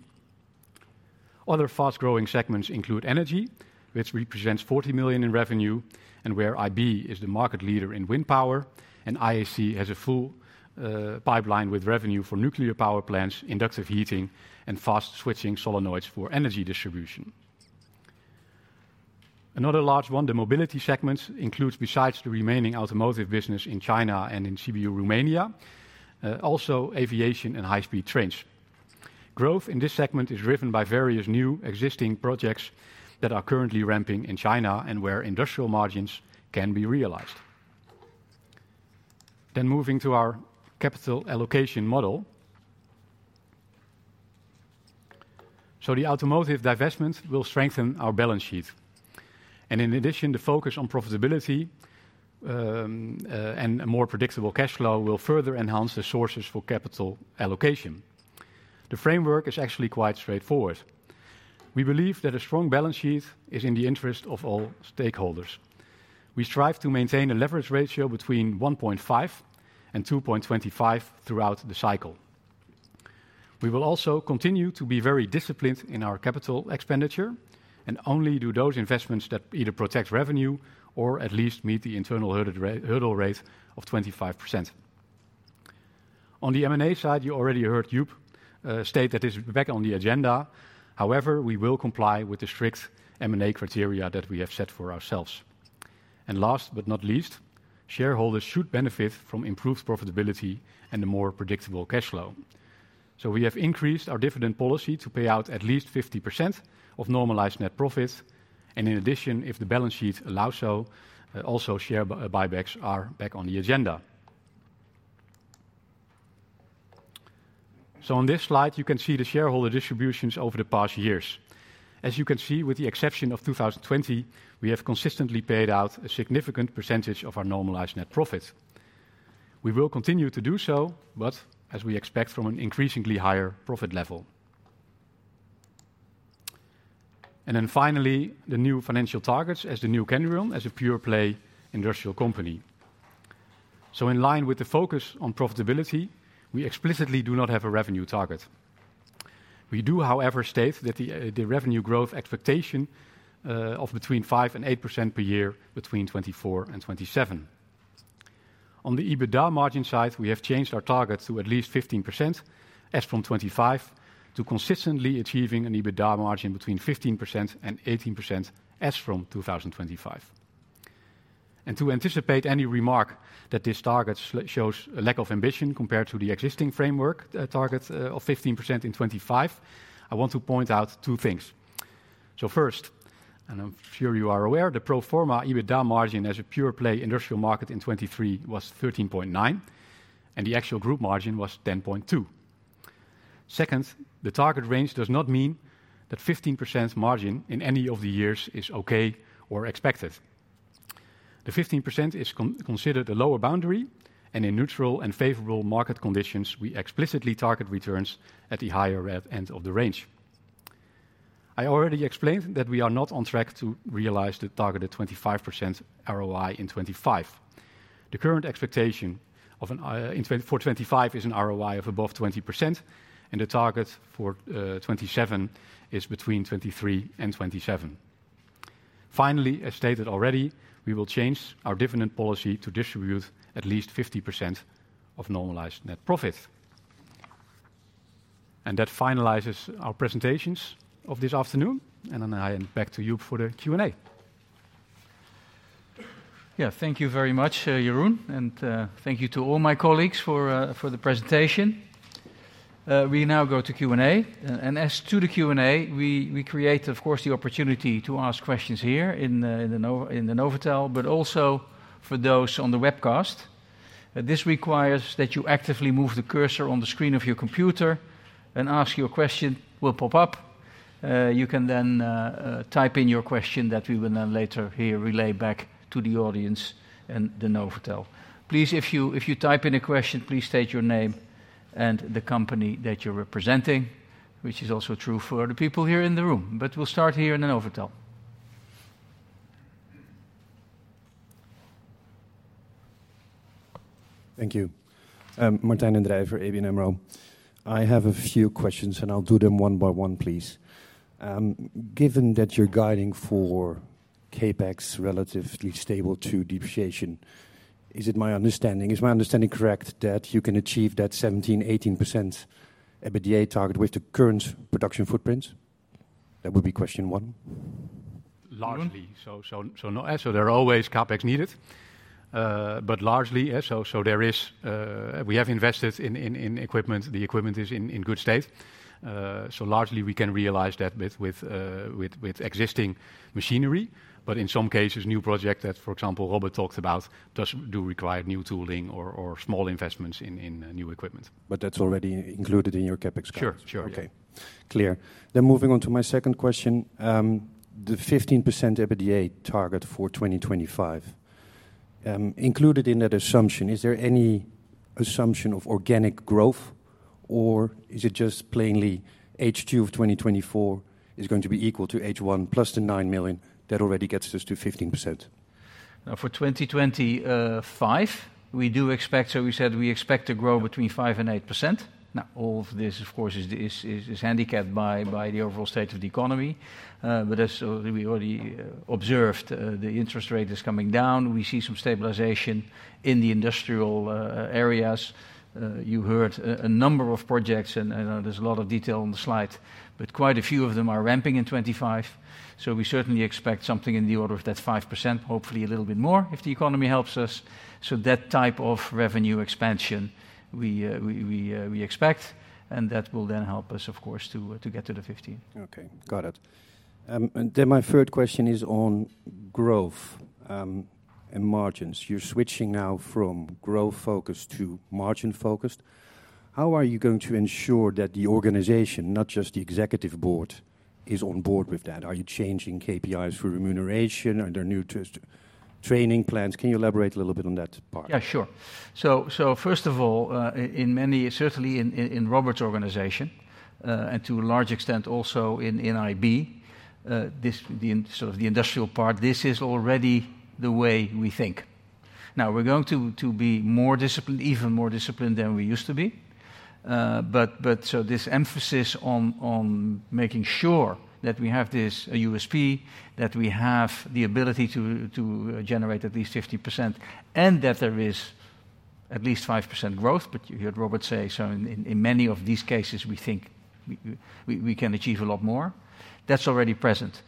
Other fast-growing segments include energy, which represents 40 million in revenue, and where IB is the market leader in wind power, and IAC has a full pipeline with revenue for nuclear power plants, inductive heating, and fast-switching solenoids for energy distribution. Another large one, the mobility segment, includes, besides the remaining automotive business in China and in Sibiu, Romania, also aviation and high-speed trains. Growth in this segment is driven by various new and existing projects that are currently ramping in China and where industrial margins can be realized. Then moving to our capital allocation model. So the automotive divestment will strengthen our balance sheet. And in addition, the focus on profitability, and a more predictable cash flow will further enhance the sources for capital allocation. The framework is actually quite straightforward. We believe that a strong balance sheet is in the interest of all stakeholders. We strive to maintain a leverage ratio between 1.5 and 2.25 throughout the cycle. We will also continue to be very disciplined in our capital expenditure, and only do those investments that either protect revenue or at least meet the internal hurdle rate of 25%. On the M&A side, you already heard Joep state that it is back on the agenda. However, we will comply with the strict M&A criteria that we have set for ourselves. Last but not least, shareholders should benefit from improved profitability and a more predictable cash flow. We have increased our dividend policy to pay out at least 50% of normalized net profit, and in addition, if the balance sheets allow so, also share buybacks are back on the agenda. On this slide, you can see the shareholder distributions over the past years. As you can see, with the exception of 2020, we have consistently paid out a significant percentage of our normalized net profit. We will continue to do so, but as we expect from an increasingly higher profit level. Then finally, the new financial targets as the new Kendrion, as a pure-play industrial company. In line with the focus on profitability, we explicitly do not have a revenue target. We do, however, state that the revenue growth expectation of between 5% and 8% per year between 2024 and 2027. On the EBITDA margin side, we have changed our target to at least 15%, as from 2025, to consistently achieving an EBITDA margin between 15% and 18%, as from 2025. To anticipate any remark that this target shows a lack of ambition compared to the existing framework target of 15% in 2025, I want to point out two things. First, and I'm sure you are aware, the pro forma EBITDA margin as a pure-play industrial market in 2023 was 13.9%, and the actual group margin was 10.2%. Second, the target range does not mean that 15% margin in any of the years is okay or expected. The 15% is considered the lower boundary, and in neutral and favorable market conditions, we explicitly target returns at the higher end of the range. I already explained that we are not on track to realize the targeted 25% ROI in 2025. The current expectation of an in 2025 is an ROI of above 20%, and the target for 2027 is between 23% and 27%. Finally, as stated already, we will change our dividend policy to distribute at least 50% of normalized net profit. That finalizes our presentations of this afternoon, and then I am back to Joep for the Q&A. Yeah, thank you very much, Jeroen, and, thank you to all my colleagues for, for the presentation. We now go to Q&A. And as to the Q&A, we create, of course, the opportunity to ask questions here in the Novotel, but also for those on the webcast. This requires that you actively move the cursor on the screen of your computer, and Ask Your Question will pop up. You can then type in your question that we will then later here relay back to the audience in the Novotel. Please, if you type in a question, please state your name and the company that you're representing, which is also true for the people here in the room. But we'll start here in the Novotel. Thank you. Martijn Den Drijver for ABN AMRO. I have a few questions, and I'll do them one by one, please. Given that you're guiding for CapEx relatively stable to depreciation, is my understanding correct that you can achieve that 17%-18% EBITDA target with the current production footprint? That would be question one. Largely. Go on. So there are always CapEx needed, but largely, yeah, so there is, we have invested in equipment. The equipment is in good state. So largely we can realize that with existing machinery, but in some cases, new project that, for example, Robert talked about, does require new tooling or small investments in new equipment. But that's already included in your CapEx cost? Sure, sure. Okay. Clear. Then moving on to my second question, the 15% EBITDA target for 2025, included in that assumption, is there any assumption of organic growth, or is it just plainly H2 of 2024 is going to be equal to H1 plus the 9 million that already gets us to 15%? Now, for 2025, we do expect, so we said we expect to grow between 5% and 8%. Now, all of this, of course, is handicapped by the overall state of the economy. But as we already observed, the interest rate is coming down. We see some stabilization in the industrial areas. You heard a number of projects, and there's a lot of detail on the slide, but quite a few of them are ramping in 2025, so we certainly expect something in the order of that 5%, hopefully a little bit more if the economy helps us. So that type of revenue expansion we expect, and that will then help us, of course, to get to the 15%. Okay, got it. And then my third question is on growth and margins. You're switching now from growth focus to margin focused. How are you going to ensure that the organization, not just the executive board, is on board with that? Are you changing KPIs for remuneration? Are there new training plans? Can you elaborate a little bit on that part? Yeah, sure. So first of all, in many, certainly in Robert's organization, and to a large extent also in IB, this, the industrial part, this is already the way we think. Now, we're going to be more disciplined, even more disciplined than we used to be. But so this emphasis on making sure that we have this, a USP, that we have the ability to generate at least 50%, and that there is at least 5% growth. But you heard Robert say, so in many of these cases, we think we can achieve a lot more. That's already present.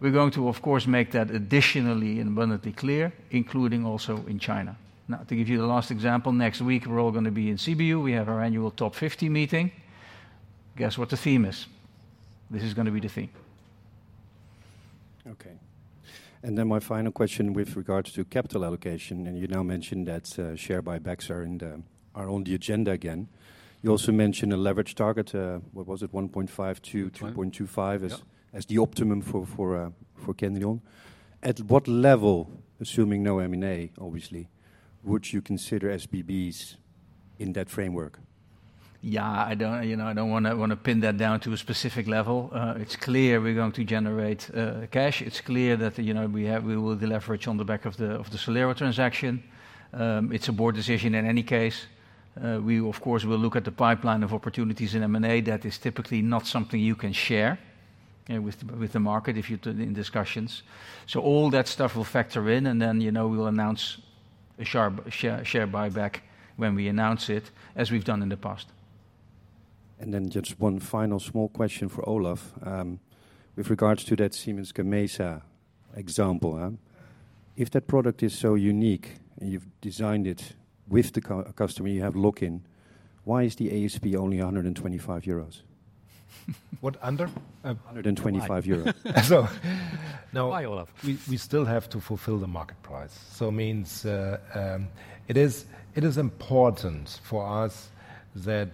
We're going to, of course, make that additionally and abundantly clear, including also in China. Now, to give you the last example, next week, we're all going to be in Sibiu. We have our annual top 50 meeting. Guess what the theme is? This is going to be the theme. Okay. And then my final question with regards to capital allocation, and you now mentioned that, share buybacks are on the agenda again. You also mentioned a leverage target, what was it? 1.5. One. 3.25. Yeah. As the optimum for Kendrion. At what level, assuming no M&A, obviously, would you consider SBBs in that framework? Yeah, I don't, you know, I don't want to pin that down to a specific level. It's clear we're going to generate cash. It's clear that, you know, we will deleverage on the back of the Solero transaction. It's a board decision in any case. We of course will look at the pipeline of opportunities in M&A. That is typically not something you can share with the market if you're in discussions. So all that stuff will factor in, and then, you know, we will announce a share buyback when we announce it, as we've done in the past. Then just one final small question for Olaf. With regards to that Siemens Gamesa example, if that product is so unique and you've designed it with the customer, you have lock-in, why is the ASP only 125 euros? What, under? 125 euros. So now. Hi, Olaf. We still have to fulfill the market price. So it means, it is important for us that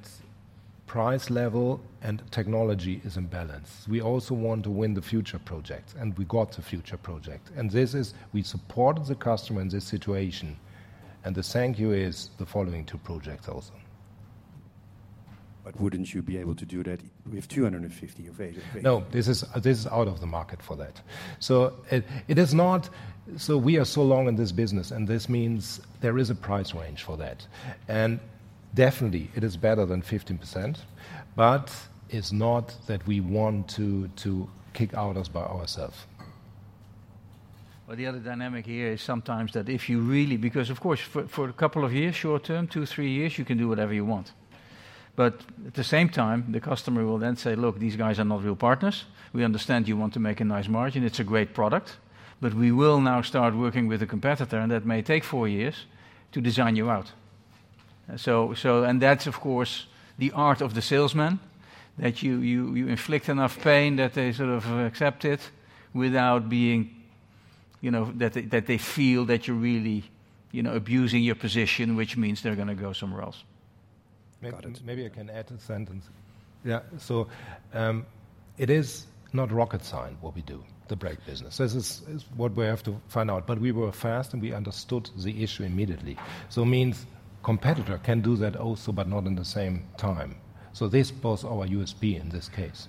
price level and technology is in balance. We also want to win the future projects, and we got the future project. And this is... We support the customer in this situation, and the thank you is the following two projects also. But wouldn't you be able to do that with 250 of ASML? No, this is out of the market for that. So it is not. So we are so long in this business, and this means there is a price range for that. And definitely, it is better than 15%, but it's not that we want to kick out us by ourself. The other dynamic here is sometimes that if you really, because, of course, for a couple of years, short term, two, three years, you can do whatever you want. But at the same time, the customer will then say: "Look, these guys are not real partners. We understand you want to make a nice margin. It's a great product, but we will now start working with a competitor, and that may take four years to design you out. And that's, of course, the art of the salesman, that you inflict enough pain that they sort of accept it without being, you know, that they feel that you're really, you know, abusing your position, which means they're gonna go somewhere else. Got it. Maybe, maybe I can add a sentence. Yeah, so, it is not rocket science, what we do, the brake business. This is what we have to find out, but we were fast, and we understood the issue immediately. So it means competitor can do that also, but not in the same time. So this was our USP in this case.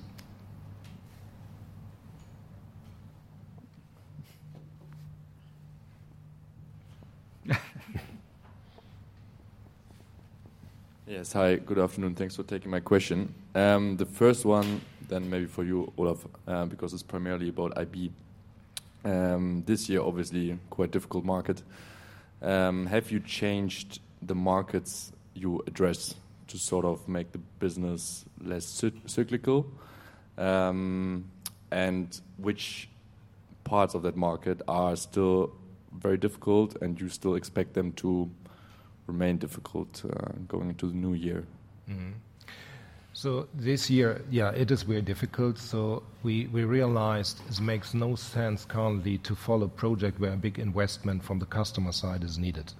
Yes. Hi, good afternoon. Thanks for taking my question. The first one, then maybe for you, Olaf, because it's primarily about IB. This year, obviously, quite difficult market. Have you changed the markets you address to sort of make the business less cyclical? And which parts of that market are still very difficult, and you still expect them to remain difficult, going into the new year? Mm-hmm. So this year, yeah, it is very difficult, so we realized this makes no sense currently to follow projects where a big investment from the customer side is needed. So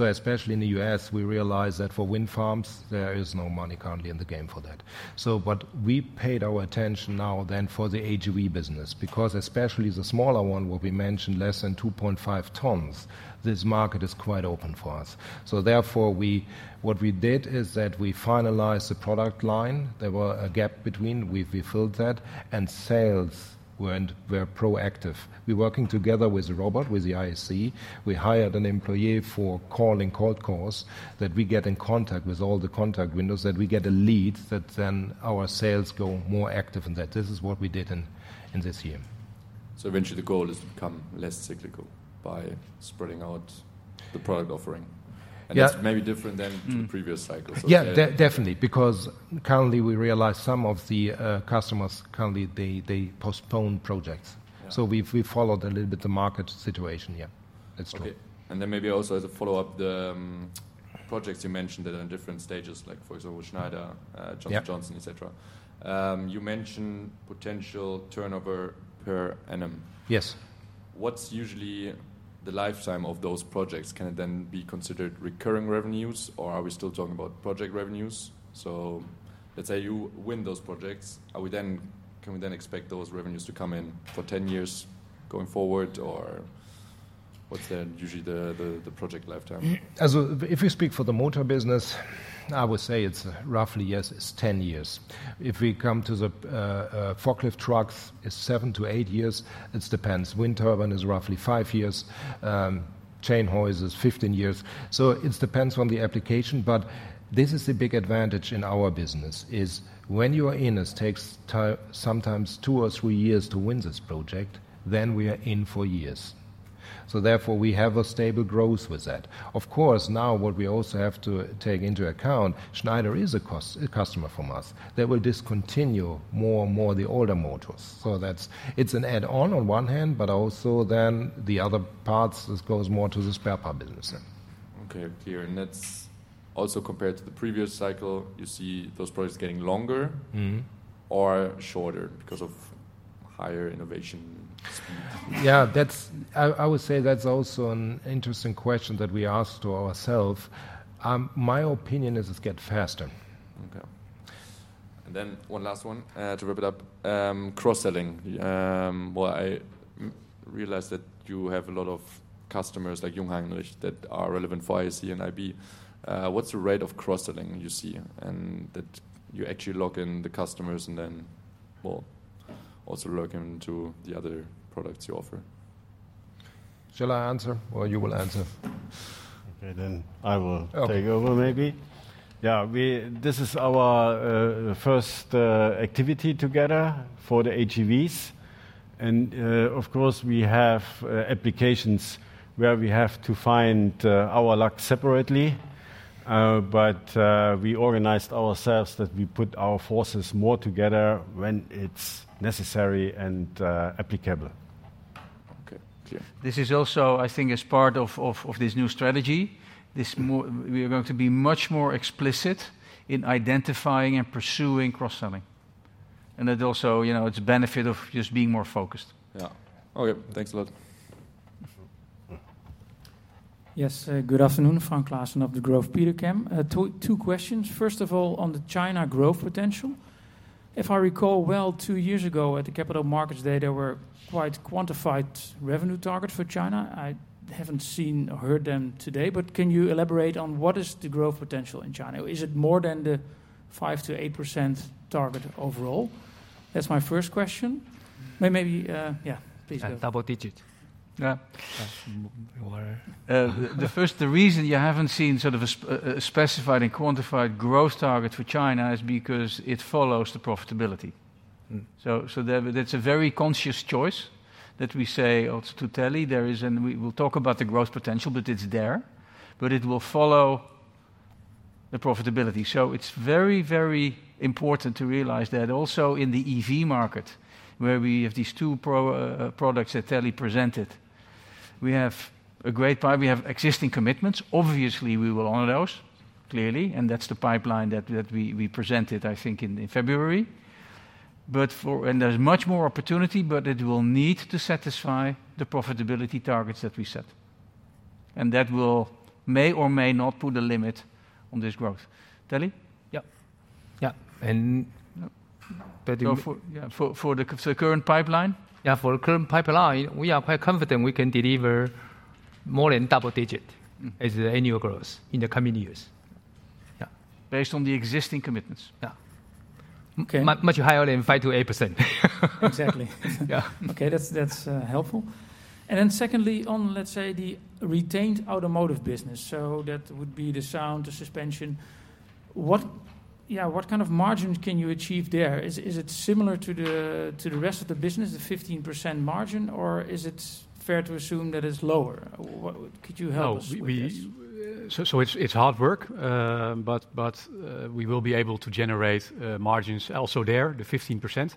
especially in the U.S., we realize that for wind farms, there is no money currently in the game for that. So but we paid our attention now to rather than for the AGV business, because especially the smaller one, what we mentioned, less than 2.5 tons, this market is quite open for us. So therefore, we -- what we did is that we finalized the product line. There was a gap between, we filled that, and sales were proactive. We working together with Robert, with the IAC. We hired an employee for calling cold calls, that we get in contact with all the contact windows, that we get a lead, that then our sales go more active in that. This is what we did in this year. So eventually, the goal is to become less cyclical by spreading out the product offering? Yeah.. It's maybe different than. Mm. The previous cycles, so yeah. Yeah, definitely, because currently, we realize some of the customers currently they postpone projects. Yeah. So we've followed a little bit the market situation. Yeah, that's true. Okay, and then maybe also as a follow-up, the projects you mentioned that are in different stages, like, for example, Schneider. Yeah. Johnson & Johnson, et cetera. You mentioned potential turnover per annum. Yes. What's usually the lifetime of those projects? Can it then be considered recurring revenues, or are we still talking about project revenues? So let's say you win those projects, are we then, can we then expect those revenues to come in for 10 years going forward, or what's the usual project lifetime? If you speak for the motor business, I would say it's roughly, yes, it's 10 years. If we come to the forklift truck, it's seven to eight years. It depends. Wind turbine is roughly five years, chain hoists is fifteen years. So it depends on the application, but this is the big advantage in our business, is when you are in, it takes time, sometimes two or three years to win this project, then we are in for years. So therefore, we have a stable growth with that. Of course, now what we also have to take into account, Schneider is a customer from us. They will discontinue more and more the older motors, so that's. It's an add-on on one hand, but also then, the other parts, this goes more to the spare part business. Okay, clear, and that's also compared to the previous cycle, you see those projects getting longer. Mm-hmm. Or shorter because of higher innovation speed? Yeah, that's. I would say that's also an interesting question that we asked to ourself. My opinion is it get faster. Okay. And then one last one, to wrap it up. Cross-selling. Well, I realize that you have a lot of customers, like Jungheinrich, that are relevant for IAC and IB. What's the rate of cross-selling you see, and that you actually lock in the customers and then, well, also lock into the other products you offer? Shall I answer, or you will answer? Okay, then I will. Okay. Take over maybe. Yeah, this is our first activity together for the AGVs, and of course, we have applications where we have to find our lock separately. But we organized ourselves, that we put our forces more together when it's necessary and applicable. Okay. Clear. This is also, I think, part of this new strategy. This more, we are going to be much more explicit in identifying and pursuing cross-selling. It also, you know, it's a benefit of just being more focused. Yeah. Okay, thanks a lot. Yes, good afternoon. Frank Claassen of Degroof Petercam. Two questions. First of all, on the China growth potential, if I recall well, two years ago, at the Capital Markets Day, there were quite quantified revenue targets for China. I haven't seen or heard them today, but can you elaborate on what is the growth potential in China? Is it more than the 5%-8% target overall? That's my first question. Maybe, please go. Double digit. Yeah. Well. The first reason you haven't seen a specified and quantified growth target for China is because it follows the profitability. Mm. That's a very conscious choice that we say, or to tell you, there is. And we will talk about the growth potential, but it's there, but it will follow the profitability. So it's very, very important to realize that also in the EV market, where we have these two products that Telly presented, we have a great pipeline. We have existing commitments. Obviously, we will honor those, clearly, and that's the pipeline that we presented, I think, in February. But. And there's much more opportunity, but it will need to satisfy the profitability targets that we set. And that may or may not put a limit on this growth. Telly? Yeah. Yeah. So, for the current pipeline? Yeah, for the current pipeline, we are quite confident we can deliver more than double-digit. Mm. As the annual growth in the coming years. Yeah. Based on the existing commitments. Yeah. Okay. Much higher than 5%-8%. Exactly. Yeah. Okay, that's helpful. And then secondly, on, let's say, the retained automotive business, so that would be the sound, the suspension. What kind of margins can you achieve there? Is it similar to the rest of the business, the 15% margin, or is it fair to assume that it's lower? Could you help us with this? So it's hard work, but we will be able to generate margins also there, the 15%.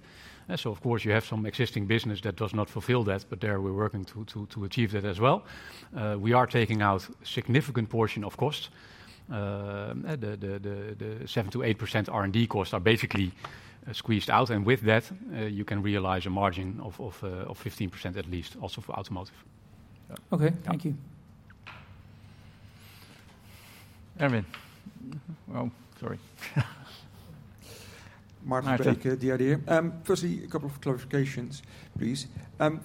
So of course, you have some existing business that does not fulfill that, but there, we're working to achieve that as well. We are taking out significant portion of costs. The 7-8% R&D costs are basically squeezed out, and with that, you can realize a margin of 15% at least, also for automotive. Okay. Yeah. Thank you. Erwin. Oh, sorry. Maarten Verbeek, The IDEA! Firstly, a couple of clarifications, please.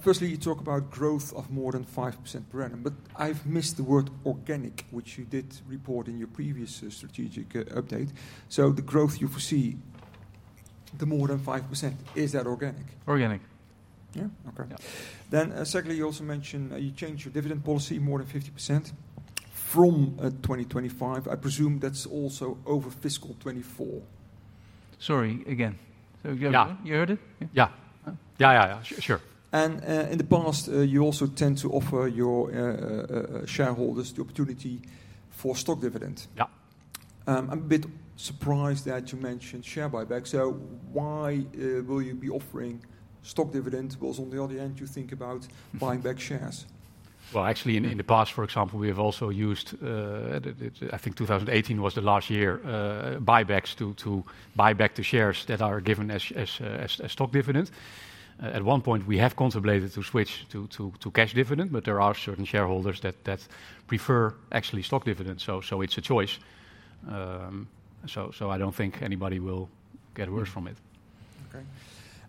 Firstly, you talk about growth of more than 5% per annum, but I've missed the word organic, which you did report in your previous strategic update. So the growth you foresee, the more than 5%, is that organic? Organic. Yeah? Okay. Yeah. Then, secondly, you also mention you changed your dividend policy more than 50% from 2025. I presume that's also over fiscal 2024. Sorry, again. So go ahead. Yeah. You heard it? Yeah. Yeah. Yeah, yeah, yeah. Sure. In the past, you also tend to offer your shareholders the opportunity for stock dividend. Yeah. I'm a bit surprised that you mentioned share buyback. So why will you be offering stock dividend, while on the other hand, you think about. Mm. Buying back shares? Well, actually, in the past, for example, we have also used buybacks to buy back the shares that are given as stock dividend. I think 2018 was the last year. At one point, we have contemplated to switch to cash dividend, but there are certain shareholders that prefer actually stock dividend, so it's a choice. So, I don't think anybody will get worse from it. Okay.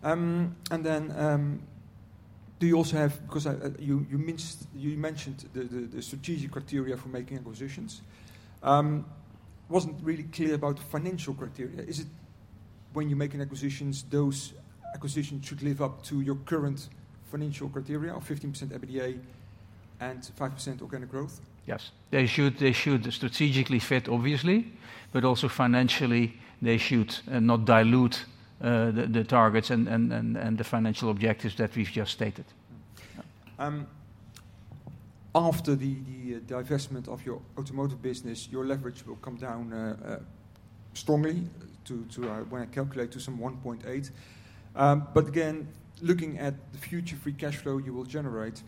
And then, do you also have... Because you mentioned the strategic criteria for making acquisitions. Wasn't really clear about financial criteria. Is it, when you're making acquisitions, those acquisitions should live up to your current financial criteria of 15% EBITDA and 5% organic growth? Yes. They should strategically fit, obviously, but also financially, they should not dilute the targets and the financial objectives that we've just stated. After the divestment of your automotive business, your leverage will come down strongly to, when I calculate, some 1.8. But again, looking at the future free cash flow you will generate,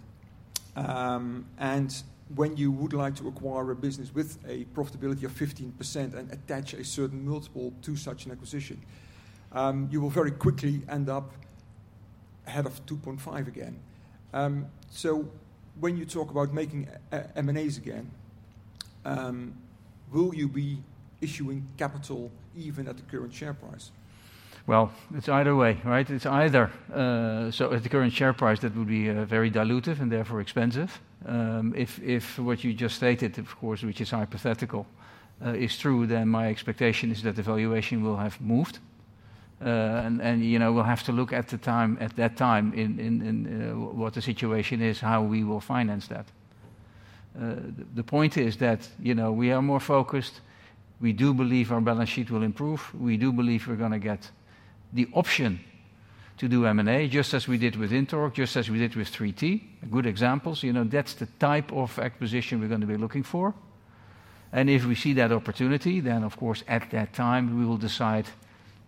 and when you would like to acquire a business with a profitability of 15% and attach a certain multiple to such an acquisition, you will very quickly end up ahead of 2.5 again. So when you talk about making M&As again, will you be issuing capital even at the current share price? It's either way, right? It's either. So at the current share price, that would be very dilutive and therefore expensive. If what you just stated, of course, which is hypothetical, is true, then my expectation is that the valuation will have moved. And, you know, we'll have to look at that time, in what the situation is, how we will finance that. The point is that, you know, we are more focused. We do believe our balance sheet will improve. We do believe we're gonna get the option to do M&A, just as we did with INTORQ, just as we did with 3T. Good examples. You know, that's the type of acquisition we're going to be looking for. If we see that opportunity, then of course, at that time, we will decide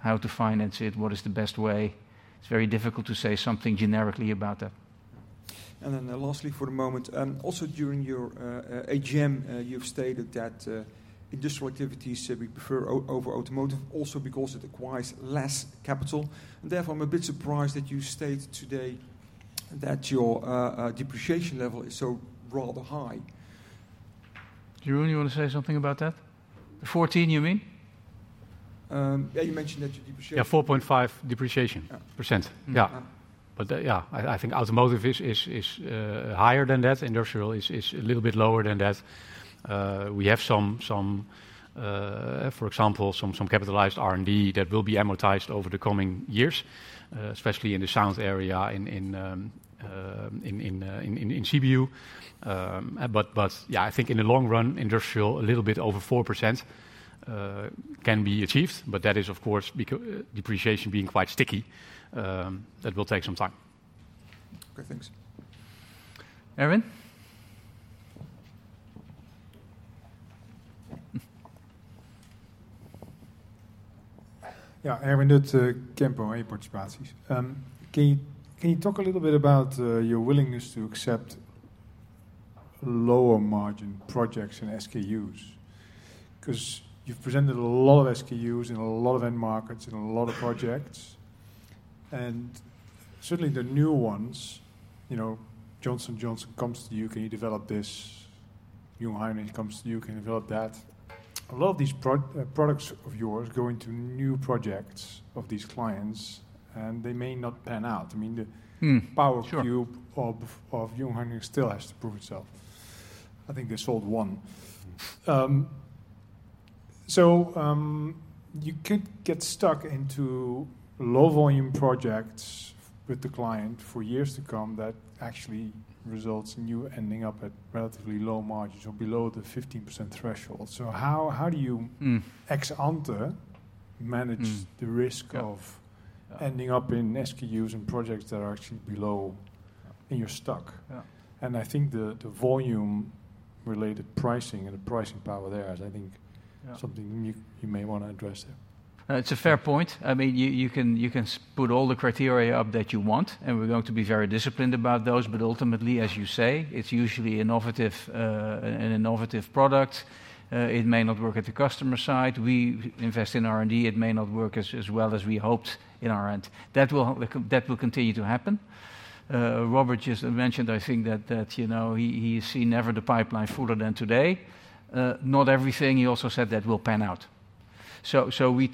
how to finance it, what is the best way. It's very difficult to say something generically about that. And then lastly, for the moment, also during your AGM, you've stated that industrial activities we prefer over automotive also because it requires less capital. And therefore, I'm a bit surprised that you stated today that your depreciation level is so rather high. Jeroen, you want to say something about that? The fourteen, you mean? Yeah, you mentioned that your depreciation. Yeah, 4.5% depreciation. Yeah. Percent. Yeah. Mm-hmm. But yeah, I think automotive is higher than that. Industrial is a little bit lower than that. We have, for example, some capitalized R&D that will be amortized over the coming years, especially in the sound area, in Sibiu. But yeah, I think in the long run, industrial, a little bit over 4%, can be achieved, but that is, of course, because depreciation being quite sticky, that will take some time. Okay, thanks. Erwin? Yeah, Erwin Dut, Kempen & Co. Can you talk a little bit about your willingness to accept lower margin projects and SKUs? 'Cause you've presented a lot of SKUs in a lot of end markets, in a lot of projects, and certainly the new ones, you know, Johnson & Johnson comes to you, can you develop this? Jungheinrich comes to you, can you develop that? A lot of these products of yours go into new projects of these clients, and they may not pan out. I mean, the. Hmm, sure. PowerCube of Jungheinrich still has to prove itself. I think they sold one. So, you could get stuck into low-volume projects with the client for years to come, that actually results in you ending up at relatively low margins or below the 15% threshold. So how do you. Hmm. Ex ante manage. Hmm. The risk of. Yeah. Ending up in SKUs and projects that are actually below, and you're stuck? Yeah. And I think the volume-related pricing and the pricing power there is, I think. Yeah. Something you may want to address there. It's a fair point. I mean, you can put all the criteria up that you want, and we're going to be very disciplined about those, but ultimately, as you say, it's usually innovative, an innovative product. It may not work at the customer side. We invest in R&D, it may not work as well as we hoped in our end. That will continue to happen. Robert just mentioned, I think, that you know, he, he's seen never the pipeline fuller than today. Not everything, he also said, that will pan out. So we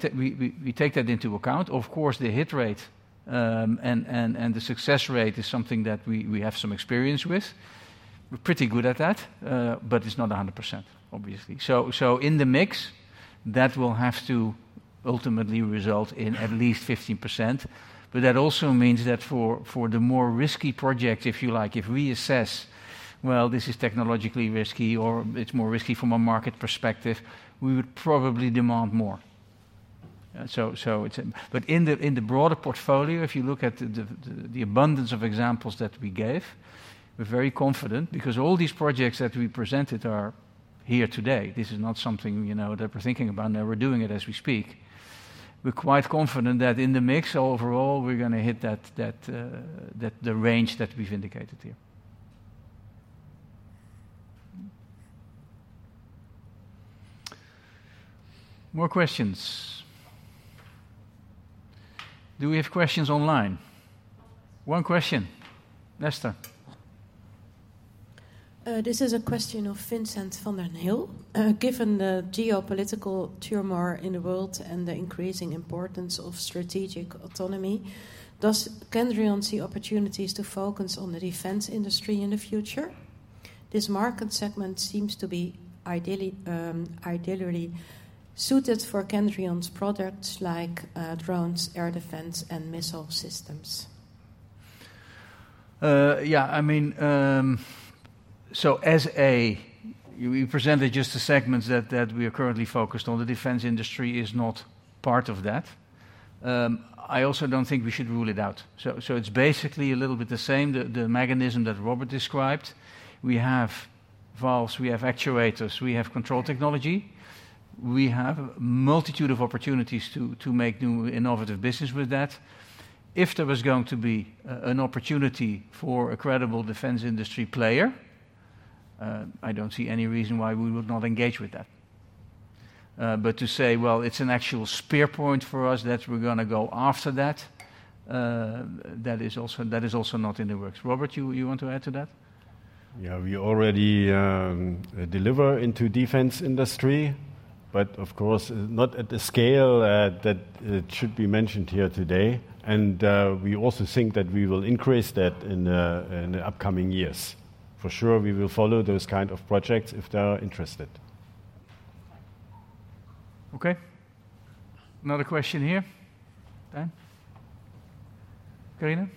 take that into account. Of course, the hit rate and the success rate is something that we have some experience with. We're pretty good at that, but it's not a hundred percent, obviously. So in the mix, that will have to ultimately result in at least 15%, but that also means that for the more risky project, if you like, if we assess, well, this is technologically risky or it's more risky from a market perspective, we would probably demand more. So it's. But in the broader portfolio, if you look at the abundance of examples that we gave, we're very confident because all these projects that we presented are here today. This is not something, you know, that we're thinking about, no, we're doing it as we speak. We're quite confident that in the mix, overall, we're gonna hit that, the range that we've indicated to you. More questions? Do we have questions online? One question. Esther? This is a question of Vincent van der Hill. "Given the geopolitical turmoil in the world and the increasing importance of strategic autonomy, does Kendrion see opportunities to focus on the defense industry in the future? This market segment seems to be ideally suited for Kendrion's products like drones, air defense, and missile systems. Yeah, I mean, so we presented just the segments that we are currently focused on. The defense industry is not part of that. I also don't think we should rule it out. So it's basically a little bit the same, the mechanism that Robert described. We have valves, we have actuators, we have control technology. We have a multitude of opportunities to make new innovative business with that. If there was going to be an opportunity for a credible defense industry player, I don't see any reason why we would not engage with that. But to say, well, it's an actual spear point for us, that we're gonna go after that, that is also not in the works. Robert, you want to add to that? Yeah. We already deliver into defense industry, but of course, not at the scale that should be mentioned here today, and we also think that we will increase that in the upcoming years. For sure, we will follow those kind of projects if they are interested. Okay. Another question here. Dan? Karina?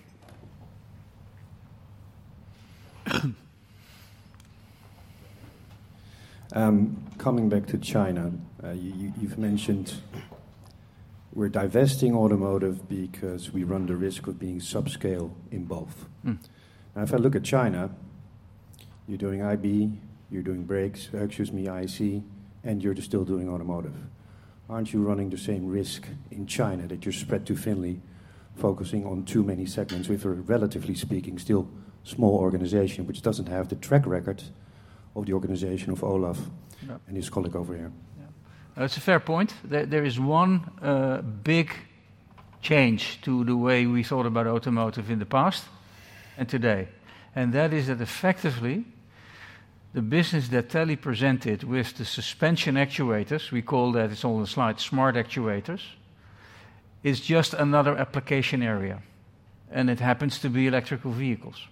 Coming back to China, you've mentioned we're divesting automotive because we run the risk of being subscale in both. Hmm. Now, if I look at China, you're doing IB, you're doing brakes, excuse me, IC, and you're still doing automotive. Aren't you running the same risk in China, that you're spread too thinly, focusing on too many segments with a, relatively speaking, still small organization which doesn't have the track record of the organization of Olaf. Yeah. And his colleague over here? Yeah. It's a fair point. There is one big change to the way we thought about automotive in the past and today, and that is that effectively, the business that Telly presented with the suspension actuators, we call that, it's on the slide, smart actuators, is just another application area, and it happens to be electric vehicles.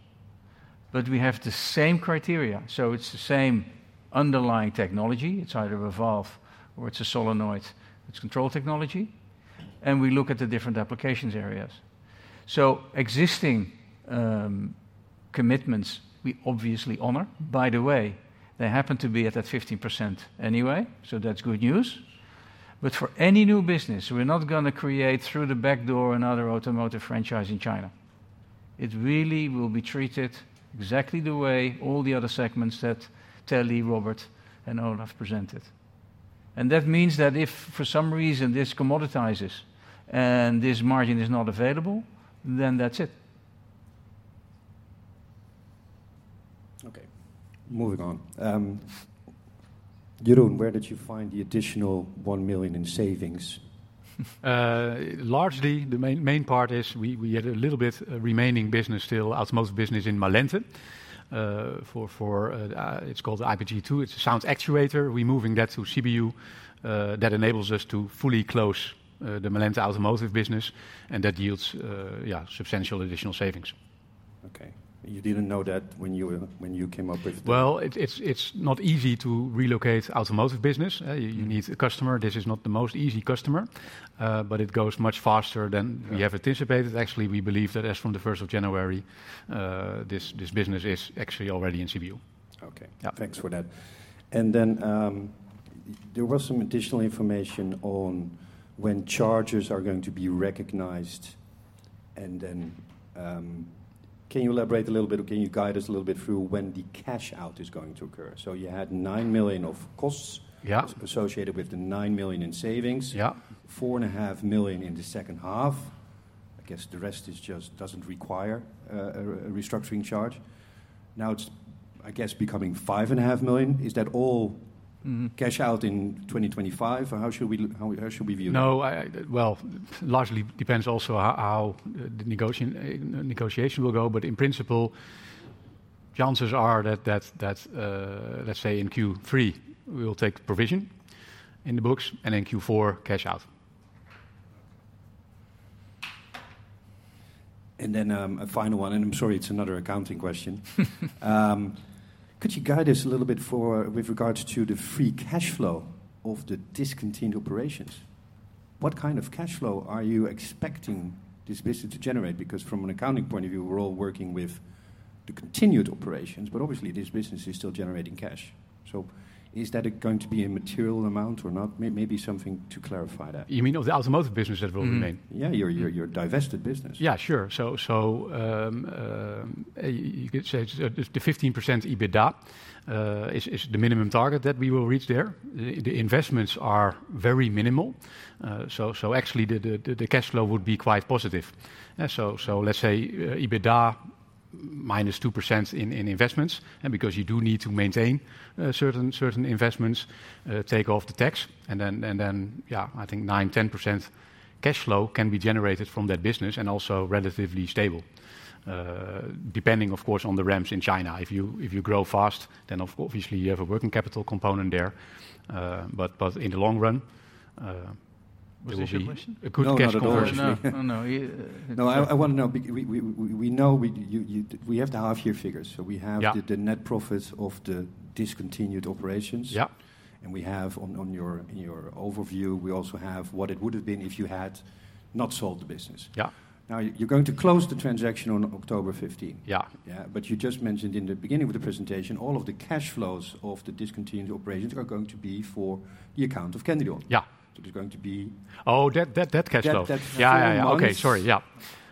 But we have the same criteria, so it's the same underlying technology. It's either a valve or it's a solenoid, it's control technology, and we look at the different applications areas. So existing commitments, we obviously honor. By the way, they happen to be at that 15% anyway, so that's good news. But for any new business, we're not gonna create, through the back door, another automotive franchise in China. It really will be treated exactly the way all the other segments that Telly, Robert, and Olaf presented. That means that if, for some reason, this commoditizes, and this margin is not available, then that's it. Okay, moving on. Jeroen, where did you find the additional one million in savings? Largely, the main part is we had a little bit remaining business still, automotive business in Malente. For, it's called the IPG-2. It's a sound actuator. We're moving that to Sibiu. That enables us to fully close the Malente automotive business, and that yields substantial additional savings. Okay. You didn't know that when you came up with the. It's not easy to relocate automotive business. You need a customer. This is not the most easy customer, but it goes much faster than. We have anticipated. Actually, we believe that as from the first of January, this business is actually already in Sibiu. Okay. Yeah. Thanks for that. And then, there was some additional information on when charges are going to be recognized, and then, can you elaborate a little bit, or can you guide us a little bit through when the cash out is going to occur? So you had 9 million of costs. Yeah. Associated with the 9 million in savings. Yeah. 4.5 million in the second half. I guess, the rest is just, doesn't require a restructuring charge. Now, it's, I guess, becoming 5.5 million. Is that all? Mm-hmm. Cash out in 2025, or how should we view that? No, well, largely depends also on how the negotiation will go, but in principle, the chances are that, let's say in Q3, we will take the provision in the books, and in Q4, cash out. And then, a final one, and I'm sorry it's another accounting question. Could you guide us a little bit for, with regards to the free cash flow of the discontinued operations? What kind of cash flow are you expecting this business to generate? Because from an accounting point of view, we're all working with the continued operations, but obviously, this business is still generating cash. So is that going to be a material amount or not? Maybe something to clarify that. You mean of the automotive business that will remain? Mm-hmm. Yeah, your divested business. Yeah, sure. So you could say it's the 15% EBITDA is the minimum target that we will reach there. The investments are very minimal. Actually, the cash flow would be quite positive. So let's say EBITDA -2% in investments, and because you do need to maintain certain investments, take off the tax, and then yeah, I think 9%-10% cash flow can be generated from that business and also relatively stable. Depending, of course, on the ramps in China. If you grow fast, then obviously, you have a working capital component there. But in the long run, it will be. Was this your question? A good cash conversion. No, not at all. No. Oh, no, he. No, I want to know. We have the half-year figures, so we have. Yeah. The net profits of the discontinued operations. Yeah. And we have in your overview, we also have what it would have been if you had not sold the business. Yeah. Now, you're going to close the transaction on October 15. Yeah. Yeah, but you just mentioned in the beginning of the presentation, all of the cash flows of the discontinued operations are going to be for the account of Kendrion. Yeah. So it is going to be. Oh, that cash flow. That, that. Yeah, yeah, yeah. Once. Okay, sorry. Yeah.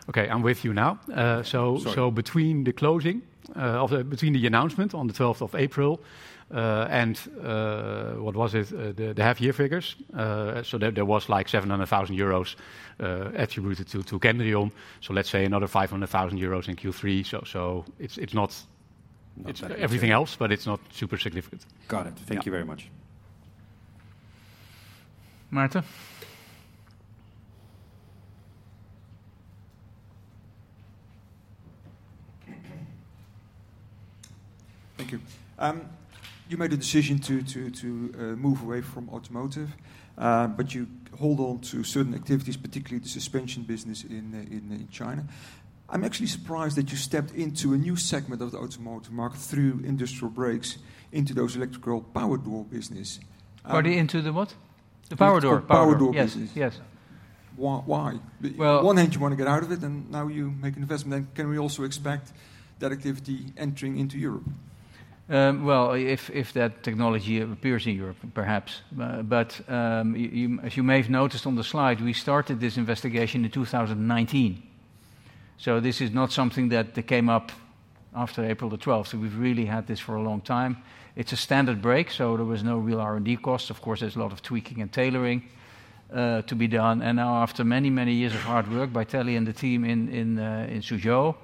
Okay, I'm with you now. So. Sorry. So between the closing of the between the announcement on the twelfth of April and what was it? The half-year figures, so there was, like, 700,000 euros attributed to Kendrion. So let's say another 500,000 euros in Q3, so it's not. It's everything else, but it's not super significant. Got it. Yeah. Thank you very much. Maarten? Thank you. You made a decision to move away from automotive, but you hold on to certain activities, particularly the suspension business in China. I'm actually surprised that you stepped into a new segment of the automotive market through industrial brakes into those electrical power door business. Pardon, into the what? The power door. Power door business. Yes, yes. Why, why? Well On one hand, you want to get out of it, and now you make an investment. Can we also expect that activity entering into Europe? Well, if that technology appears in Europe, perhaps, but as you may have noticed on the slide, we started this investigation in 2019. So this is not something that came up after April the 12th, so we've really had this for a long time. It's a standard brake, so there was no real R&D costs. Of course, there's a lot of tweaking and tailoring to be done, and now, after many, many years of hard work by Telly and the team in Suzhou,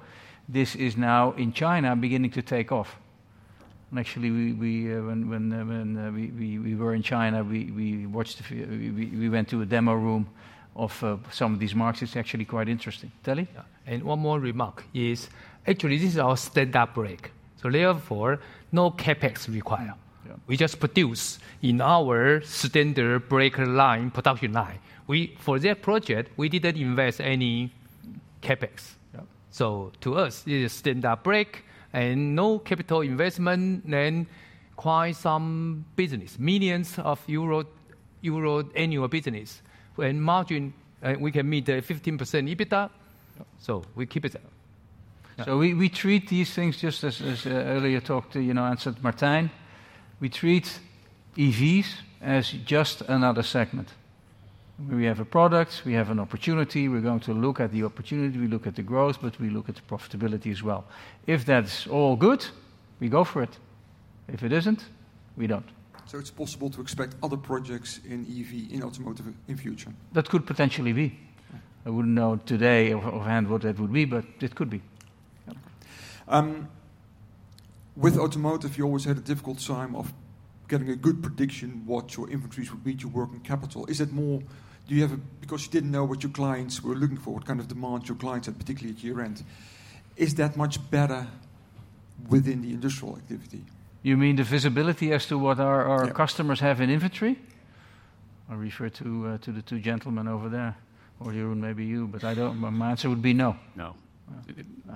this is now in China beginning to take off. And actually, when we were in China, we watched a few... We went to a demo room of some of these markets. It's actually quite interesting. Telly? Yeah, and one more remark is, actually, this is our standard brake, so therefore, no CapEx required. Yeah. We just produce in our standard brake line, production line. We, for that project, we didn't invest any CapEx. Yeah. So to us, it is standard brake and no capital investment, then quite some business, millions of euros annual business. When margin, we can meet the 15% EBITDA, so we keep it there. So we treat these things just as earlier talked to, you know, I said, Maarten, we treat EVs as just another segment. We have a product, we have an opportunity. We're going to look at the opportunity, we look at the growth, but we look at the profitability as well. If that's all good, we go for it. If it isn't, we don't. So it's possible to expect other projects in EV, in automotive, in future? That could potentially be. I wouldn't know today offhand what that would be, but it could be. Yeah. With automotive, you always had a difficult time of getting a good prediction what your inventories would be to working capital. Is it more? Do you have because you didn't know what your clients were looking for, what kind of demand your clients had, particularly at year-end. Is that much better within the industrial activity? You mean the visibility as to what our. Yeah. Our customers have in inventory? I refer to the two gentlemen over there, or Jeroen, maybe you, but I don't. My answer would be no. No.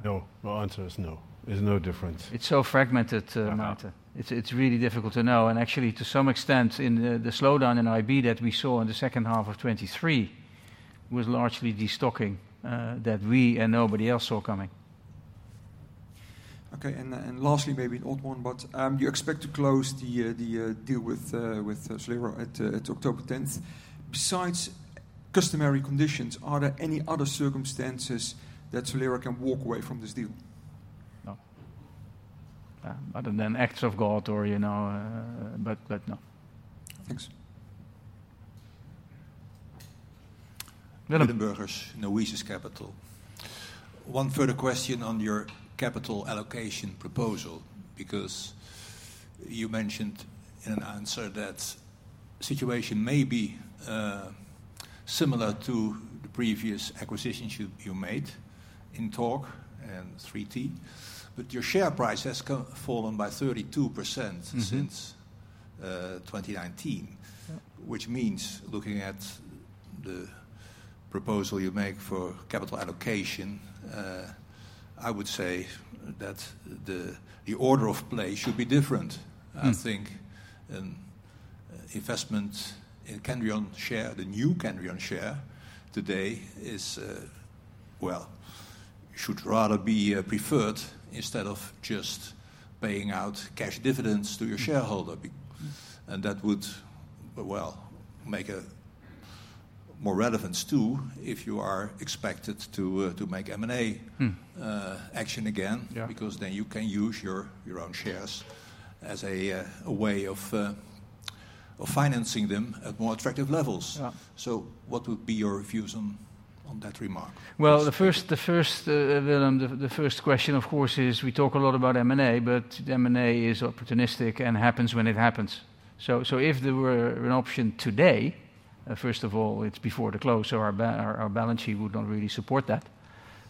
No. My answer is no. There's no difference. It's so fragmented, Martijn. It's really difficult to know, and actually, to some extent, the slowdown in IB that we saw in the second half of 2023 was largely destocking that we and nobody else saw coming. Okay, and lastly, maybe an old one, but you expect to close the deal with Solero at October 10th. Besides customary conditions, are there any other circumstances that Solero can walk away from this deal? No. Other than acts of God or, you know, but no. Thanks. Willem. Willem Burgers Noesis Capital. One further question on your capital allocation proposal, because you mentioned in an answer that situation may be similar to the previous acquisitions you made in INTORQ and 3T. But your share price has fallen by 32%. Mm-hmm. Since 2019. Yeah. Which means, looking at the proposal you make for capital allocation, I would say that the order of play should be different. Hmm. I think, investment in Kendrion share, the new Kendrion share, today is, well, should rather be preferred instead of just paying out cash dividends to your shareholder. Be. Mm. That would, well, make a more relevance, too, if you are expected to make M&A. Hmm. Action again. Yeah. Because then you can use your own shares as a way of financing them at more attractive levels. Yeah. So what would be your views on that remark? Well, Willem, the first question, of course, is we talk a lot about M&A, but M&A is opportunistic and happens when it happens. So if there were an option today, first of all, it's before the close, so our balance sheet would not really support that.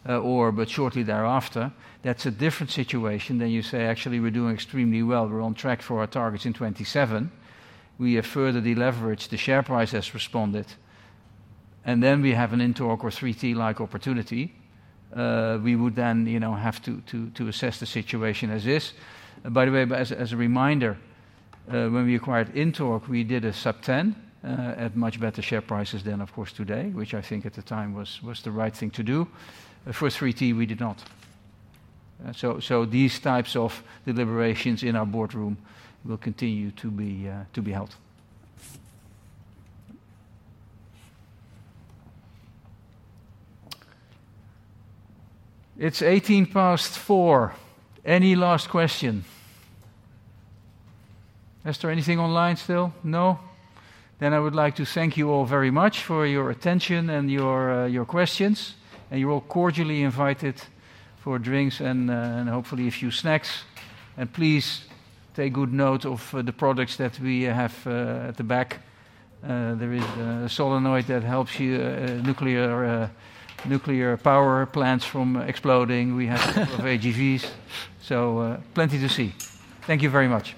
Or but shortly thereafter, that's a different situation than you say, "Actually, we're doing extremely well. We're on track for our targets in 2027. We have further deleveraged, the share price has responded," and then we have an Intorq or 3T-like opportunity. We would then, you know, have to assess the situation as is. By the way, as a reminder, when we acquired Intorq, we did a sub-ten at much better share prices than, of course, today, which I think at the time was the right thing to do. For 3T, we did not. These types of deliberations in our boardroom will continue to be held. It's eighteen past four. Any last question? Is there anything online still? No. I would like to thank you all very much for your attention and your questions, and you're all cordially invited for drinks and hopefully a few snacks. Please take good note of the products that we have at the back. There is a solenoid that helps your nuclear power plants from exploding. We have a couple of AGVs, so, plenty to see. Thank you very much.